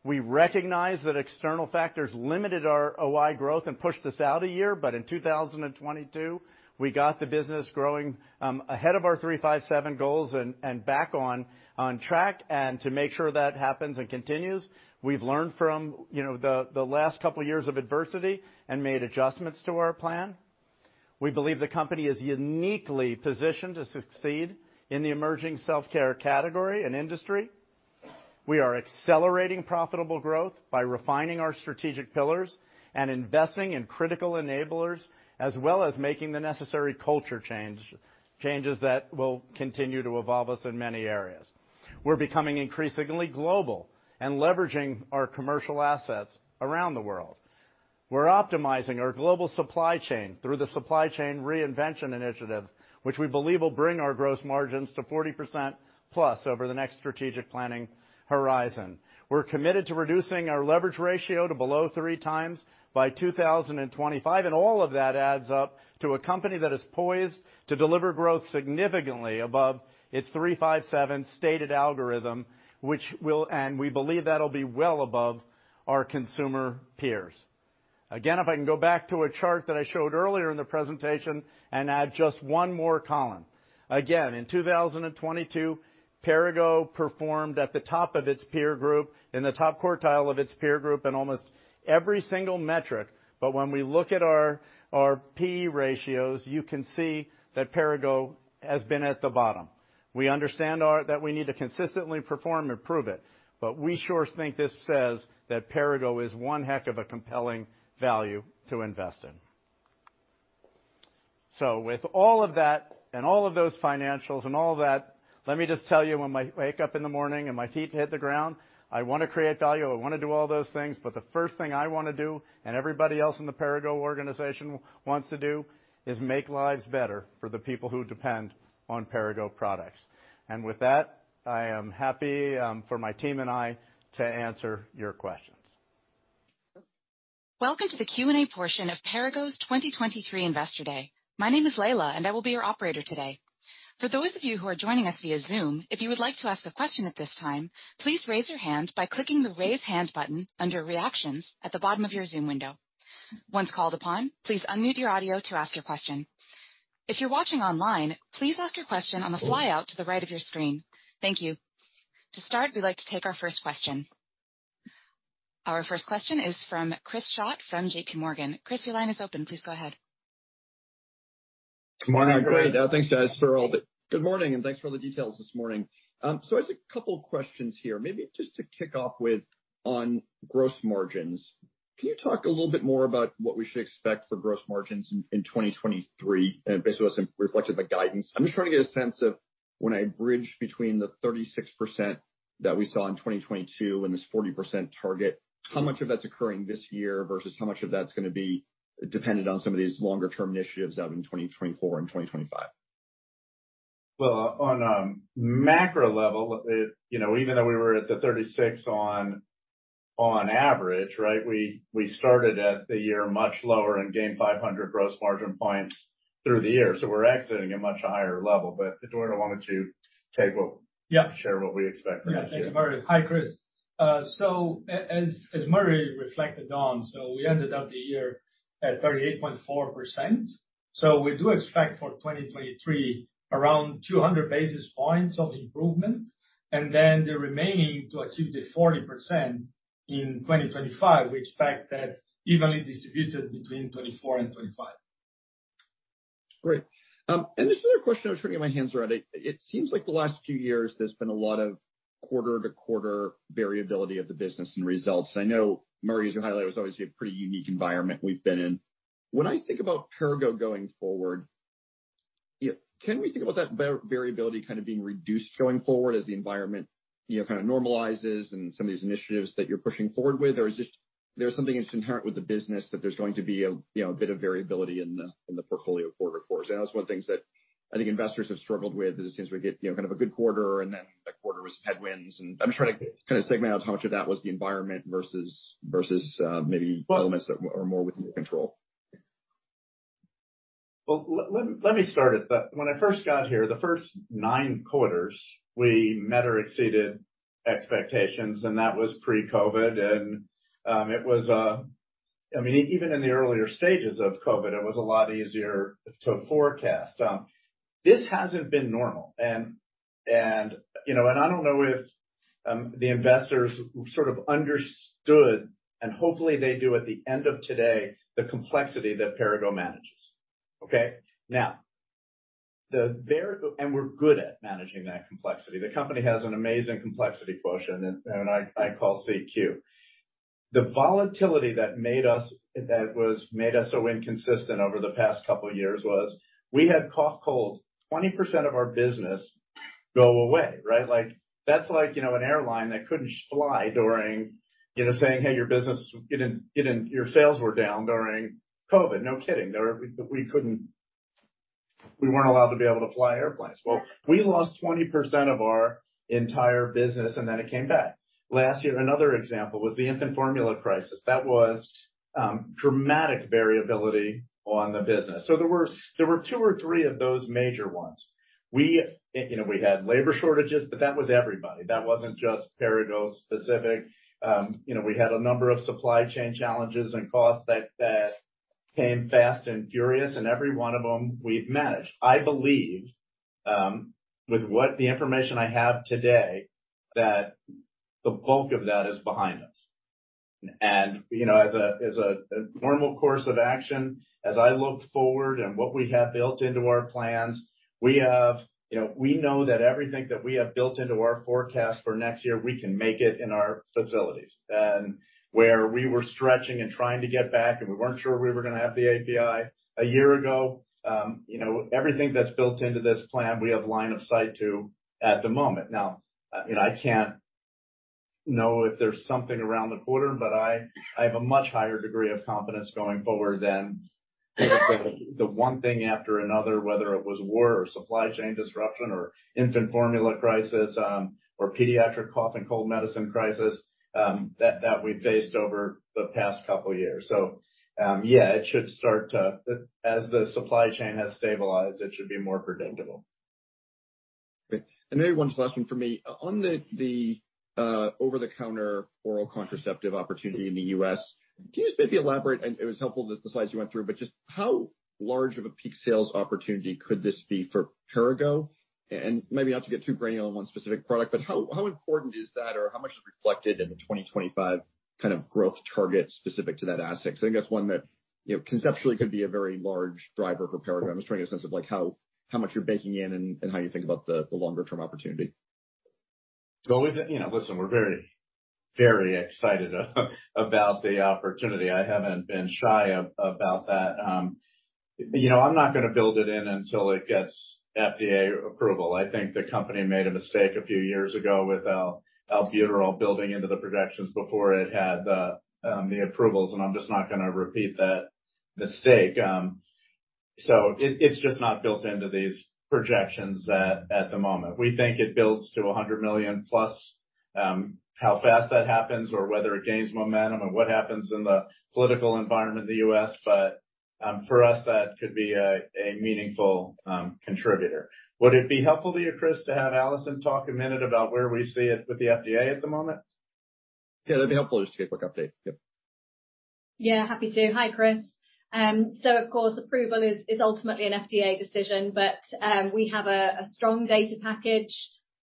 We recognize that external factors limited our OI growth and pushed us out a year. In 2022, we got the business growing ahead of our 3-5-7 goals and back on track. To make sure that happens and continues, we've learned from, you know, the last couple of years of adversity and made adjustments to our plan. We believe the company is uniquely positioned to succeed in the emerging self-care category and industry. We are accelerating profitable growth by refining our strategic pillars and investing in critical enablers, as well as making the necessary culture changes that will continue to evolve us in many areas. We're becoming increasingly global and leveraging our commercial assets around the world. We're optimizing our global supply chain through the supply chain reinvention initiative, which we believe will bring our gross margins to 40%+ over the next strategic planning horizon. We're committed to reducing our leverage ratio to below 3x by 2025. All of that adds up to a company that is poised to deliver growth significantly above its 3-5-7 stated algorithm. We believe that'll be well above our consumer peers. If I can go back to a chart that I showed earlier in the presentation and add just one more column. In 2022, Perrigo performed at the top of its peer group, in the top quartile of its peer group in almost every single metric. When we look at our P/E ratios, you can see that Perrigo has been at the bottom. We understand that we need to consistently perform and prove it. We sure think this says that Perrigo is one heck of a compelling value to invest in. With all of that and all of those financials and all that, let me just tell you, when I wake up in the morning and my feet hit the ground, I wanna create value. I wanna do all those things, but the first thing I wanna do and everybody else in the Perrigo organization wants to do is make lives better for the people who depend on Perrigo products. With that, I am happy for my team and I to answer your questions. Welcome to the Q&A portion of Perrigo's 2023 Investor Day. My name is Layla, and I will be your operator today. For those of you who are joining us via Zoom, if you would like to ask a question at this time, please raise your hand by clicking the Raise Hand button under Reactions at the bottom of your Zoom window. Once called upon, please unmute your audio to ask your question. If you're watching online, please ask your question on the flyout to the right of your screen. Thank you. To start, we'd like to take our first question. Our first question is from Chris Schott from JPMorgan. Chris, your line is open. Please go ahead. Good morning, everybody. Thanks, guys. Good morning, and thanks for all the details this morning. I have a couple of questions here. Maybe just to kick off with on gross margins. Can you talk a little bit more about what we should expect for gross margins in 2023 based on what's reflected by guidance? I'm just trying to get a sense of when I bridge between the 36% that we saw in 2022 and this 40% target, how much of that's occurring this year versus how much of that's gonna be dependent on some of these longer-term initiatives out in 2024 and 2025. On a macro level, it, you know, even though we were at the 36 on average, right? We started at the year much lower and gained 500 gross margin points through the year. We're exiting at much higher level. Eduardo wanted to take. Yeah. Share what we expect for next year. Yeah. Thank you, Murray. Hi, Chris. As Murray reflected on, we ended up the year at 38.4%. We do expect for 2023 around 200 basis points of improvement, and then the remaining to achieve the 40% in 2025. We expect that evenly distributed between 2024 and 2025. Great. This other question I was trying to get my hands around. It, it seems like the last few years, there's been a lot of quarter-to-quarter variability of the business and results. I know Murray, as you highlighted, was obviously a pretty unique environment we've been in. When I think about Perrigo going forward, you know, can we think about that variability kind of being reduced going forward as the environment, you know, kind of normalizes and some of these initiatives that you're pushing forward with, or there's something that's inherent with the business that there's going to be a, you know, bit of variability in the portfolio quarter-over-quarter? That's one of the things that I think investors have struggled with, is it seems we get, you know, kind of a good quarter, and then the quarter was headwinds. I'm just trying to kind of segment out how much of that was the environment versus, maybe elements that are more within your control. Well, let me start. When I first got here, the first nine quarters, we met or exceeded expectations, that was pre-COVID. I mean, even in the earlier stages of COVID, it was a lot easier to forecast. This hasn't been normal. You know, I don't know if the investors sort of understood, and hopefully they do at the end of today, the complexity that Perrigo manages. Okay? Now, we're good at managing that complexity. The company has an amazing complexity quotient, and I call CQ. The volatility that was made us so inconsistent over the past couple of years was we had cough, cold, 20% of our business go away, right? Like, that's like, you know, an airline that couldn't fly during, you know, saying, "Hey, your business didn't-- Your sales were down during COVID." No kidding. We couldn't-- We weren't allowed to be able to fly airplanes. Well, we lost 20% of our entire business, and then it came back. Last year, another example was the infant formula crisis. That was dramatic variability on the business. There were two or three of those major ones. We, you know, we had labor shortages, but that was everybody. That wasn't just Perrigo-specific. You know, we had a number of supply chain challenges and costs that came fast and furious, and every one of them we've managed. I believe, with what the information I have today, that the bulk of that is behind us. You know, as a normal course of action, as I look forward and what we have built into our plans, we have. You know, we know that everything that we have built into our forecast for next year, we can make it in our facilities. Where we were stretching and trying to get back and we weren't sure we were going to have the API a year ago, you know, everything that's built into this plan, we have line of sight to at the moment. Now, you know, I can't know if there's something around the corner, but I have a much higher degree of confidence going forward than the one thing after another, whether it was war or supply chain disruption or infant formula crisis, or pediatric cough and cold medicine crisis, that we've faced over the past couple of years. Yeah, as the supply chain has stabilized, it should be more predictable. Great. Maybe one last one for me. On the over-the-counter oral contraceptive opportunity in the U.S., can you just maybe elaborate, and it was helpful the slides you went through, but just how large of a peak sales opportunity could this be for Perrigo? Maybe not to get too granular on one specific product, but how important is that or how much is reflected in the 2025 kind of growth target specific to that asset? I guess one that, you know, conceptually could be a very large driver for Perrigo. I'm just trying to get a sense of, like, how much you're baking in and how you think about the longer-term opportunity. We, you know, listen, we're very, very excited about the opportunity. I haven't been shy about that. you know, I'm not gonna build it in until it gets FDA approval. I think the company made a mistake a few years ago with albuterol building into the projections before it had the approvals, I'm just not gonna repeat that mistake. it's just not built into these projections at the moment. We think it builds to a $100 million-plus, how fast that happens or whether it gains momentum and what happens in the political environment in the U.S. For us, that could be a meaningful contributor. Would it be helpful to you, Chris, to have Alison talk a minute about where we see it with the FDA at the moment? That'd be helpful just to get a quick update. Yep. Yeah, happy to. Hi, Chris. Of course, approval is ultimately an FDA decision, but we have a strong data package.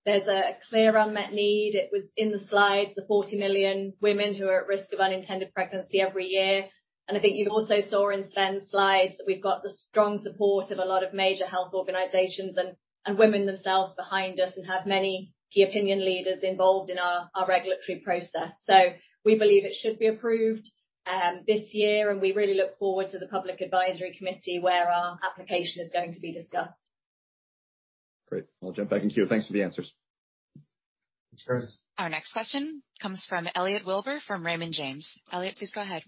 There's a clear unmet need. It was in the slides, the 40 million women who are at risk of unintended pregnancy every year. I think you also saw in Svend's slides that we've got the strong support of a lot of major health organizations and women themselves behind us and have many key opinion leaders involved in our regulatory process. We believe it should be approved this year, and we really look forward to the public advisory committee where our application is going to be discussed. Great. I'll jump back in queue. Thanks for the answers. Thanks, Chris. Our next question comes from Elliot Wilbur from Raymond James. Elliot, please go ahead.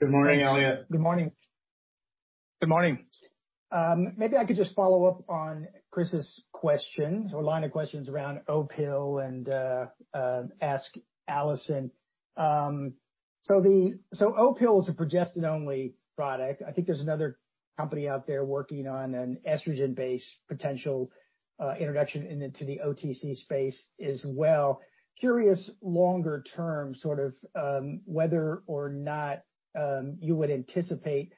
Good morning, Elliot. Good morning. Good morning. Maybe I could just follow up on Chris's questions or line of questions around Opill and ask Alison. Opill is a progestin-only product. I think there's another company out there working on an estrogen-based potential introduction into the OTC space as well. Curious longer term sort of, whether or not you would anticipate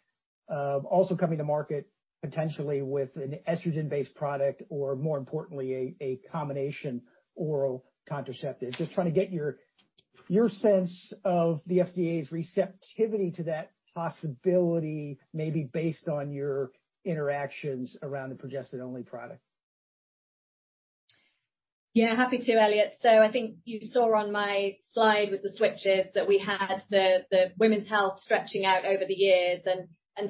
also coming to market potentially with an estrogen-based product or more importantly, a combination oral contraceptive. Just trying to get your sense of the FDA's receptivity to that possibility, maybe based on your interactions around the progestin-only product. Yeah. Happy to, Elliot. I think you saw on my slide with the switches that we had Women's Health stretching out over the years.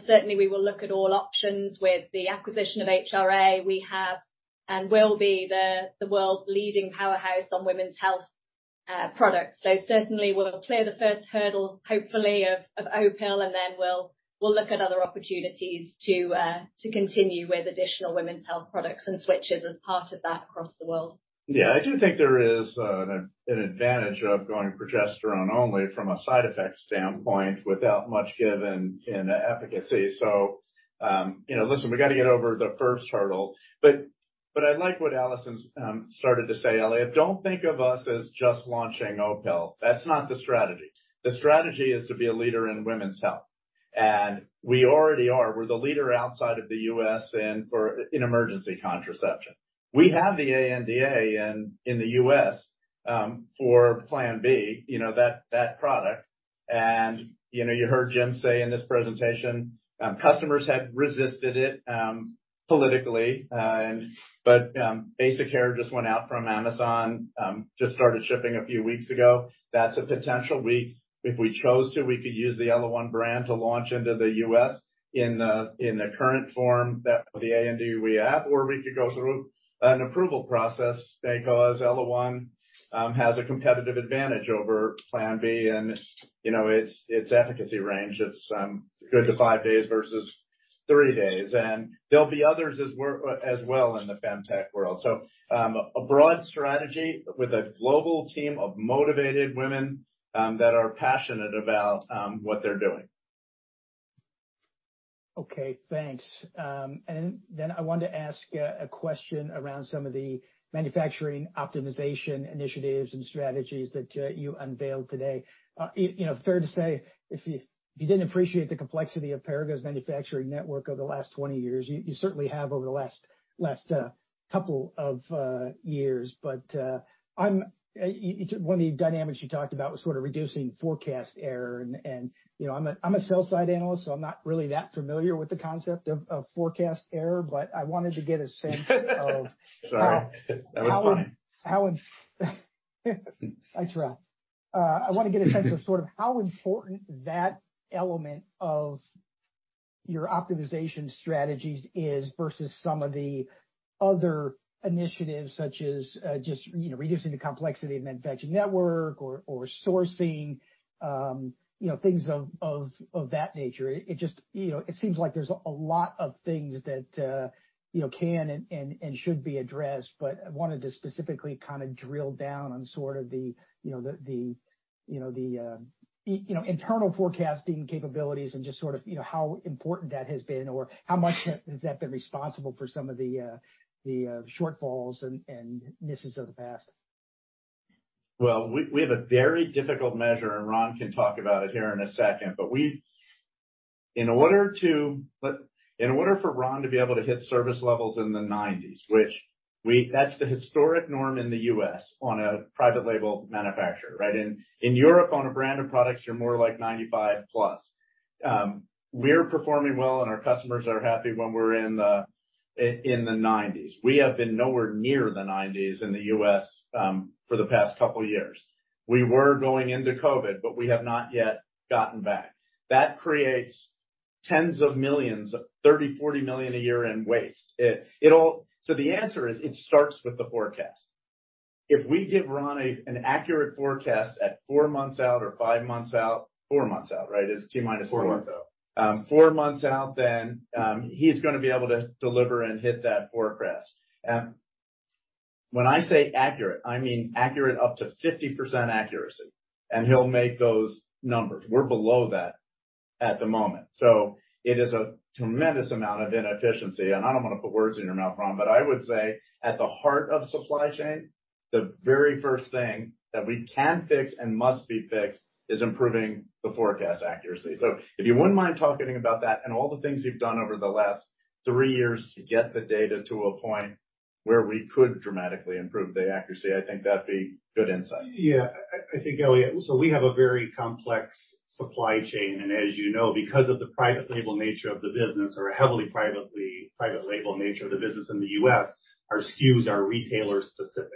Certainly we will look at all options. With the acquisition of HRA, we have and will be the world's leading powerhouse on Women's Health products. Certainly we'll clear the first hurdle, hopefully of Opill, then we'll look at other opportunities to continue with additional Women's Health products and switches as part of that across the world. Yeah. I do think there is an advantage of going progesterone only from a side effect standpoint without much given in efficacy. You know, listen, we got to get over the first hurdle. I like what Alison's started to say, Elliot. Don't think of us as just launching Opill. That's not the strategy. The strategy is to be a leader in women's health, and we already are. We're the leader outside of the U.S. and in emergency contraception. We have the ANDA in the U.S. for Plan B, you know, that product. You know, you heard Jim say in this presentation, customers had resisted it politically. Basic Care just went out from Amazon, just started shipping a few weeks ago. That's a potential. If we chose to, we could use the ellaOne brand to launch into the U.S. in the current form that the ANDA we have, or we could go through an approval process because ellaOne has a competitive advantage over Plan B. You know, its efficacy range, it's good to five days versus 30 days. There'll be others as well in the FemTech world. A broad strategy with a global team of motivated women that are passionate about what they're doing. Okay, thanks. I wanted to ask a question around some of the manufacturing optimization initiatives and strategies that you unveiled today. You know, fair to say, if you didn't appreciate the complexity of Perrigo's manufacturing network over the last 20 years, you certainly have over the last couple of years. One of the dynamics you talked about was sort of reducing forecast error. You know, I'm a sell-side analyst, I'm not really that familiar with the concept of forecast error. I wanted to get a sense of. Sorry. That was funny. How I trailed. I wanna get a sense of sort of how important that element of your optimization strategies is versus some of the other initiatives, such as, just, you know, reducing the complexity of manufacturing network or sourcing, you know, things of that nature. It just, you know, it seems like there's a lot of things that, you know, can and should be addressed. I wanted to specifically kind of drill down on sort of the, you know, the, you know, the, you know, internal forecasting capabilities and just sort of, you know, how important that has been or how much has that been responsible for some of the shortfalls and misses of the past. Well, we have a very difficult measure, and Ron can talk about it here in a second. In order for Ron to be able to hit service levels in the 90s, which that's the historic norm in the U.S. on a private label manufacturer, right? In Europe, on a brand of products, you're more like 95%+. We're performing well, and our customers are happy when we're in the 90s. We have been nowhere near the 90s in the U.S. for the past couple years. We were going into COVID, but we have not yet gotten back. That creates tens of millions, $30 million-$40 million a year in waste. The answer is, it starts with the forecast. If we give Ron an accurate forecast at four months out or five months out. Four months out, right? It's T-minus 4. Four months out. Four months out, he's going to be able to deliver and hit that forecast. When I say accurate, I mean accurate up to 50% accuracy, and he'll make those numbers. We're below that at the moment, it is a tremendous amount of inefficiency. I don't want to put words in your mouth, Ron, I would say at the heart of supply chain, the very first thing that we can fix and must be fixed is improving the forecast accuracy. If you wouldn't mind talking about that and all the things you've done over the last three years to get the data to a point where we could dramatically improve the accuracy, I think that'd be good insight. Yeah, I think, Elliot, we have a very complex supply chain, and as you know, because of the private label nature of the business or heavily private label nature of the business in the U.S., our SKUs are retailer-specific.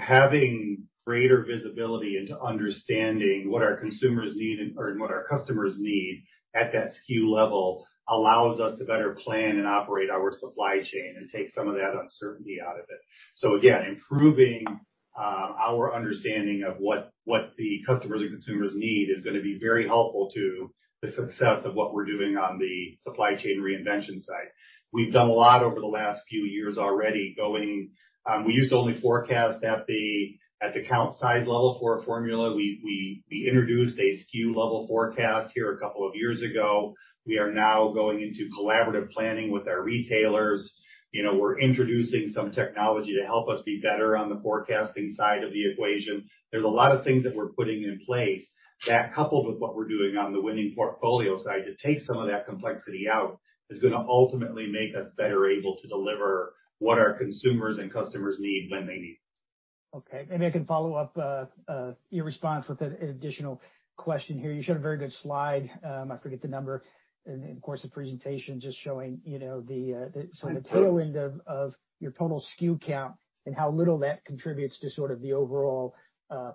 Having greater visibility into understanding what our consumers need or what our customers need at that SKU level allows us to better plan and operate our supply chain and take some of that uncertainty out of it. Again, improving, our understanding of what the customers or consumers need is gonna be very helpful to the success of what we're doing on the supply chain reinvention side. We've done a lot over the last few years already. We used to only forecast at the count size level for a formula. We introduced a SKU-level forecast here a couple of years ago. We are now going into collaborative planning with our retailers. You know, we're introducing some technology to help us be better on the forecasting side of the equation. There's a lot of things that we're putting in place that, coupled with what we're doing on the winning portfolio side to take some of that complexity out, is gonna ultimately make us better able to deliver what our consumers and customers need when they need it. Okay. Maybe I can follow up your response with an additional question here. You showed a very good slide, I forget the number and of course the presentation just showing, you know, the... I'm good. Some tail end of your total SKU count and how little that contributes to sort of the overall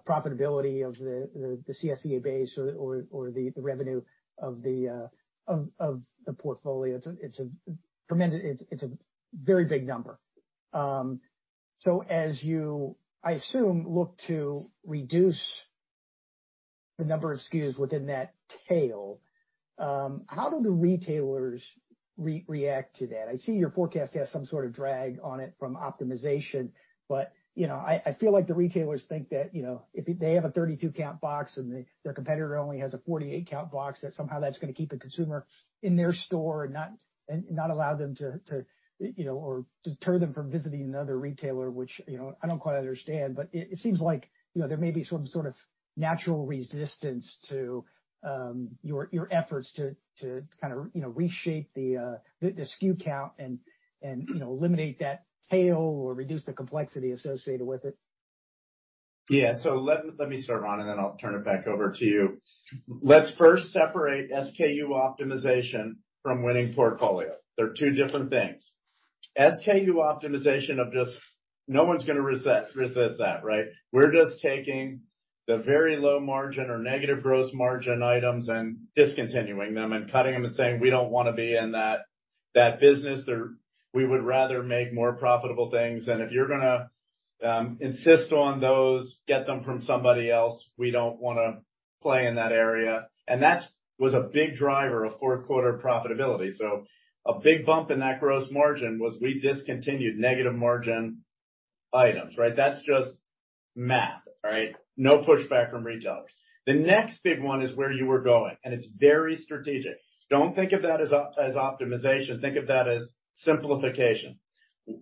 profitability of the CSCA base or the revenue of the portfolio. It's a tremendous. It's a very big number. As you, I assume, look to reduce the number of SKUs within that tail, how do the retailers re-react to that? I see your forecast has some sort of drag on it from optimization, but, you know, I feel like the retailers think that, you know, if they have a 32 count box and the, their competitor only has a 48 count box, that somehow that's gonna keep the consumer in their store and not allow them to, you know, or deter them from visiting another retailer, which, you know, I don't quite understand. It, it seems like, you know, there may be some sort of natural resistance to your efforts to kind of, you know, reshape the SKU count and, you know, eliminate that tail or reduce the complexity associated with it. Yeah. Let me start, Ron, and then I'll turn it back over to you. Let's first separate SKU optimization from winning portfolio. They're two different things. SKU optimization. No one's gonna resist that, right? We're just taking the very low margin or negative gross margin items and discontinuing them and cutting them and saying, "We don't wanna be in that business." We would rather make more profitable things. If you're gonna insist on those, get them from somebody else. We don't wanna play in that area. That was a big driver of fourth quarter profitability. A big bump in that gross margin was we discontinued negative margin items, right? That's just math, right? No pushback from retailers. The next big one is where you were going, and it's very strategic. Don't think of that as optimization, think of that as simplification.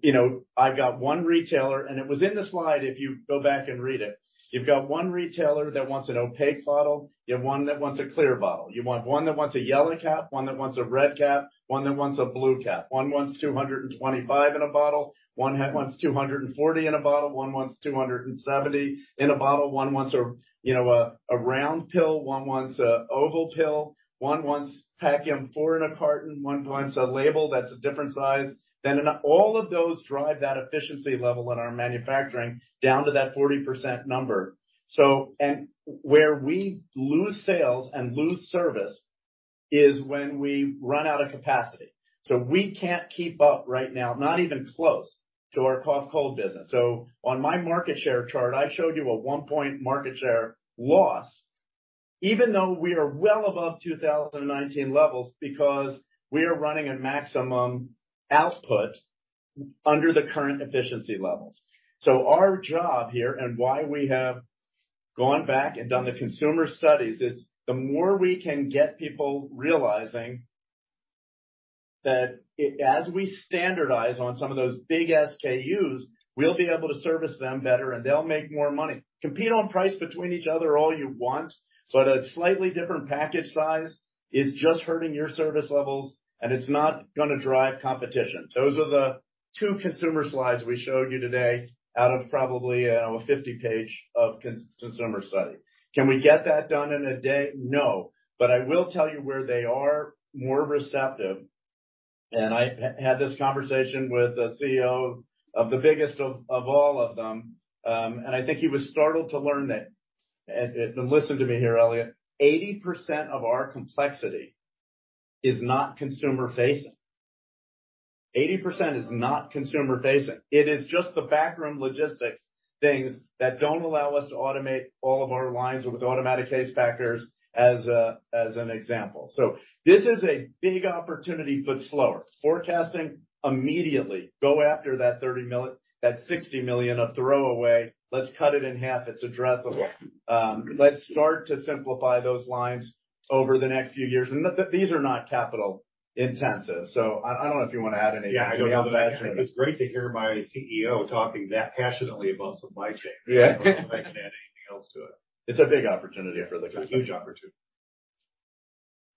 You know, I've got one retailer, and it was in the slide, if you go back and read it. You've got one retailer that wants an opaque bottle. You have one that wants a clear bottle. You want one that wants a yellow cap, one that wants a red cap, one that wants a blue cap. One wants 225 in a bottle, one wants 240 in a bottle, one wants 270 in a bottle. One wants a, you know, a round pill, one wants a oval pill, one wants pack 'em four in a carton, one wants a label that's a different size. All of those drive that efficiency level in our manufacturing down to that 40% number. And where we lose sales and lose service is when we run out of capacity. We can't keep up right now, not even close to our cough, cold business. On my market share chart, I showed you a 1-point market share loss even though we are well above 2019 levels because we are running at maximum output under the current efficiency levels. Our job here and why we have gone back and done the consumer studies is, the more we can get people realizing that as we standardize on some of those big SKUs, we'll be able to service them better and they'll make more money. Compete on price between each other all you want, but a slightly different package size is just hurting your service levels, and it's not gonna drive competition. Those are the two consumer slides we showed you today out of probably, a 50 page of consumer study. Can we get that done in a day? No. I will tell you where they are more receptive, and I had this conversation with the CEO of the biggest of all of them, and I think he was startled to learn that. Listen to me here, Elliot. 80% of our complexity is not consumer facing. 80% is not consumer-facing. It is just the backroom logistics things that don't allow us to automate all of our lines with automatic case packers as an example. This is a big opportunity, but slower. Forecasting immediately. Go after that $60 million of throw away. Let's cut it in half, it's addressable. Let's start to simplify those lines over the next few years. These are not capital intensive. I don't know if you wanna add anything to that. I don't have anything. It's great to hear my CEO talking that passionately about supply chain. Yeah. I don't think I can add anything else to it. It's a big opportunity for the company. It's a huge opportunity.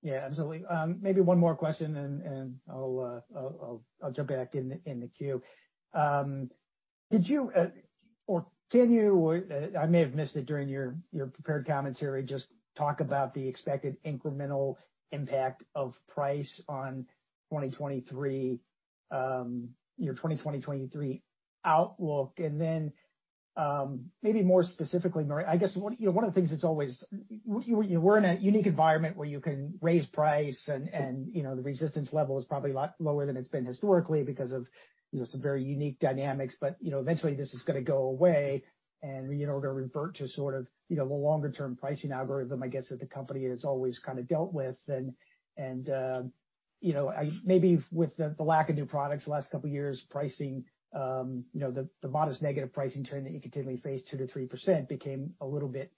Yeah, absolutely. Maybe one more question and I'll jump back in the queue. Did you or can you, I may have missed it during your prepared commentary, just talk about the expected incremental impact of price on 2023, your 2023 outlook. Maybe more specifically, I guess one, you know, one of the things that's always... You were in a unique environment where you can raise price and, you know, the resistance level is probably a lot lower than it's been historically because of, you know, some very unique dynamics. You know, eventually this is gonna go away and we're gonna revert to sort of, you know, the longer term pricing algorithm, I guess, that the company has always kinda dealt with,... you know, maybe with the lack of new products the last couple years pricing, you know, the modest negative pricing trend that you continually face 2%-3% became a little bit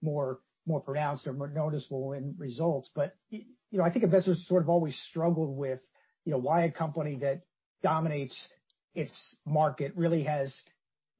more pronounced or more noticeable in results. you know, I think investors sort of always struggled with, you know, why a company that dominates its market really has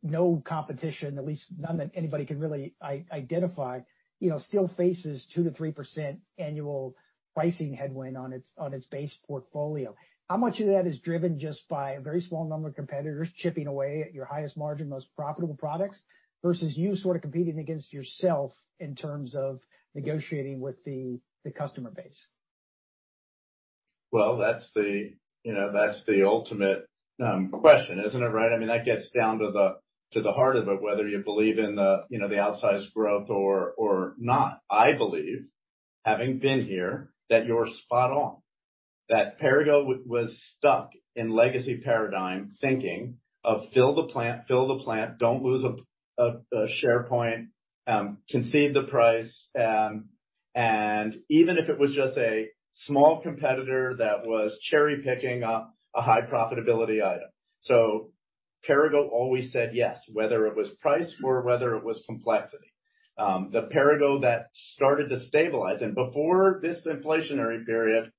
no competition, at least none that anybody can really identify, you know, still faces 2%-3% annual pricing headwind on its base portfolio. How much of that is driven just by a very small number of competitors chipping away at your highest margin, most profitable products, versus you sort of competing against yourself in terms of negotiating with the customer base? Well, that's the, you know, that's the ultimate question, isn't it, right? I mean, that gets down to the heart of it, whether you believe in the, you know, the outsized growth or not. I believe, having been here, that you're spot on. That Perrigo was stuck in legacy paradigm thinking of fill the plant, fill the plant, don't lose a share point, concede the price. Even if it was just a small competitor that was cherry-picking up a high profitability item. Perrigo always said yes, whether it was price or whether it was complexity. The Perrigo that started to stabilize, and before this inflationary period,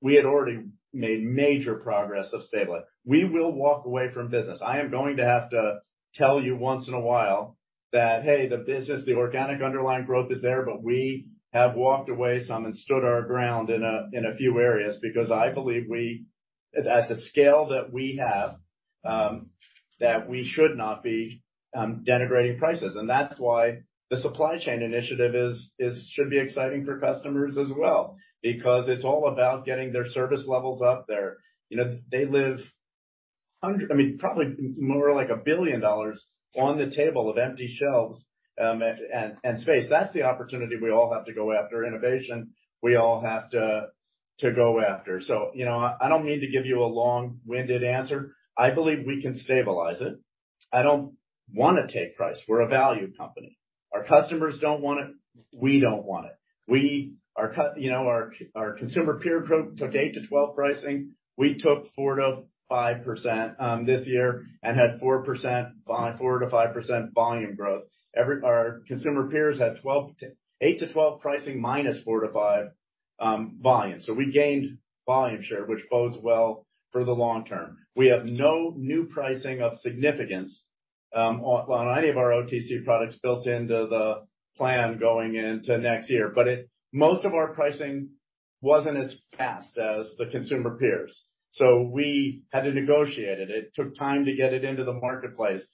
we had already made major progress of stabilizing. We will walk away from business. I am going to have to tell you once in a while that, hey, the business, the organic underlying growth is there, but we have walked away some and stood our ground in a few areas because I believe At the scale that we have that we should not be denigrating prices. That's why the supply chain initiative should be exciting for customers as well because it's all about getting their service levels up. You know, they live under, I mean, probably more like $1 billion on the table of empty shelves and space. That's the opportunity we all have to go after. Innovation, we all have to go after. You know, I don't mean to give you a long-winded answer. I believe we can stabilize it. I don't wanna take price. We're a value company. Our customers don't want it, we don't want it. You know, our consumer peer group took 8%-12% pricing. We took 4%-5% this year and had 4%-5% volume growth. Our consumer peers had 8-12% pricing minus 4%-5% volume. We gained volume share, which bodes well for the long term. We have no new pricing of significance on any of our OTC products built into the plan going into next year. Most of our pricing wasn't as fast as the consumer peers, so we had to negotiate it. It took time to get it into the marketplace.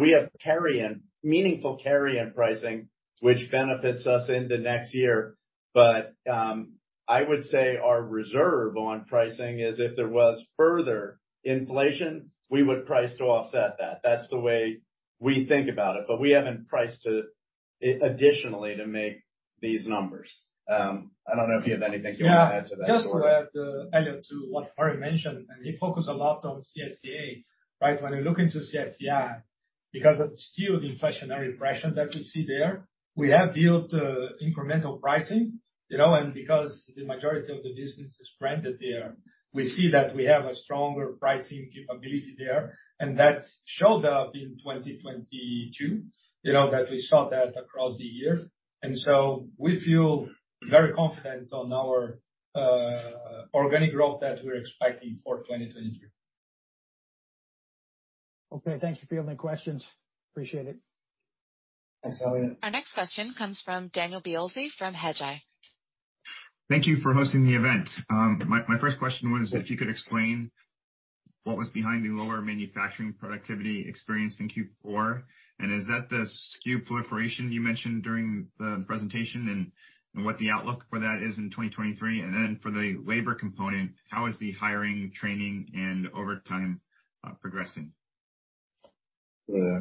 We have carry-in, meaningful carry-in pricing, which benefits us into next year. I would say our reserve on pricing is if there was further inflation, we would price to offset that. That's the way we think about it. We haven't priced to additionally to make these numbers. I don't know if you have anything you wanna add to that? Yeah. Just to add, Elliot, to what Murray mentioned. He focused a lot on CSCA. Right? When you look into CSCI, because of still the inflationary pressure that we see there, we have built incremental pricing, you know. Because the majority of the business is branded there, we see that we have a stronger pricing capability there, and that showed up in 2022, you know, that we saw that across the year. We feel very confident on our organic growth that we're expecting for 2023. Okay. Thank you. Field my questions. Appreciate it. Thanks, Elliot. Our next question comes from Daniel Biolsi from Hedgeye. Thank you for hosting the event. My first question was if you could explain what was behind the lower manufacturing productivity experienced in Q4, and is that the SKU proliferation you mentioned during the presentation and what the outlook for that is in 2023? For the labor component, how is the hiring, training, and overtime progressing? Yeah.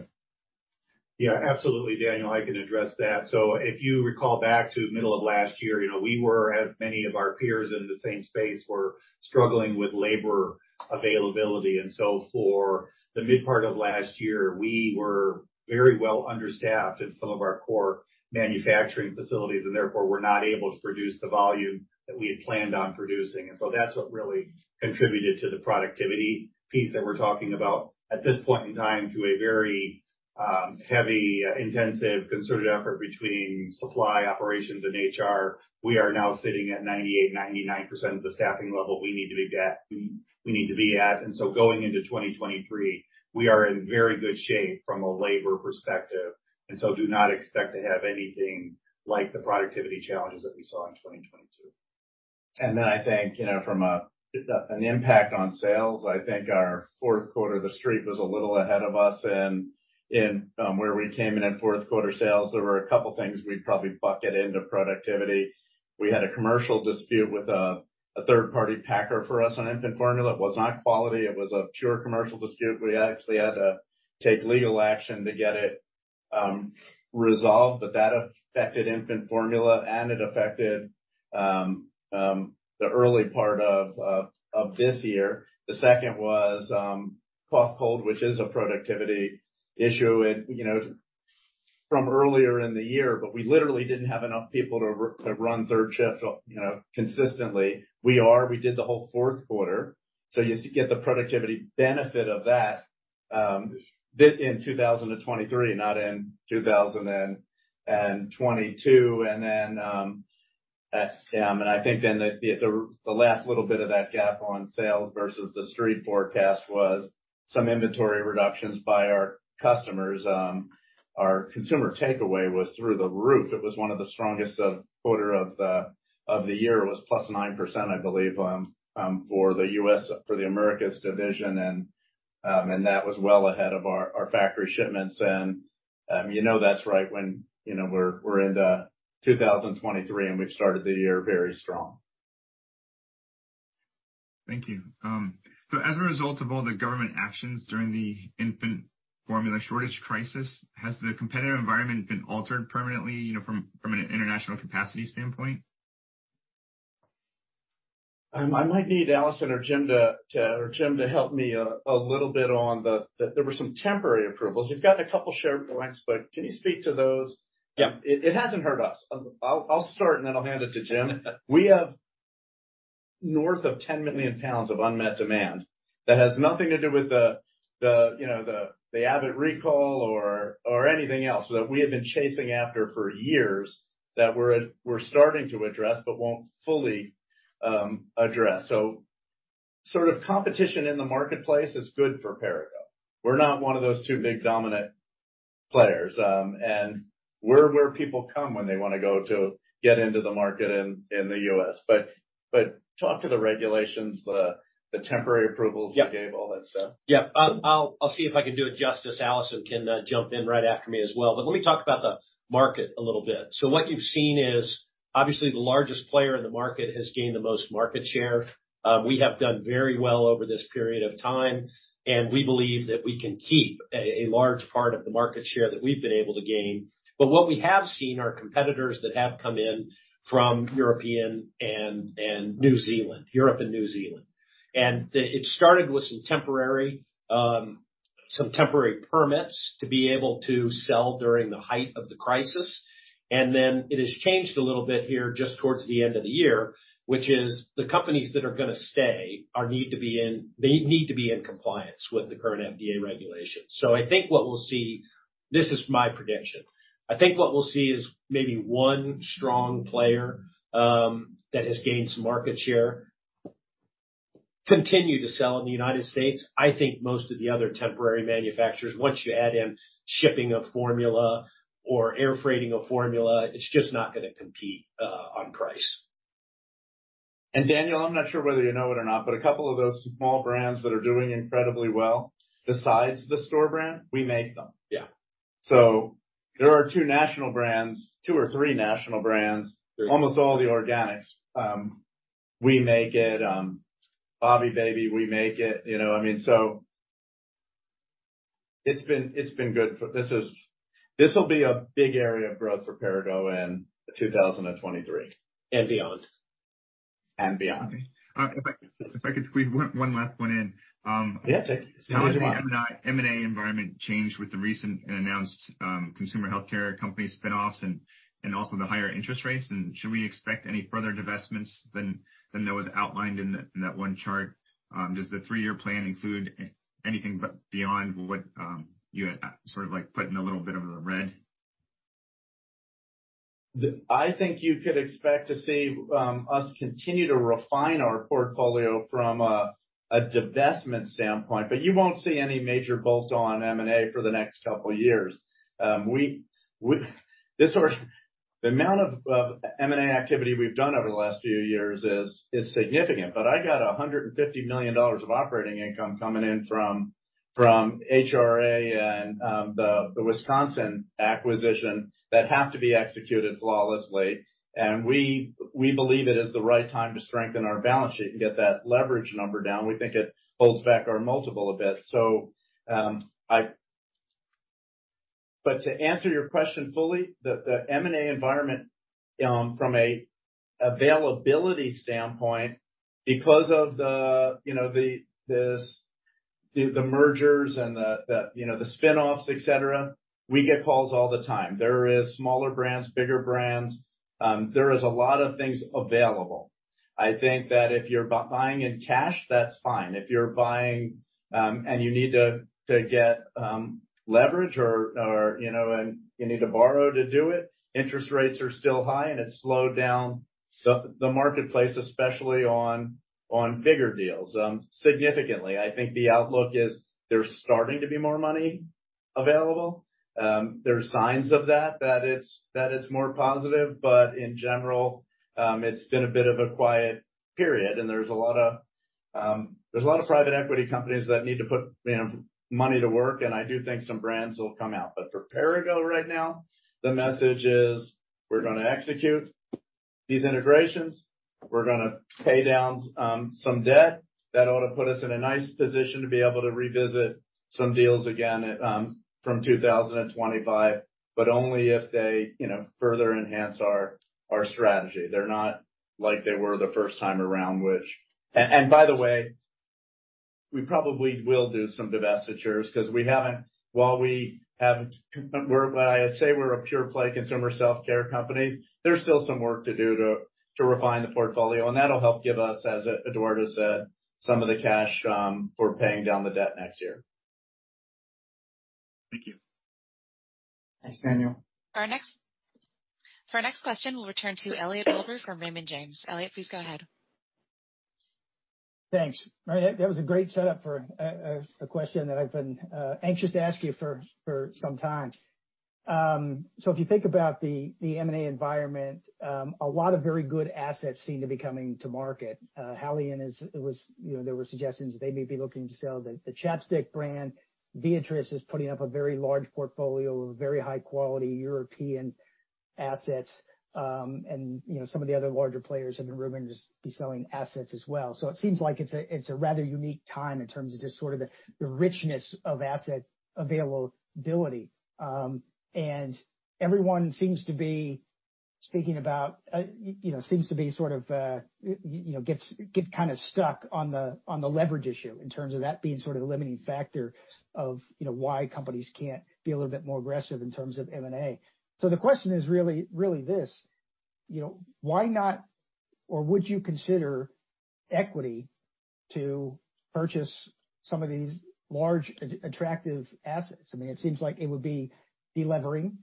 Yeah, absolutely, Daniel, I can address that. If you recall back to middle of last year, you know, we were, as many of our peers in the same space, were struggling with labor availability. For the mid part of last year, we were very well understaffed in some of our core manufacturing facilities, and therefore were not able to produce the volume that we had planned on producing. That's what really contributed to the productivity piece that we're talking about. At this point in time, through a very heavy intensive concerted effort between supply operations and HR, we are now sitting at 98%, 99% of the staffing level we need to be at. Going into 2023, we are in very good shape from a labor perspective, and so do not expect to have anything like the productivity challenges that we saw in 2022. I think, you know, from an impact on sales, I think our fourth quarter, the Street was a little ahead of us. Where we came in at fourth quarter sales, there were a couple things we'd probably bucket into productivity. We had a commercial dispute with a third-party packer for us on infant formula. It was not quality. It was a pure commercial dispute. We actually had to take legal action to get it resolved, but that affected infant formula, and it affected the early part of this year. The second was cough cold, which is a productivity issue and, you know, from earlier in the year, but we literally didn't have enough people to run third shift, you know, consistently. We are. We did the whole fourth quarter, so you get the productivity benefit of that bit in 2023, not in 2022. Then I think the last little bit of that gap on sales versus the Street forecast was some inventory reductions by our customers. Our consumer takeaway was through the roof. It was one of the strongest quarter of the year. It was +9%, I believe, for the Americas division. That was well ahead of our factory shipments. You know that's right when, you know, we're into 2023, and we've started the year very strong. Thank you. As a result of all the government actions during the infant formula shortage crisis, has the competitive environment been altered permanently, you know, from an international capacity standpoint? I might need Alison or Jim to help me a little bit on the there were some temporary approvals. You've gotten a couple share points, but can you speak to those? Yeah. It hasn't hurt us. I'll start, and then I'll hand it to Jim. We have north of 10 million pounds of unmet demand that has nothing to do with the, you know, the Abbott recall or anything else that we have been chasing after for years that we're starting to address but won't fully address. Sort of competition in the marketplace is good for Perrigo. We're not one of those two big dominant players. We're where people come when they wanna go to get into the market in the U.S. Talk to the regulations, the temporary approvals... Yeah. you gave, all that stuff. Yeah. I'll see if I can do it justice. Alison can jump in right after me as well. Let me talk about the market a little bit. What you've seen is, obviously, the largest player in the market has gained the most market share. We have done very well over this period of time, and we believe that we can keep a large part of the market share that we've been able to gain. What we have seen are competitors that have come in from European and New Zealand, Europe and New Zealand. It started with some temporary, some temporary permits to be able to sell during the height of the crisis. It has changed a little bit here just towards the end of the year, which is the companies that are gonna stay they need to be in compliance with the current FDA regulations. I think what we'll see. This is my prediction. I think what we'll see is maybe one strong player that has gained some market share continue to sell in the United States. I think most of the other temporary manufacturers, once you add in shipping of formula or air freighting of formula, it's just not gonna compete on price. Daniel, I'm not sure whether you know it or not, but a couple of those small brands that are doing incredibly well besides the store brand, we make them. Yeah. There are two national brands, two or three national brands. Almost all the organics, we make it. Bobbie, we make it. You know, I mean, it's been good for this will be a big area of growth for Perrigo in 2023. Beyond. Beyond. If I could squeeze one last one in. Yeah. How has the M&A environment changed with the recent announced consumer healthcare company spinoffs and also the higher interest rates? Should we expect any further divestments than there was outlined in that one chart? Does the three-year plan include anything beyond what you had sort of like put in a little bit of the red? I think you could expect to see us continue to refine our portfolio from a divestment standpoint, but you won't see any major bolt-on M&A for the next couple years. The amount of M&A activity we've done over the last few years is significant, but I got $150 million of operating income coming in from HRA and the Wisconsin acquisition that have to be executed flawlessly. We believe it is the right time to strengthen our balance sheet and get that leverage number down. We think it holds back our multiple a bit. To answer your question fully, the M&A environment, from a availability standpoint, because of the, you know, the mergers and the spin-offs, et cetera, we get calls all the time. There is smaller brands, bigger brands. There is a lot of things available. I think that if you're buying in cash, that's fine. If you're buying, and you need to get leverage or, you know, and you need to borrow to do it, interest rates are still high, and it's slowed down the marketplace, especially on bigger deals, significantly. I think the outlook is there's starting to be more money available. There are signs of that it's more positive. In general, it's been a bit of a quiet period, and there's a lot of private equity companies that need to put, you know, money to work, and I do think some brands will come out. For Perrigo right now, the message is, we're gonna execute these integrations. We're gonna pay down some debt. That ought to put us in a nice position to be able to revisit some deals again at, from 2025, but only if they, you know, further enhance our strategy. They're not like they were the first time around. By the way, we probably will do some divestitures. Well, I say we're a pure play consumer self-care company, there's still some work to do to refine the portfolio, and that'll help give us, as Eduardo said, some of the cash for paying down the debt next year. Thank you. Thanks, Daniel. For our next question, we'll return to Elliot Wilbur from Raymond James. Elliot, please go ahead. Thanks. Murray, that was a great setup for a question that I've been anxious to ask you for some time. If you think about the M&A environment, a lot of very good assets seem to be coming to market. Haleon, you know, there were suggestions they may be looking to sell the ChapStick brand. Viatris is putting up a very large portfolio of very high-quality European assets. And, you know, some of the other larger players have been rumored to be selling assets as well. It seems like it's a rather unique time in terms of just sort of the richness of asset availability. Everyone seems to be speaking about, you know, seems to be sort of, you know, gets kinda stuck on the leverage issue in terms of that being sort of the limiting factor of, you know, why companies can't be a little bit more aggressive in terms of M&A. The question is really this: You know, why not or would you consider equity to purchase some of these large attractive assets? I mean, it seems like it would be de-levering,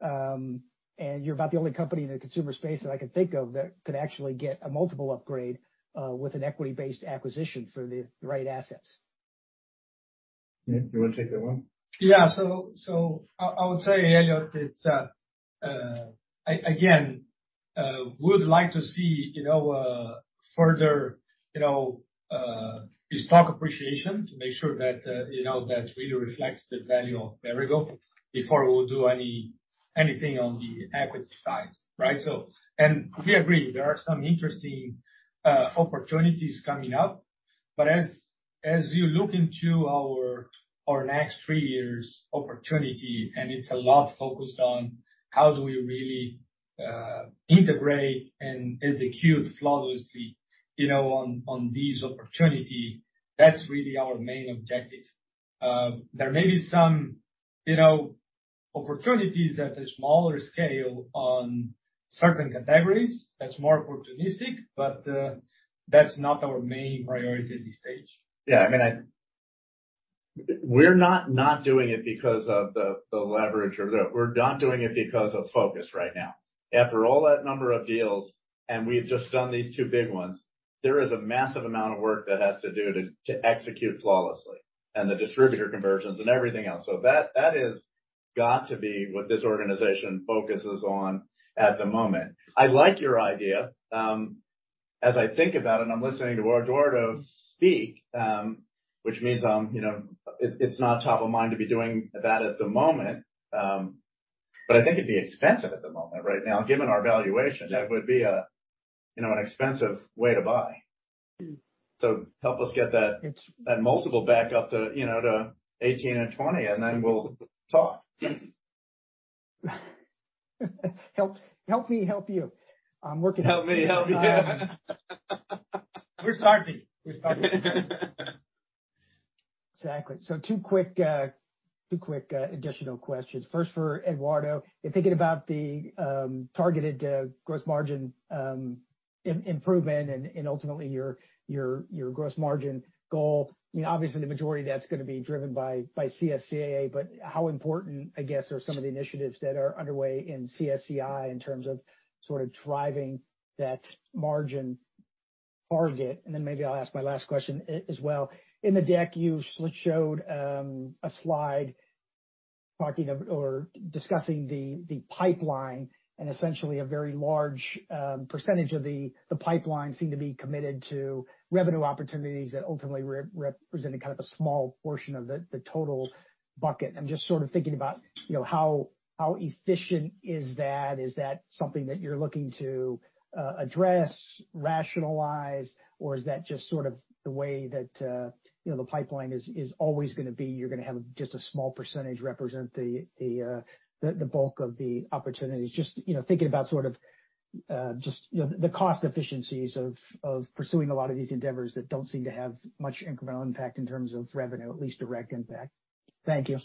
and you're about the only company in the consumer space that I can think of that could actually get a multiple upgrade with an equity-based acquisition for the right assets. Eduardo, do you wanna take that one? Yeah. I would say, Elliot, it's again, we would like to see, you know, further, you know, the stock appreciation to make sure that, you know, that really reflects the value of Perrigo before we'll do anything on the equity side, right? We agree, there are some interesting opportunities coming up. As you look into our next three years' opportunity, and it's a lot focused on how do we really integrate and execute flawlessly, you know, on these opportunity, that's really our main objective. There may be some, you know, opportunities at a smaller scale on certain categories that's more opportunistic, but that's not our main priority at this stage. Yeah. I mean, we're not doing it because of the leverage. We're not doing it because of focus right now. After all that number of deals, and we've just done these two big ones, there is a massive amount of work that has to do to execute flawlessly, and the distributor conversions and everything else. That has got to be what this organization focuses on at the moment. I like your idea. As I think about it, and I'm listening to Eduardo speak, which means I'm, you know, it's not top of mind to be doing that at the moment, but I think it'd be expensive at the moment. Right now, given our valuation- Yeah. that would be a, you know, an expensive way to buy. Mm. Help us get that. It's- that multiple back up to, you know, to 18 and 20, and then we'll talk. Help, help me help you. I'm working on it. Help me help you. We're starting. Exactly. Two quick additional questions. First for Eduardo. In thinking about the targeted gross margin improvement and ultimately your gross margin goal, I mean, obviously the majority of that's gonna be driven by CSCA, but how important, I guess, are some of the initiatives that are underway in CSCI in terms of sort of driving that margin target? Maybe I'll ask my last question as well. In the deck, you showed a slide talking of or discussing the pipeline, and essentially a very large percentage of the pipeline seemed to be committed to revenue opportunities that ultimately represent a kind of a small portion of the total bucket. I'm just sort of thinking about, you know, how efficient is that? Is that something that you're looking to address, rationalize, or is that just sort of the way that, you know, the pipeline is always gonna be, you're gonna have just a small percentage represent the bulk of the opportunities? Just, you know, thinking about sort of, just, you know, the cost efficiencies of pursuing a lot of these endeavors that don't seem to have much incremental impact in terms of revenue, at least direct impact. Thank you.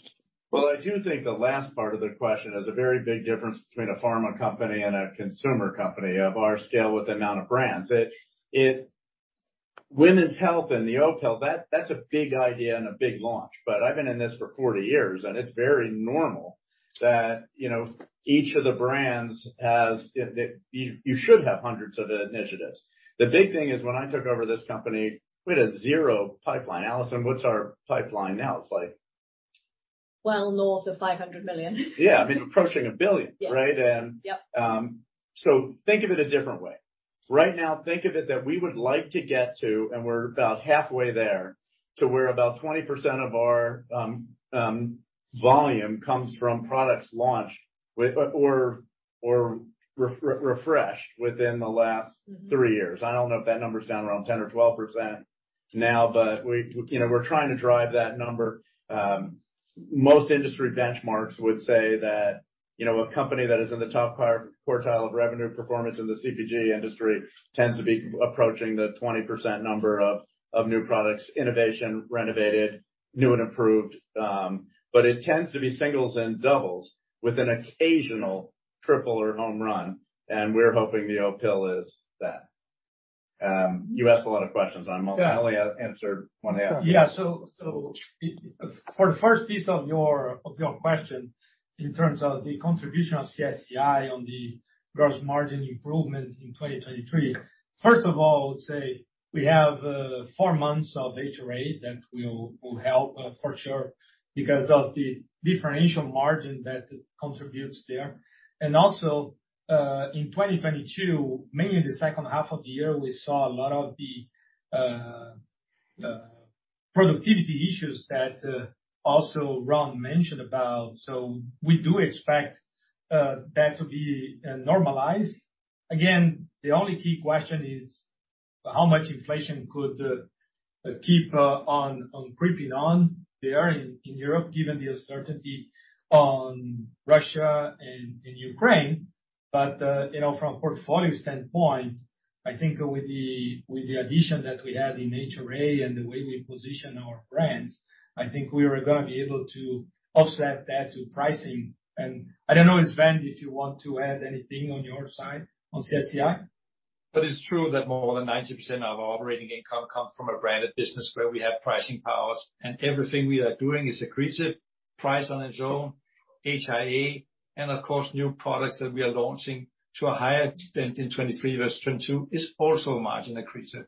Well, I do think the last part of the question is a very big difference between a pharma company and a consumer company of our scale with the amount of brands. It Women's Health and the Opill, that's a big idea and a big launch. I've been in this for 40 years, and it's very normal that, you know, each of the brands has, you should have hundreds of initiatives. The big thing is, when I took over this company, we had a zero pipeline. Alison, what's our pipeline now? It's like... Well north of $500 million. Yeah. I mean, approaching $1 billion, right? Yeah. Yep. Think of it a different way. Right now, think of it that we would like to get to, and we're about halfway there, to where about 20% of our volume comes from products launched with or, refreshed within the last... Mm-hmm. Three years. I don't know if that number's down around 10% or 12% now, but we, you know, we're trying to drive that number. Most industry benchmarks would say that, you know, a company that is in the top quartile of revenue performance in the CPG industry tends to be approaching the 20% number of new products, innovation, renovated, new and improved. It tends to be singles and doubles with an occasional triple or home run, and we're hoping the Opill is that. You asked a lot of questions. Yeah. I'm only gonna answer one half. For the first piece of your question, in terms of the contribution of CSCI on the gross margin improvement in 2023. First of all, I would say we have four months of HRA that will help for sure because of the differential margin that contributes there. Also, in 2022, mainly the second half of the year, we saw a lot of the productivity issues that also Ron mentioned about. We do expect that to be normalized. Again, the only key question is how much inflation could keep creeping on there in Europe, given the uncertainty on Russia and Ukraine. You know, from a portfolio standpoint, I think with the addition that we had in HRA and the way we position our brands, I think we are gonna be able to offset that to pricing. I don't know if, Svend, if you want to add anything on your side on CSCI. It's true that more than 90% of our operating income comes from a branded business where we have pricing powers, and everything we are doing is accretive price on its own. HRA, and of course, new products that we are launching to a higher extent in 2023 versus 2022 is also margin accretive.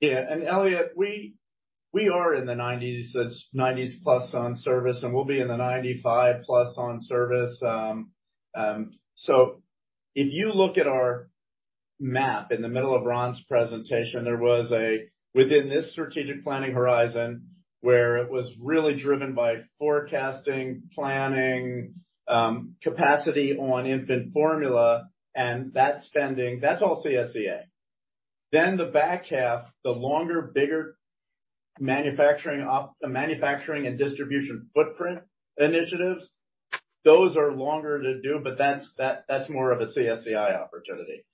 Yeah. Elliot, we are in the 90s, that's 90s+ on service, and we'll be in the 95%+ on service. If you look at our map in the middle of Ron's presentation, there was within this strategic planning horizon where it was really driven by forecasting, planning, capacity on infant formula and that spending, that's all CSCA. The back half, the longer, bigger manufacturing and distribution footprint initiatives, those are longer to do, but that's more of a CSCI opportunity.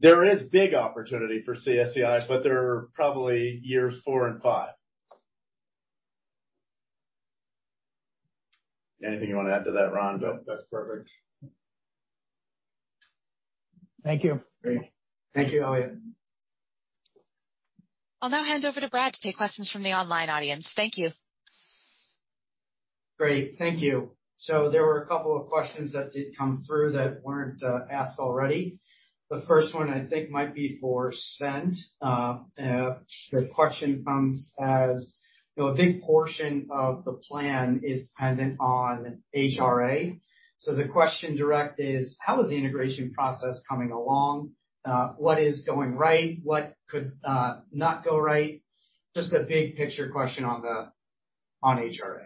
There is big opportunity for CSCIs, but they're probably years four and five. Anything you wanna add to that, Ron? No. That's perfect. Thank you. Great. Thank you, Elliot. I'll now hand over to Brad to take questions from the online audience. Thank you. Great. Thank you. There were a couple of questions that did come through that weren't asked already. The first one I think might be for Svend. The question comes as, you know, a big portion of the plan is dependent on HRA. The question direct is, how is the integration process coming along? What is going right? What could not go right? Just a big picture question on the, on HRA.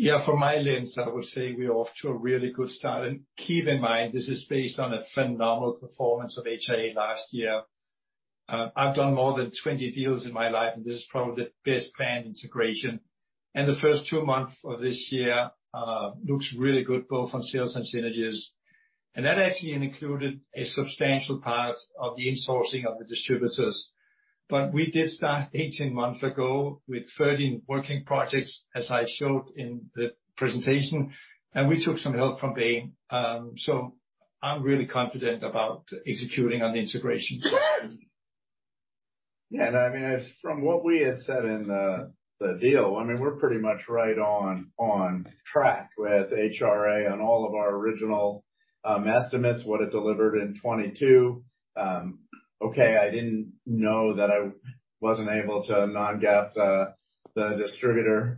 Yeah. From my lens, I would say we are off to a really good start. Keep in mind, this is based on a phenomenal performance of HRA last year. I've done more than 20 deals in my life, and this is probably the best planned integration. The first two months of this year looks really good, both on sales and synergies. That actually included a substantial part of the insourcing of the distributors. We did start 18 months ago with 13 working projects, as I showed in the presentation, and we took some help from Bain. I'm really confident about executing on the integration strategy. I mean, from what we had said in the deal, I mean, we're pretty much right on track with HRA on all of our original estimates, what it delivered in 2022. Okay, I didn't know that I wasn't able to non-GAAP the distributor,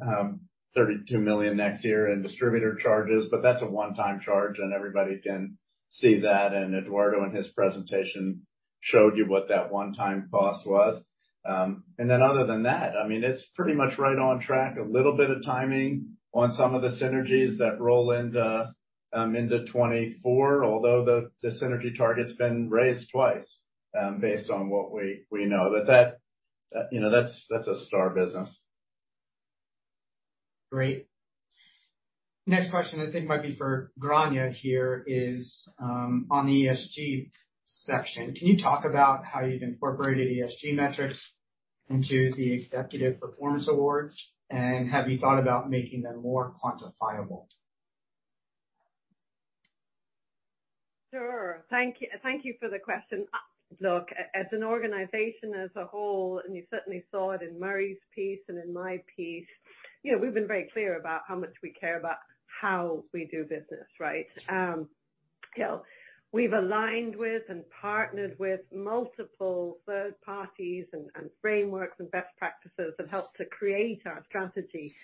$32 million next year in distributor charges, but that's a one-time charge and everybody can see that. Eduardo in his presentation showed you what that one-time cost was. Other than that, I mean, it's pretty much right on track. A little bit of timing on some of the synergies that roll into 2024, although the synergy target's been raised twice, based on what we know. You know, that's a star business. Great. Next question I think might be for Grainne here is on the ESG section. Can you talk about how you've incorporated ESG metrics into the executive performance awards, and have you thought about making them more quantifiable? Sure. Thank you. Thank you for the question. Look, as an organization as a whole, you certainly saw it in Murray's piece and in my piece, you know, we've been very clear about how much we care about how we do business, right? You know, we've aligned with and partnered with multiple third parties and frameworks and best practices that help to create our strategy.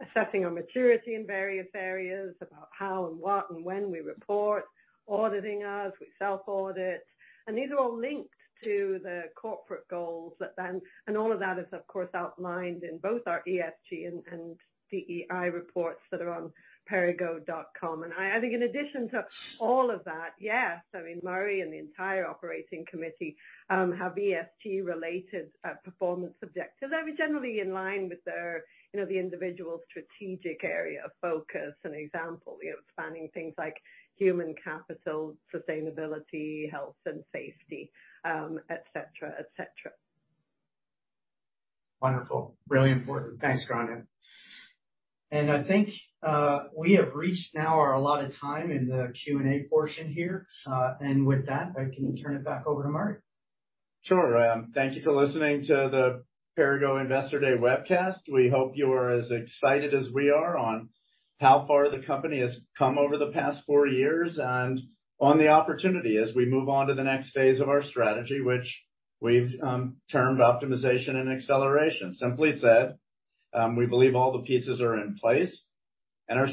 Assessing our maturity in various areas about how and what and when we report, auditing us, we self-audit. These are all linked to the corporate goals that then. All of that is, of course, outlined in both our ESG and DEI reports that are on perrigo.com. I think in addition to all of that, yes, I mean, Murray and the entire operating committee have ESG related performance objectives that are generally in line with their, you know, the individual strategic area of focus. An example, you know, spanning things like human capital, sustainability, health and safety, et cetera, et cetera. Wonderful. Really important. Thanks, Grainne. I think, we have reached now our allotted time in the Q&A portion here. With that, I can turn it back over to Murray. Sure. Thank you for listening to the Perrigo Investor Day webcast. We hope you are as excited as we are on how far the company has come over the past four years and on the opportunity as we move on to the next phase of our strategy, which we've termed optimization and acceleration. Simply said, we believe all the pieces are in place and our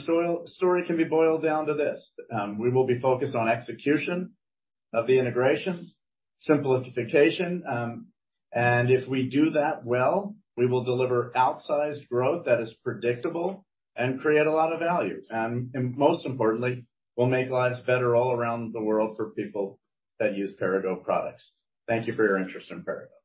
story can be boiled down to this: we will be focused on execution of the integrations, simplification, and if we do that well, we will deliver outsized growth that is predictable and create a lot of value. Most importantly, we'll make lives better all around the world for people that use Perrigo products. Thank you for your interest in Perrigo.